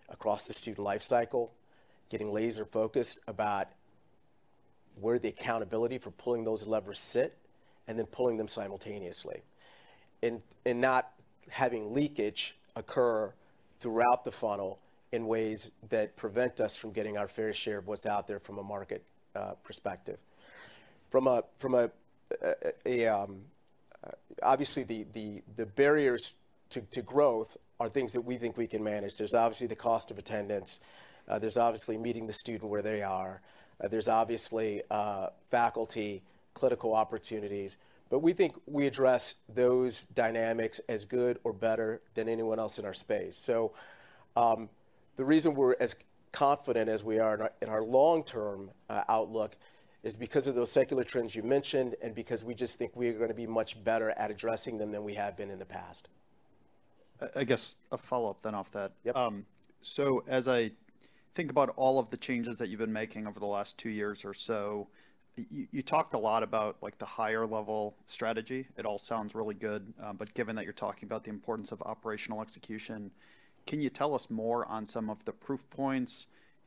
across the student life cycle, getting laser-focused about where the accountability for pulling those levers sit, and then pulling them simultaneously, and not having leakage occur throughout the funnel in ways that prevent us from getting our fair share of what's out there from a market perspective. Obviously, the barriers to growth are things that we think we can manage. There's obviously the cost of attendance, there's obviously meeting the student where they are, there's obviously faculty, clinical opportunities, but we think we address those dynamics as good or better than anyone else in our space. The reason we're as confident as we are in our long-term outlook is because of those secular trends you mentioned, and because we just think we are gonna be much better at addressing them than we have been in the past. I guess, a follow-up then off that. As I think about all of the changes that you've been making over the last two years or so, you talked a lot about, like, the higher-level strategy. It all sounds really good. Given that you're talking about the importance of operational execution, can you tell us more on some of the proof points?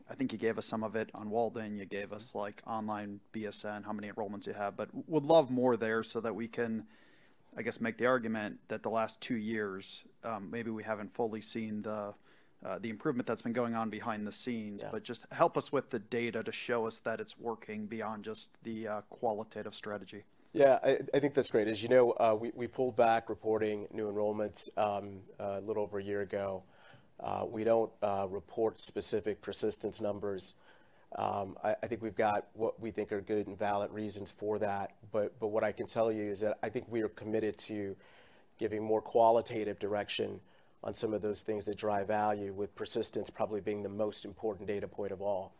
I think you gave us some of it on Walden. You gave us, like, online BSN, how many enrollments you have, would love more there so that we can, I guess, make the argument that the last two years, maybe we haven't fully seen the improvement that's been going on behind the scenes. Just help us with the data to show us that it's working beyond just the qualitative strategy. Yeah, I think that's great. As you know, we pulled back reporting new enrollments a little over a year ago. We don't report specific persistence numbers. I think we've got what we think are good and valid reasons for that. What I can tell you is that I think we are committed to giving more qualitative direction on some of those things that drive value, with persistence probably being the most important data point of all,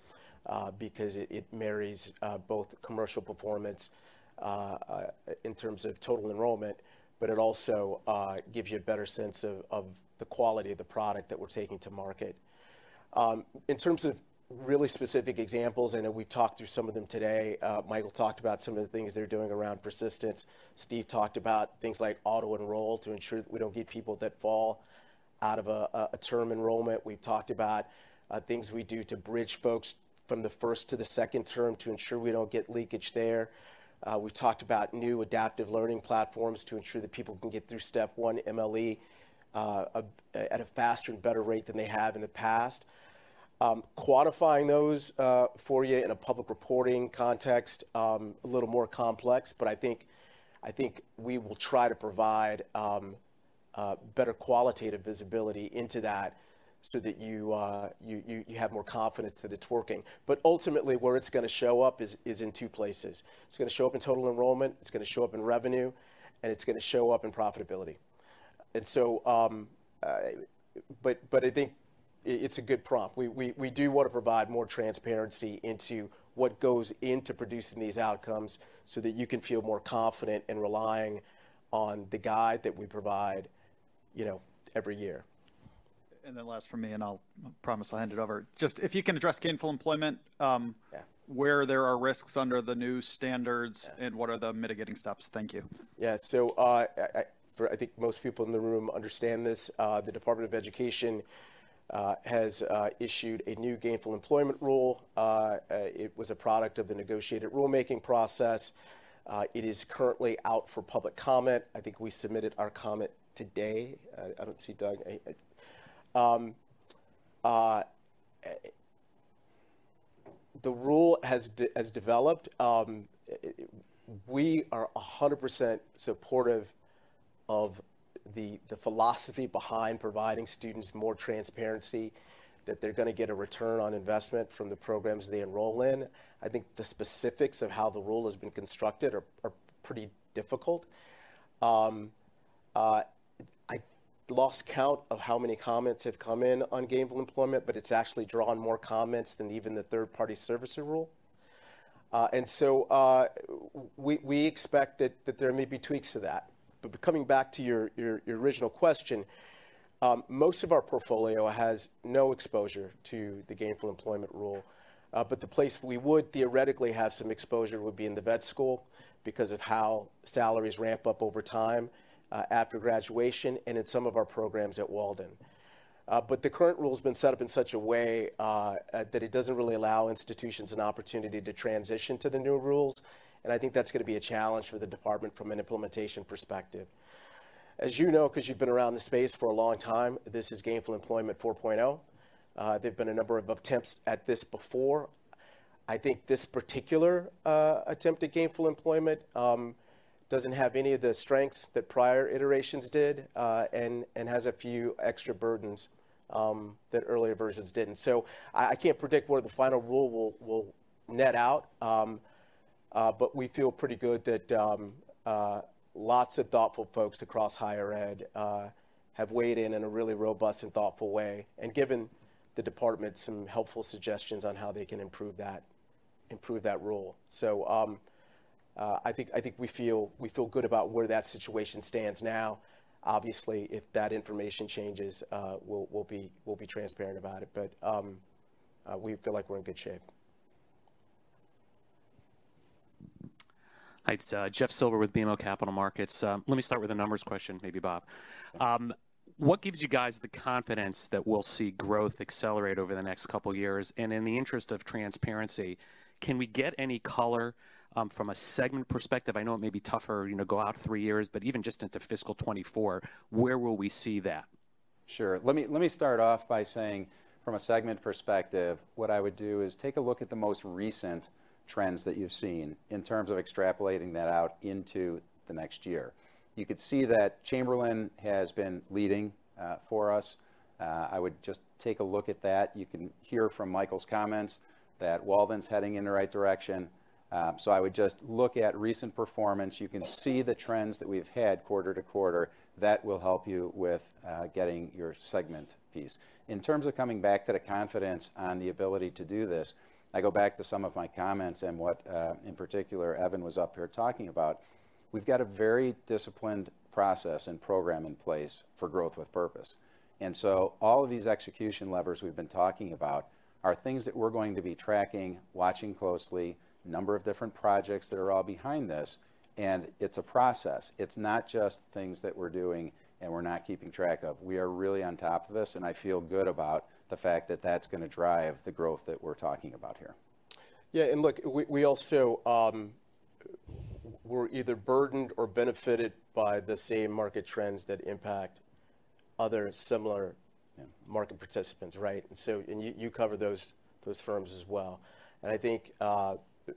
because it marries both commercial performance in terms of total enrollment, but it also gives you a better sense of the quality of the product that we're taking to market. In terms of really specific examples, I know we've talked through some of them today. Michael talked about some of the things they're doing around persistence. Steve talked about things like auto-enroll to ensure that we don't get people that fall out of a term enrollment. We've talked about things we do to bridge folks from the first to the second term to ensure we don't get leakage there. We've talked about new adaptive learning platforms to ensure that people can get through USMLE Step 1 at a faster and better rate than they have in the past. Quantifying those for you in a public reporting context, a little more complex, but I think we will try to provide better qualitative visibility into that so that you have more confidence that it's working. Ultimately, where it's gonna show up is in two places. It's gonna show up in total enrollment, it's gonna show up in revenue, and it's gonna show up in profitability. But I think it's a good prompt. We do want to provide more transparency into what goes into producing these outcomes so that you can feel more confident in relying on the guide that we provide, you know, every year. Last for me, and I'll promise I'll hand it over. Just if you can address gainful employment where there are risks under the new standards? What are the mitigating steps? Thank you. Yeah. For, I think most people in the room understand this, the Department of Education has issued a new gainful employment rule. It was a product of the negotiated rulemaking process. It is currently out for public comment. I think we submitted our comment today. I don't see Doug. The rule has developed. We are 100% supportive of the philosophy behind providing students more transparency, that they're gonna get a ROI from the programs they enroll in. I think the specifics of how the rule has been constructed are pretty difficult. I lost count of how many comments have come in on gainful employment, it's actually drawn more comments than even the third-party servicer rule. We expect that there may be tweaks to that. Coming back to your original question, most of our portfolio has no exposure to the gainful employment rule. The place we would theoretically have some exposure would be in the vet school because of how salaries ramp up over time after graduation, and in some of our programs at Walden. The current rule has been set up in such a way that it doesn't really allow institutions an opportunity to transition to the new rules, and I think that's gonna be a challenge for the Department from an implementation perspective. As you know, 'cause you've been around the space for a long time, this is gainful employment 4.0. There've been a number of attempts at this before. I think this particular attempt at gainful employment doesn't have any of the strengths that prior iterations did, and has a few extra burdens that earlier versions didn't. I can't predict what the final rule will net out, but we feel pretty good that lots of thoughtful folks across higher ed have weighed in in a really robust and thoughtful way, and given the Department some helpful suggestions on how they can improve that rule. I think we feel good about where that situation stands now. Obviously, if that information changes, we'll be transparent about it. We feel like we're in good shape. Hi, it's Jeff Silber with BMO Capital Markets. Let me start with a numbers question, maybe, Bob. What gives you guys the confidence that we'll see growth accelerate over the next couple of years? In the interest of transparency, can we get any color from a segment perspective? I know it may be tougher, you know, go out three years, but even just into fiscal 2024, where will we see that? Sure. Let me start off by saying, from a segment perspective, what I would do is take a look at the most recent trends that you've seen in terms of extrapolating that out into the next year. You could see that Chamberlain has been leading for us. I would just take a look at that. You can hear from Michael's comments that Walden's heading in the right direction. I would just look at recent performance. You can see the trends that we've had quarter to quarter. That will help you with getting your segment piece. In terms of coming back to the confidence on the ability to do this, I go back to some of my comments and what in particular, Evan was up here talking about. We've got a very disciplined process and program in place for Growth with Purpose. All of these execution levers we've been talking about are things that we're going to be tracking, watching closely, a number of different projects that are all behind this, and it's a process. It's not just things that we're doing and we're not keeping track of. We are really on top of this, and I feel good about the fact that that's gonna drive the growth that we're talking about here. Yeah, look, we also were either burdened or benefited by the same market trends that impact other similar market participants, right? You cover those firms as well. I think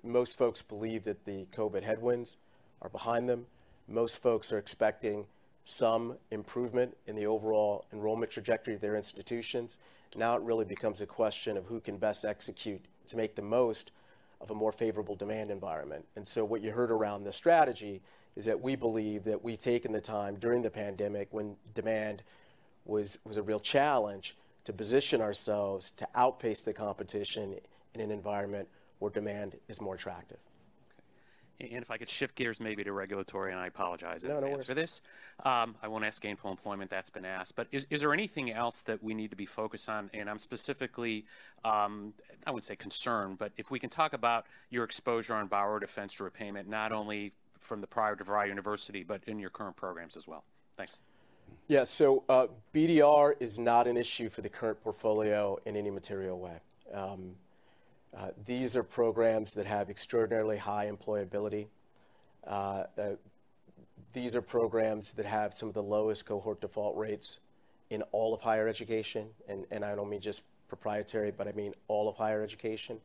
most folks believe that the COVID headwinds are behind them. Most folks are expecting some improvement in the overall enrollment trajectory of their institutions. Now it really becomes a question of who can best execute to make the most of a more favorable demand environment. What you heard around the strategy is that we believe that we've taken the time during the pandemic, when demand was a real challenge, to position ourselves to outpace the competition in an environment where demand is more attractive. Okay. If I could shift gears, maybe to regulatory, and I apologize in advance for this. No, no worries. I won't ask gainful employment, that's been asked. Is there anything else that we need to be focused on? I'm specifically, I wouldn't say concerned, but if we can talk about your exposure on Borrower Defense to Repayment, not only from the prior DeVry University, but in your current programs as well. Thanks. Yeah, BDR is not an issue for the current portfolio in any material way. These are programs that have extraordinarily high employability. These are programs that have some of the lowest cohort default rates in all of higher education, and I don't mean just proprietary, but I mean all of higher education.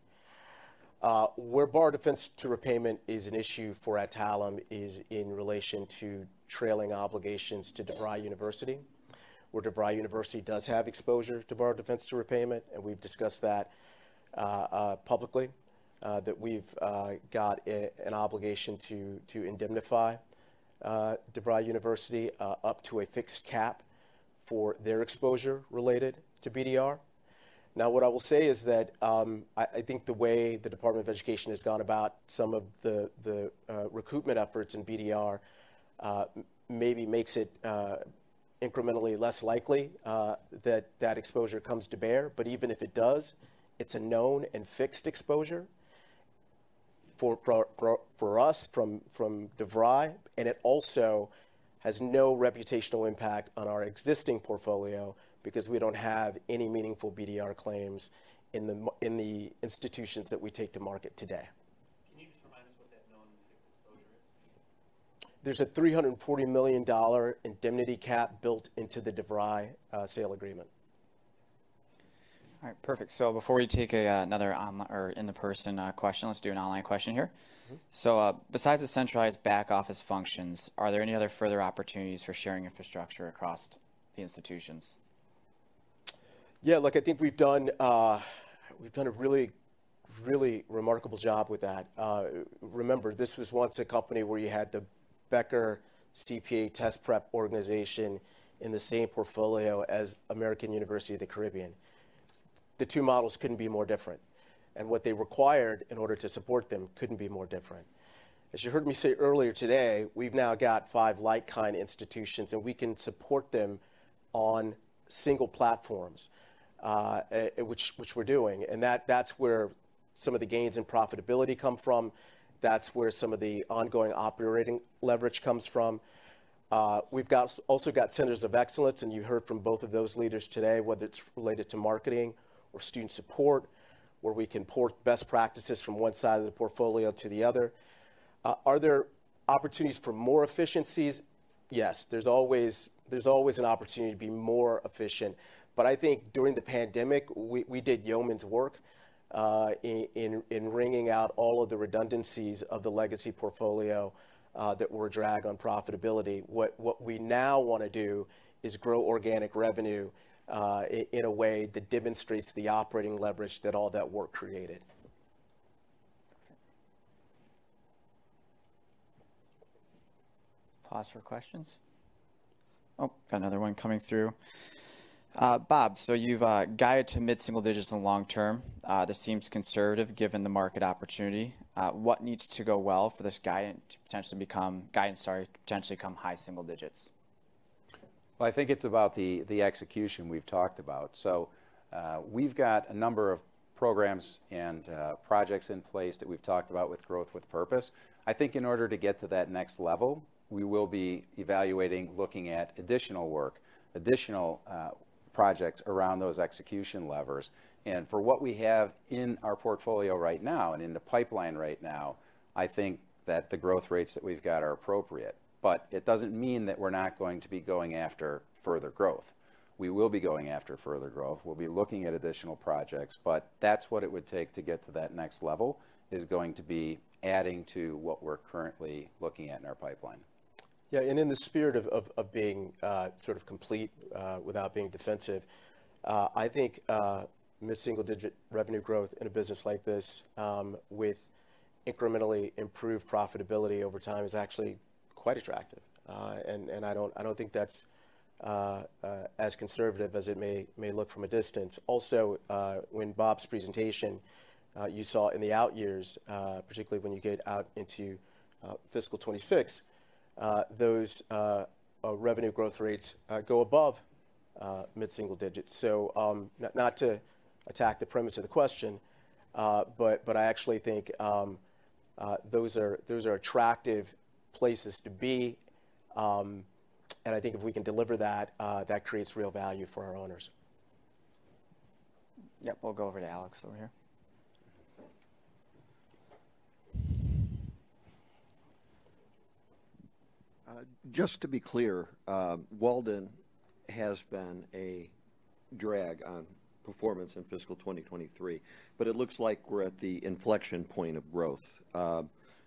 Where Borrower Defense to Repayment is an issue for Adtalem is in relation to trailing obligations to DeVry University, where DeVry University does have exposure to Borrower Defense to Repayment. We've discussed that publicly, that we've got an obligation to indemnify DeVry University up to a fixed cap for their exposure related to BDR. What I will say is that, I think the way the Department of Education has gone about some of the recruitment efforts in BDR, maybe makes it incrementally less likely that exposure comes to bear. Even if it does, it's a known and fixed exposure for us from DeVry. It also has no reputational impact on our existing portfolio because we don't have any meaningful BDR claims in the institutions that we take to market today. There's a $340 million indemnity cap built into the DeVry sale agreement. All right, perfect. Before we take another or in-person question, let's do an online question here. Mm-hmm. Besides the centralized back office functions, are there any other further opportunities for sharing infrastructure across the institutions? Yeah, look, I think we've done a really remarkable job with that. Remember, this was once a company where you had the Becker CPA test prep organization in the same portfolio as American University of the Caribbean. The two models couldn't be more different, and what they required in order to support them couldn't be more different. As you heard me say earlier today, we've now got five like-kind institutions, and we can support them on single platforms, which we're doing. That's where some of the gains in profitability come from. That's where some of the ongoing operating leverage comes from. We've also got centers of excellence, and you heard from both of those leaders today, whether it's related to marketing or student support, where we can port best practices from one side of the portfolio to the other. Are there opportunities for more efficiencies? Yes, there's always an opportunity to be more efficient. I think during the pandemic, we did yeoman's work in wringing out all of the redundancies of the legacy portfolio that were a drag on profitability. What we now wanna do is grow organic revenue in a way that demonstrates the operating leverage that all that work created. Pause for questions. Oh, got another one coming through. Bob, you've guided to mid-single digits in the long term. This seems conservative, given the market opportunity. What needs to go well for this guide guidance, sorry, to potentially become high single digits? Well, I think it's about the execution we've talked about. We've got a number of programs and projects in place that we've talked about with Growth with Purpose. I think in order to get to that next level, we will be evaluating, looking at additional work, additional projects around those execution levers. For what we have in our portfolio right now and in the pipeline right now, I think that the growth rates that we've got are appropriate. It doesn't mean that we're not going to be going after further growth. We will be going after further growth. We'll be looking at additional projects, but that's what it would take to get to that next level, is going to be adding to what we're currently looking at in our pipeline. Yeah, in the spirit of being sort of complete, without being defensive, I think mid-single-digit revenue growth in a business like this, with incrementally improved profitability over time is actually quite attractive. I don't think that's as conservative as it may look from a distance. Also, when Bob's presentation, you saw in the out years, particularly when you get out into fiscal 26, those revenue growth rates go above mid-single digits. Not to attack the premise of the question, but I actually think those are attractive places to be. I think if we can deliver that creates real value for our owners. Yep, we'll go over to Alex over here. Just to be clear, Walden has been a drag on performance in fiscal 2023, but it looks like we're at the inflection point of growth.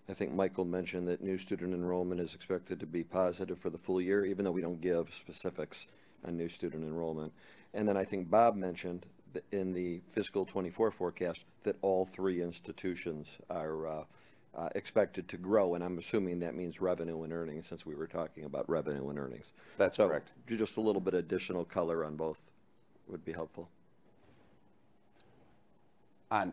I think Michael mentioned that new student enrollment is expected to be positive for the full year, even though we don't give specifics on new student enrollment. Then I think Bob mentioned the, in the fiscal 2024 forecast, that all three institutions are expected to grow, and I'm assuming that means revenue and earnings, since we were talking about revenue and earnings. That's correct. Just a little bit of additional color on both would be helpful. Well,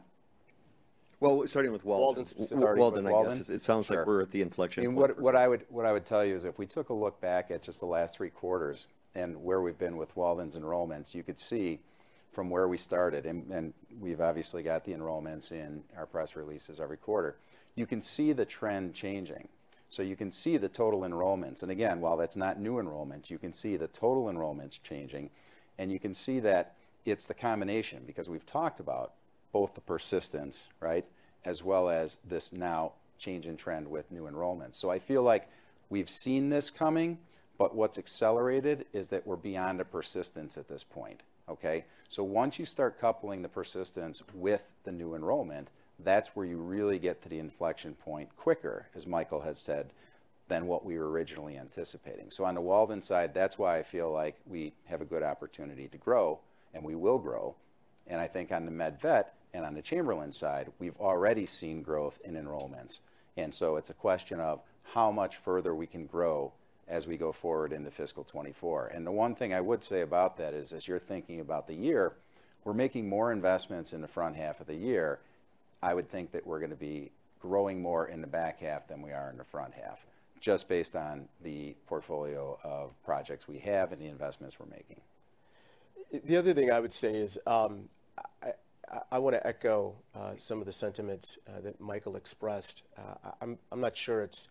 starting with Walden. Walden specifically. Walden, I guess. It sounds like we're at the inflection point. What I would tell you is if we took a look back at just the last three quarters and where we've been with Walden's enrollments, you could see from where we started. We've obviously got the enrollments in our press releases every quarter. You can see the trend changing. You can see the total enrollments. Again, while that's not new enrollment, you can see the total enrollments changing, and you can see that it's the combination, because we've talked about both the persistence, right, as well as this now change in trend with new enrollments. I feel like we've seen this coming, but what's accelerated is that we're beyond the persistence at this point, okay? Once you start coupling the persistence with the new enrollment, that's where you really get to the inflection point quicker, as Michael has said, than what we were originally anticipating. On the Walden side, that's why I feel like we have a good opportunity to grow, and we will grow. I think on the MedVet and on the Chamberlain side, we've already seen growth in enrollments. It's a question of how much further we can grow as we go forward into fiscal 2024. The one thing I would say about that is, as you're thinking about the year, we're making more investments in the front half of the year. I would think that we're gonna be growing more in the back half than we are in the front half, just based on the portfolio of projects we have and the investments we're making. The other thing I would say is, I wanna echo some of the sentiments that Michael expressed. I'm not sure it's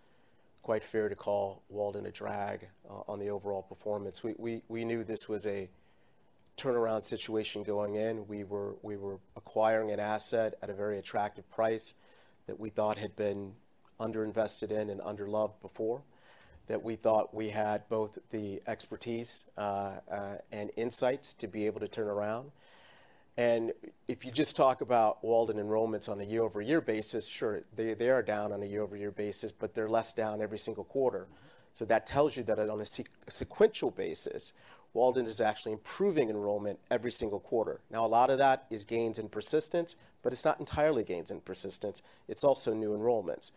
quite fair to call Walden a drag on the overall performance. We knew this was a turnaround situation going in. We were acquiring an asset at a very attractive price that we thought had been underinvested in and underloved before, that we thought we had both the expertise and insights to be able to turn around. If you just talk about Walden enrollments on a year-over-year basis, sure, they are down on a year-over-year basis, but they're less down every single quarter. That tells you that on a sequential basis, Walden is actually improving enrollment every single quarter. A lot of that is gains in persistence, but it's not entirely gains in persistence. It's also new enrollments.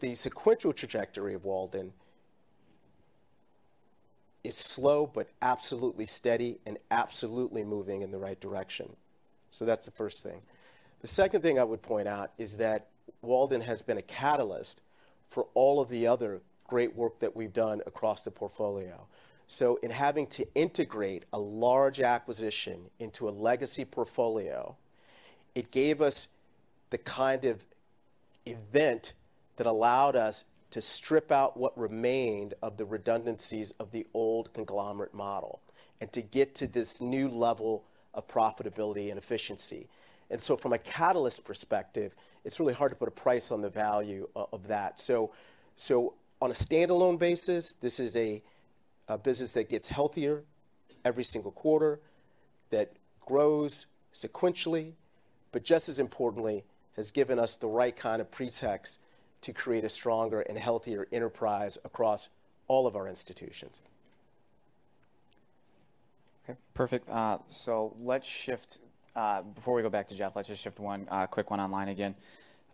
The sequential trajectory of Walden is slow but absolutely steady and absolutely moving in the right direction. That's the first thing. The second thing I would point out is that Walden has been a catalyst for all of the other great work that we've done across the portfolio. In having to integrate a large acquisition into a legacy portfolio, it gave us the kind of event that allowed us to strip out what remained of the redundancies of the old conglomerate model and to get to this new level of profitability and efficiency. From a catalyst perspective, it's really hard to put a price on the value of that. On a standalone basis, this is a business that gets healthier every single quarter, that grows sequentially, but just as importantly, has given us the right kind of pretext to create a stronger and healthier enterprise across all of our institutions. Okay, perfect. Let's shift. Before we go back to Jeff, let's just shift one quick one online again.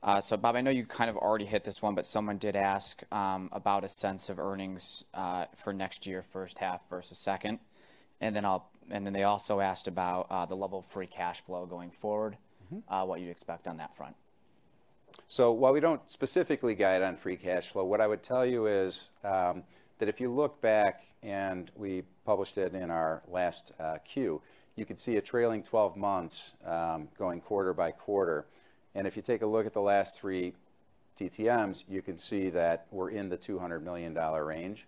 Bob, I know you kind of already hit this one, but someone did ask about a sense of earnings for next year, first half versus second. They also asked about the level of free cash flow going forward What you'd expect on that front. While we don't specifically guide on free cash flow, what I would tell you is that if you look back, we published it in our last Q, you could see a trailing 12 months going quarter by quarter. If you take a look at the last three TTMs, you can see that we're in the $200 million range.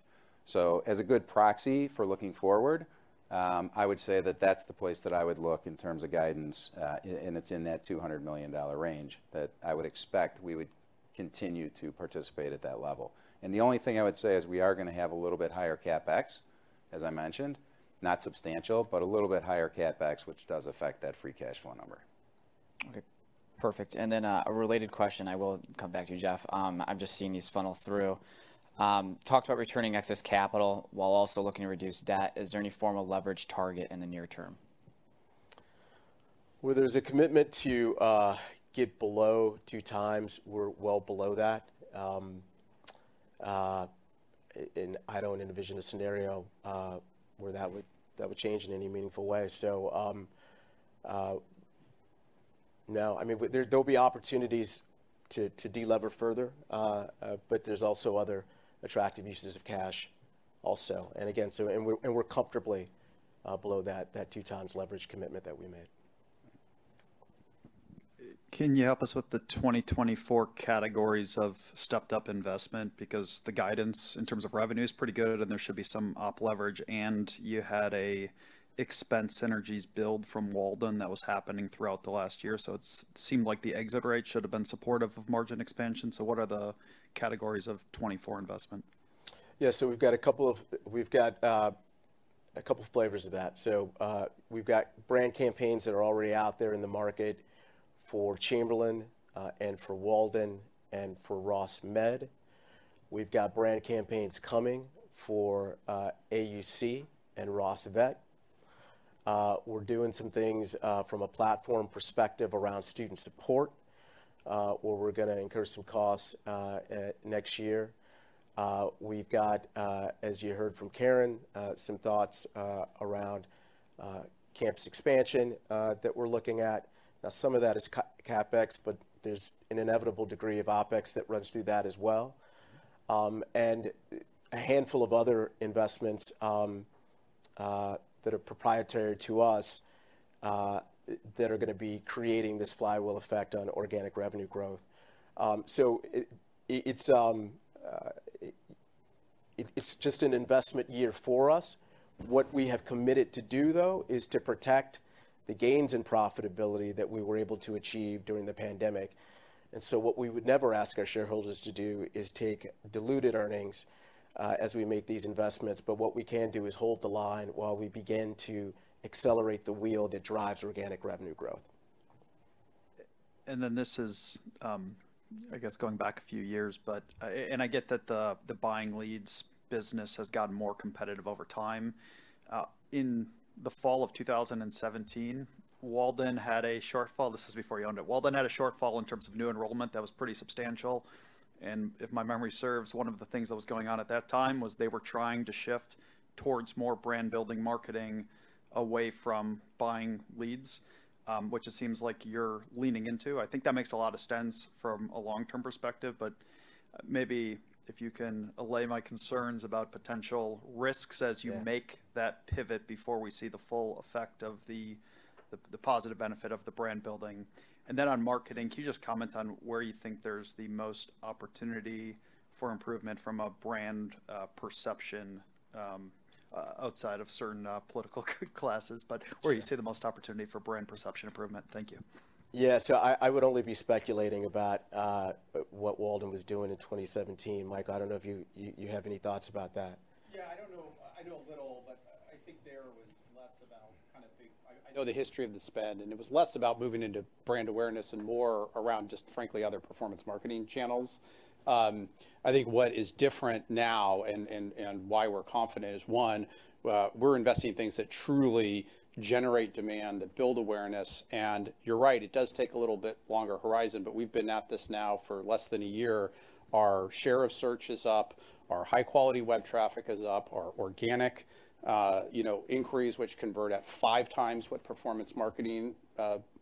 As a good proxy for looking forward, I would say that that's the place that I would look in terms of guidance, and it's in that $200 million range, that I would expect we would continue to participate at that level. The only thing I would say is we are gonna have a little bit higher CapEx, as I mentioned. Not substantial, but a little bit higher CapEx, which does affect that free cash flow number. Okay, perfect. A related question. I will come back to you, Jeff. I'm just seeing these funnel through. Talked about returning excess capital while also looking to reduce debt. Is there any formal leverage target in the near term? There's a commitment to get below 2x. We're well below that. I don't envision a scenario where that would change in any meaningful way. No, I mean, but there'll be opportunities to delever further, but there's also other attractive uses of cash also. We're comfortably below that 2x. leverage commitment that we made. Can you help us with the 2024 categories of stepped-up investment? The guidance in terms of revenue is pretty good, and there should be some OpEx leverage, and you had a expense synergies build from Walden that was happening throughout the last year. It's seemed like the exit rate should have been supportive of margin expansion. What are the categories of 24 investment? We've got a couple of flavors of that. We've got brand campaigns that are already out there in the market for Chamberlain, and for Walden, and for Ross Med. We've got brand campaigns coming for AUC and Ross Vet. We're doing some things from a platform perspective around student support, where we're gonna incur some costs next year. We've got, as you heard from Karen, some thoughts around campus expansion that we're looking at. Some of that is CapEx, but there's an inevitable degree of OpEx that runs through that as well. A handful of other investments that are proprietary to us, that are gonna be creating this flywheel effect on organic revenue growth. It's just an investment year for us. What we have committed to do, though, is to protect the gains in profitability that we were able to achieve during the pandemic. What we would never ask our shareholders to do is take diluted earnings, as we make these investments, but what we can do is hold the line while we begin to accelerate the wheel that drives organic revenue growth. This is, I guess, going back a few years, but I get that the buying leads business has gotten more competitive over time. In the fall of 2017, Walden had a shortfall. This is before you owned it. Walden had a shortfall in terms of new enrollment that was pretty substantial, and if my memory serves, one of the things that was going on at that time was they were trying to shift towards more brand-building marketing away from buying leads, which it seems like you're leaning into. I think that makes a lot of sense from a long-term perspective, but maybe if you can allay my concerns about potential risks as you make that pivot before we see the full effect of the positive benefit of the brand building. Then on marketing, can you just comment on where you think there's the most opportunity for improvement from a brand perception outside of certain political classes, but where you see the most opportunity for brand perception improvement? Thank you. Yeah, I would only be speculating about what Walden was doing in 2017. Mike, I don't know if you have any thoughts about that. Yeah, I don't know. I know a little, but I think there was less about I know the history of the spend, and it was less about moving into brand awareness and more around just, frankly, other performance marketing channels. I think what is different now and why we're confident is, one, we're investing in things that truly generate demand, that build awareness. You're right, it does take a little bit longer horizon, but we've been at this now for less than a year. Our share of search is up, our high-quality web traffic is up, our organic, you know, inquiries, which convert at 5x what performance marketing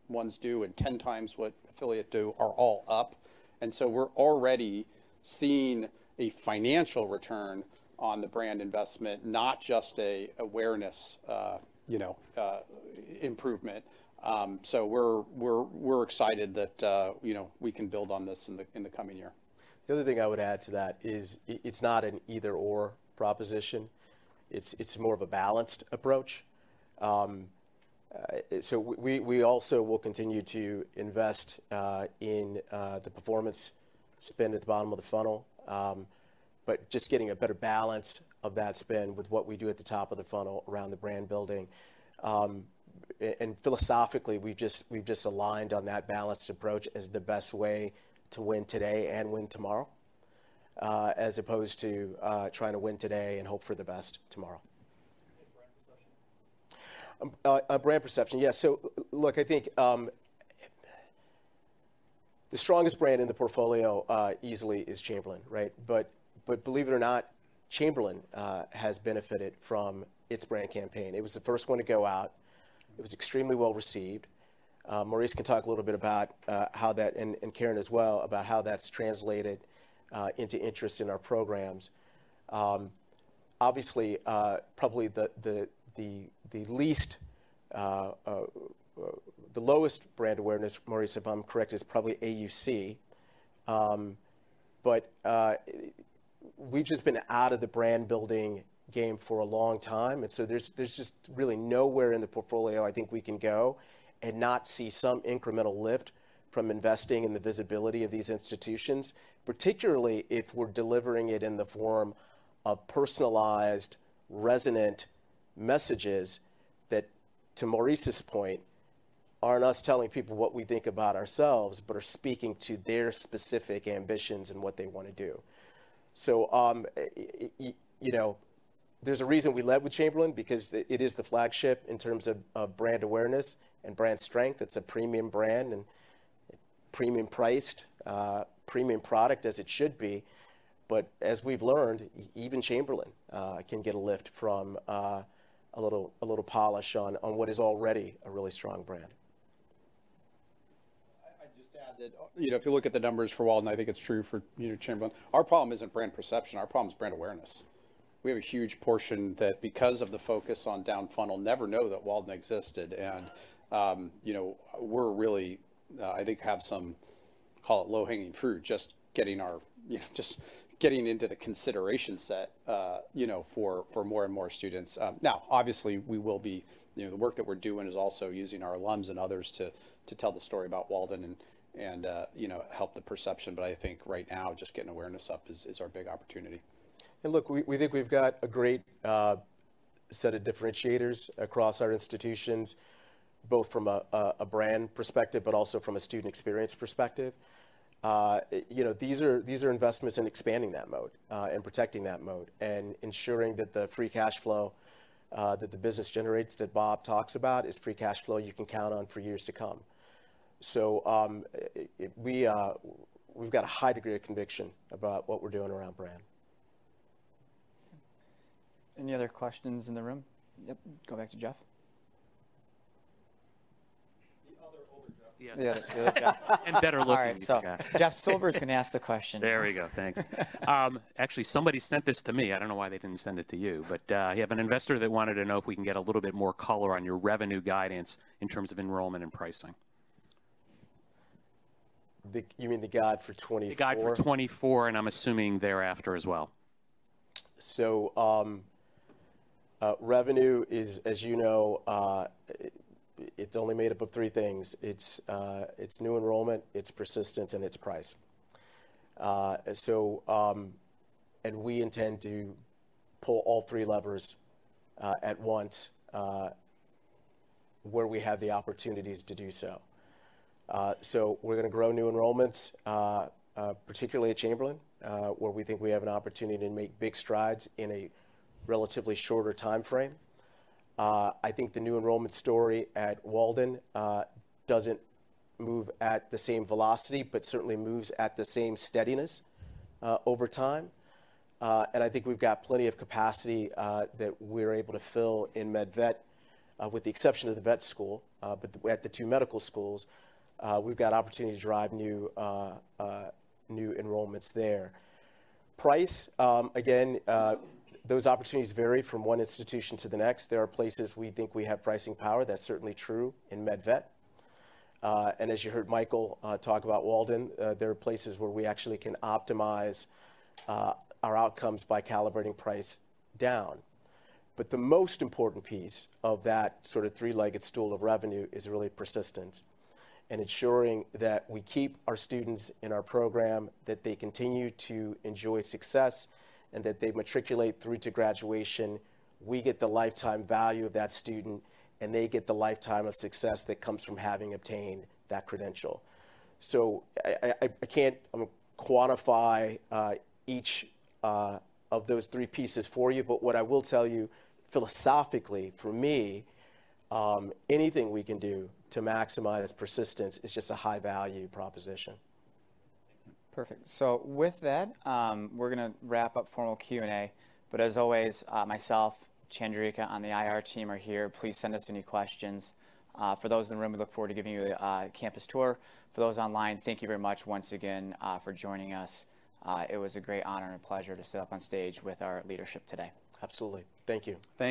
ones do and 10x what affiliate do, are all up. We're already seeing a financial return on the brand investment, not just a awareness, you know, improvement. We're excited that, you know, we can build on this in the coming year. The other thing I would add to that is, it's not an either/or proposition. It's, it's more of a balanced approach. We also will continue to invest in the performance spend at the bottom of the funnel. Just getting a better balance of that spend with what we do at the top of the funnel around the brand building. Philosophically, we've just, we've just aligned on that balanced approach as the best way to win today and win tomorrow, as opposed to trying to win today and hope for the best tomorrow. Brand perception? Brand perception. Yes. Look, I think, the strongest brand in the portfolio, easily is Chamberlain, right? Believe it or not, Chamberlain has benefited from its brand campaign. It was the first one to go out. It was extremely well-received. Maurice can talk a little bit about how that, and Karen as well, about how that's translated into interest in our programs. Obviously, probably the least, the lowest brand awareness, Maurice, if I'm correct, is probably AUC. We've just been out of the brand-building game for a long time, there's just really nowhere in the portfolio I think we can go and not see some incremental lift from investing in the visibility of these institutions, particularly if we're delivering it in the form of personalized, resonant messages, that, to Maurice's point, aren't us telling people what we think about ourselves, but are speaking to their specific ambitions and what they wanna do. You know, there's a reason we led with Chamberlain, because it is the flagship in terms of brand awareness and brand strength. It's a premium brand and premium priced, premium product, as it should be. As we've learned, even Chamberlain can get a lift from a little polish on what is already a really strong brand. I'd just add that, you know, if you look at the numbers for Walden, I think it's true for, you know, Chamberlain, our problem isn't brand perception, our problem is brand awareness. We have a huge portion that, because of the focus on down-funnel, never know that Walden existed. You know, we're really, I think, have some, call it low-hanging fruit, just getting our, you know, just getting into the consideration set, you know, for more and more students. Now, obviously, the work that we're doing is also using our alums and others to tell the story about Walden and, you know, help the perception. I think right now, just getting awareness up is our big opportunity. Look, we think we've got a great set of differentiators across our institutions, both from a brand perspective, but also from a student experience perspective. You know, these are investments in expanding that mode, and protecting that mode, and ensuring that the free cash flow that the business generates, that Bob talks about, is free cash flow you can count on for years to come. We've got a high degree of conviction about what we're doing around brand. Any other questions in the room? Yep, go back to Jeff. The other older Jeff. Yeah. Yeah. Better looking. All right, Jeff Silber is gonna ask the question. There we go. Thanks. Actually, somebody sent this to me. I don't know why they didn't send it to you. You have an investor that wanted to know if we can get a little bit more color on your revenue guidance in terms of enrollment and pricing. You mean the guide for 2024? The guide for 2024, and I'm assuming thereafter as well. Revenue is, as you know, it's only made up of three things: it's new enrollment, it's persistence, and it's price. We intend to pull all three levers at once, where we have the opportunities to do so. We're gonna grow new enrollments, particularly at Chamberlain, where we think we have an opportunity to make big strides in a relatively shorter timeframe. I think the new enrollment story at Walden doesn't move at the same velocity, but certainly moves at the same steadiness over time. I think we've got plenty of capacity that we're able to fill in MedVet with the exception of the vet school. At the two medical schools, we've got opportunity to drive new enrollments there. Price, again, those opportunities vary from one institution to the next. There are places we think we have pricing power. That's certainly true in MedVet. As you heard Michael talk about Walden, there are places where we actually can optimize our outcomes by calibrating price down. The most important piece of that sort of three-legged stool of revenue is really persistence, and ensuring that we keep our students in our program, that they continue to enjoy success, and that they matriculate through to graduation. We get the lifetime value of that student, and they get the lifetime of success that comes from having obtained that credential. I can't quantify each of those three pieces for you, but what I will tell you philosophically, for me, anything we can do to maximize persistence is just a high-value proposition. Perfect. With that, we're gonna wrap up formal Q&A. As always, myself, Chandrika, on the IR team are here. Please send us any questions. For those in the room, we look forward to giving you a campus tour. For those online, thank you very much once again for joining us. It was a great honor and pleasure to sit up on stage with our leadership today. Absolutely. Thank you. Thank you.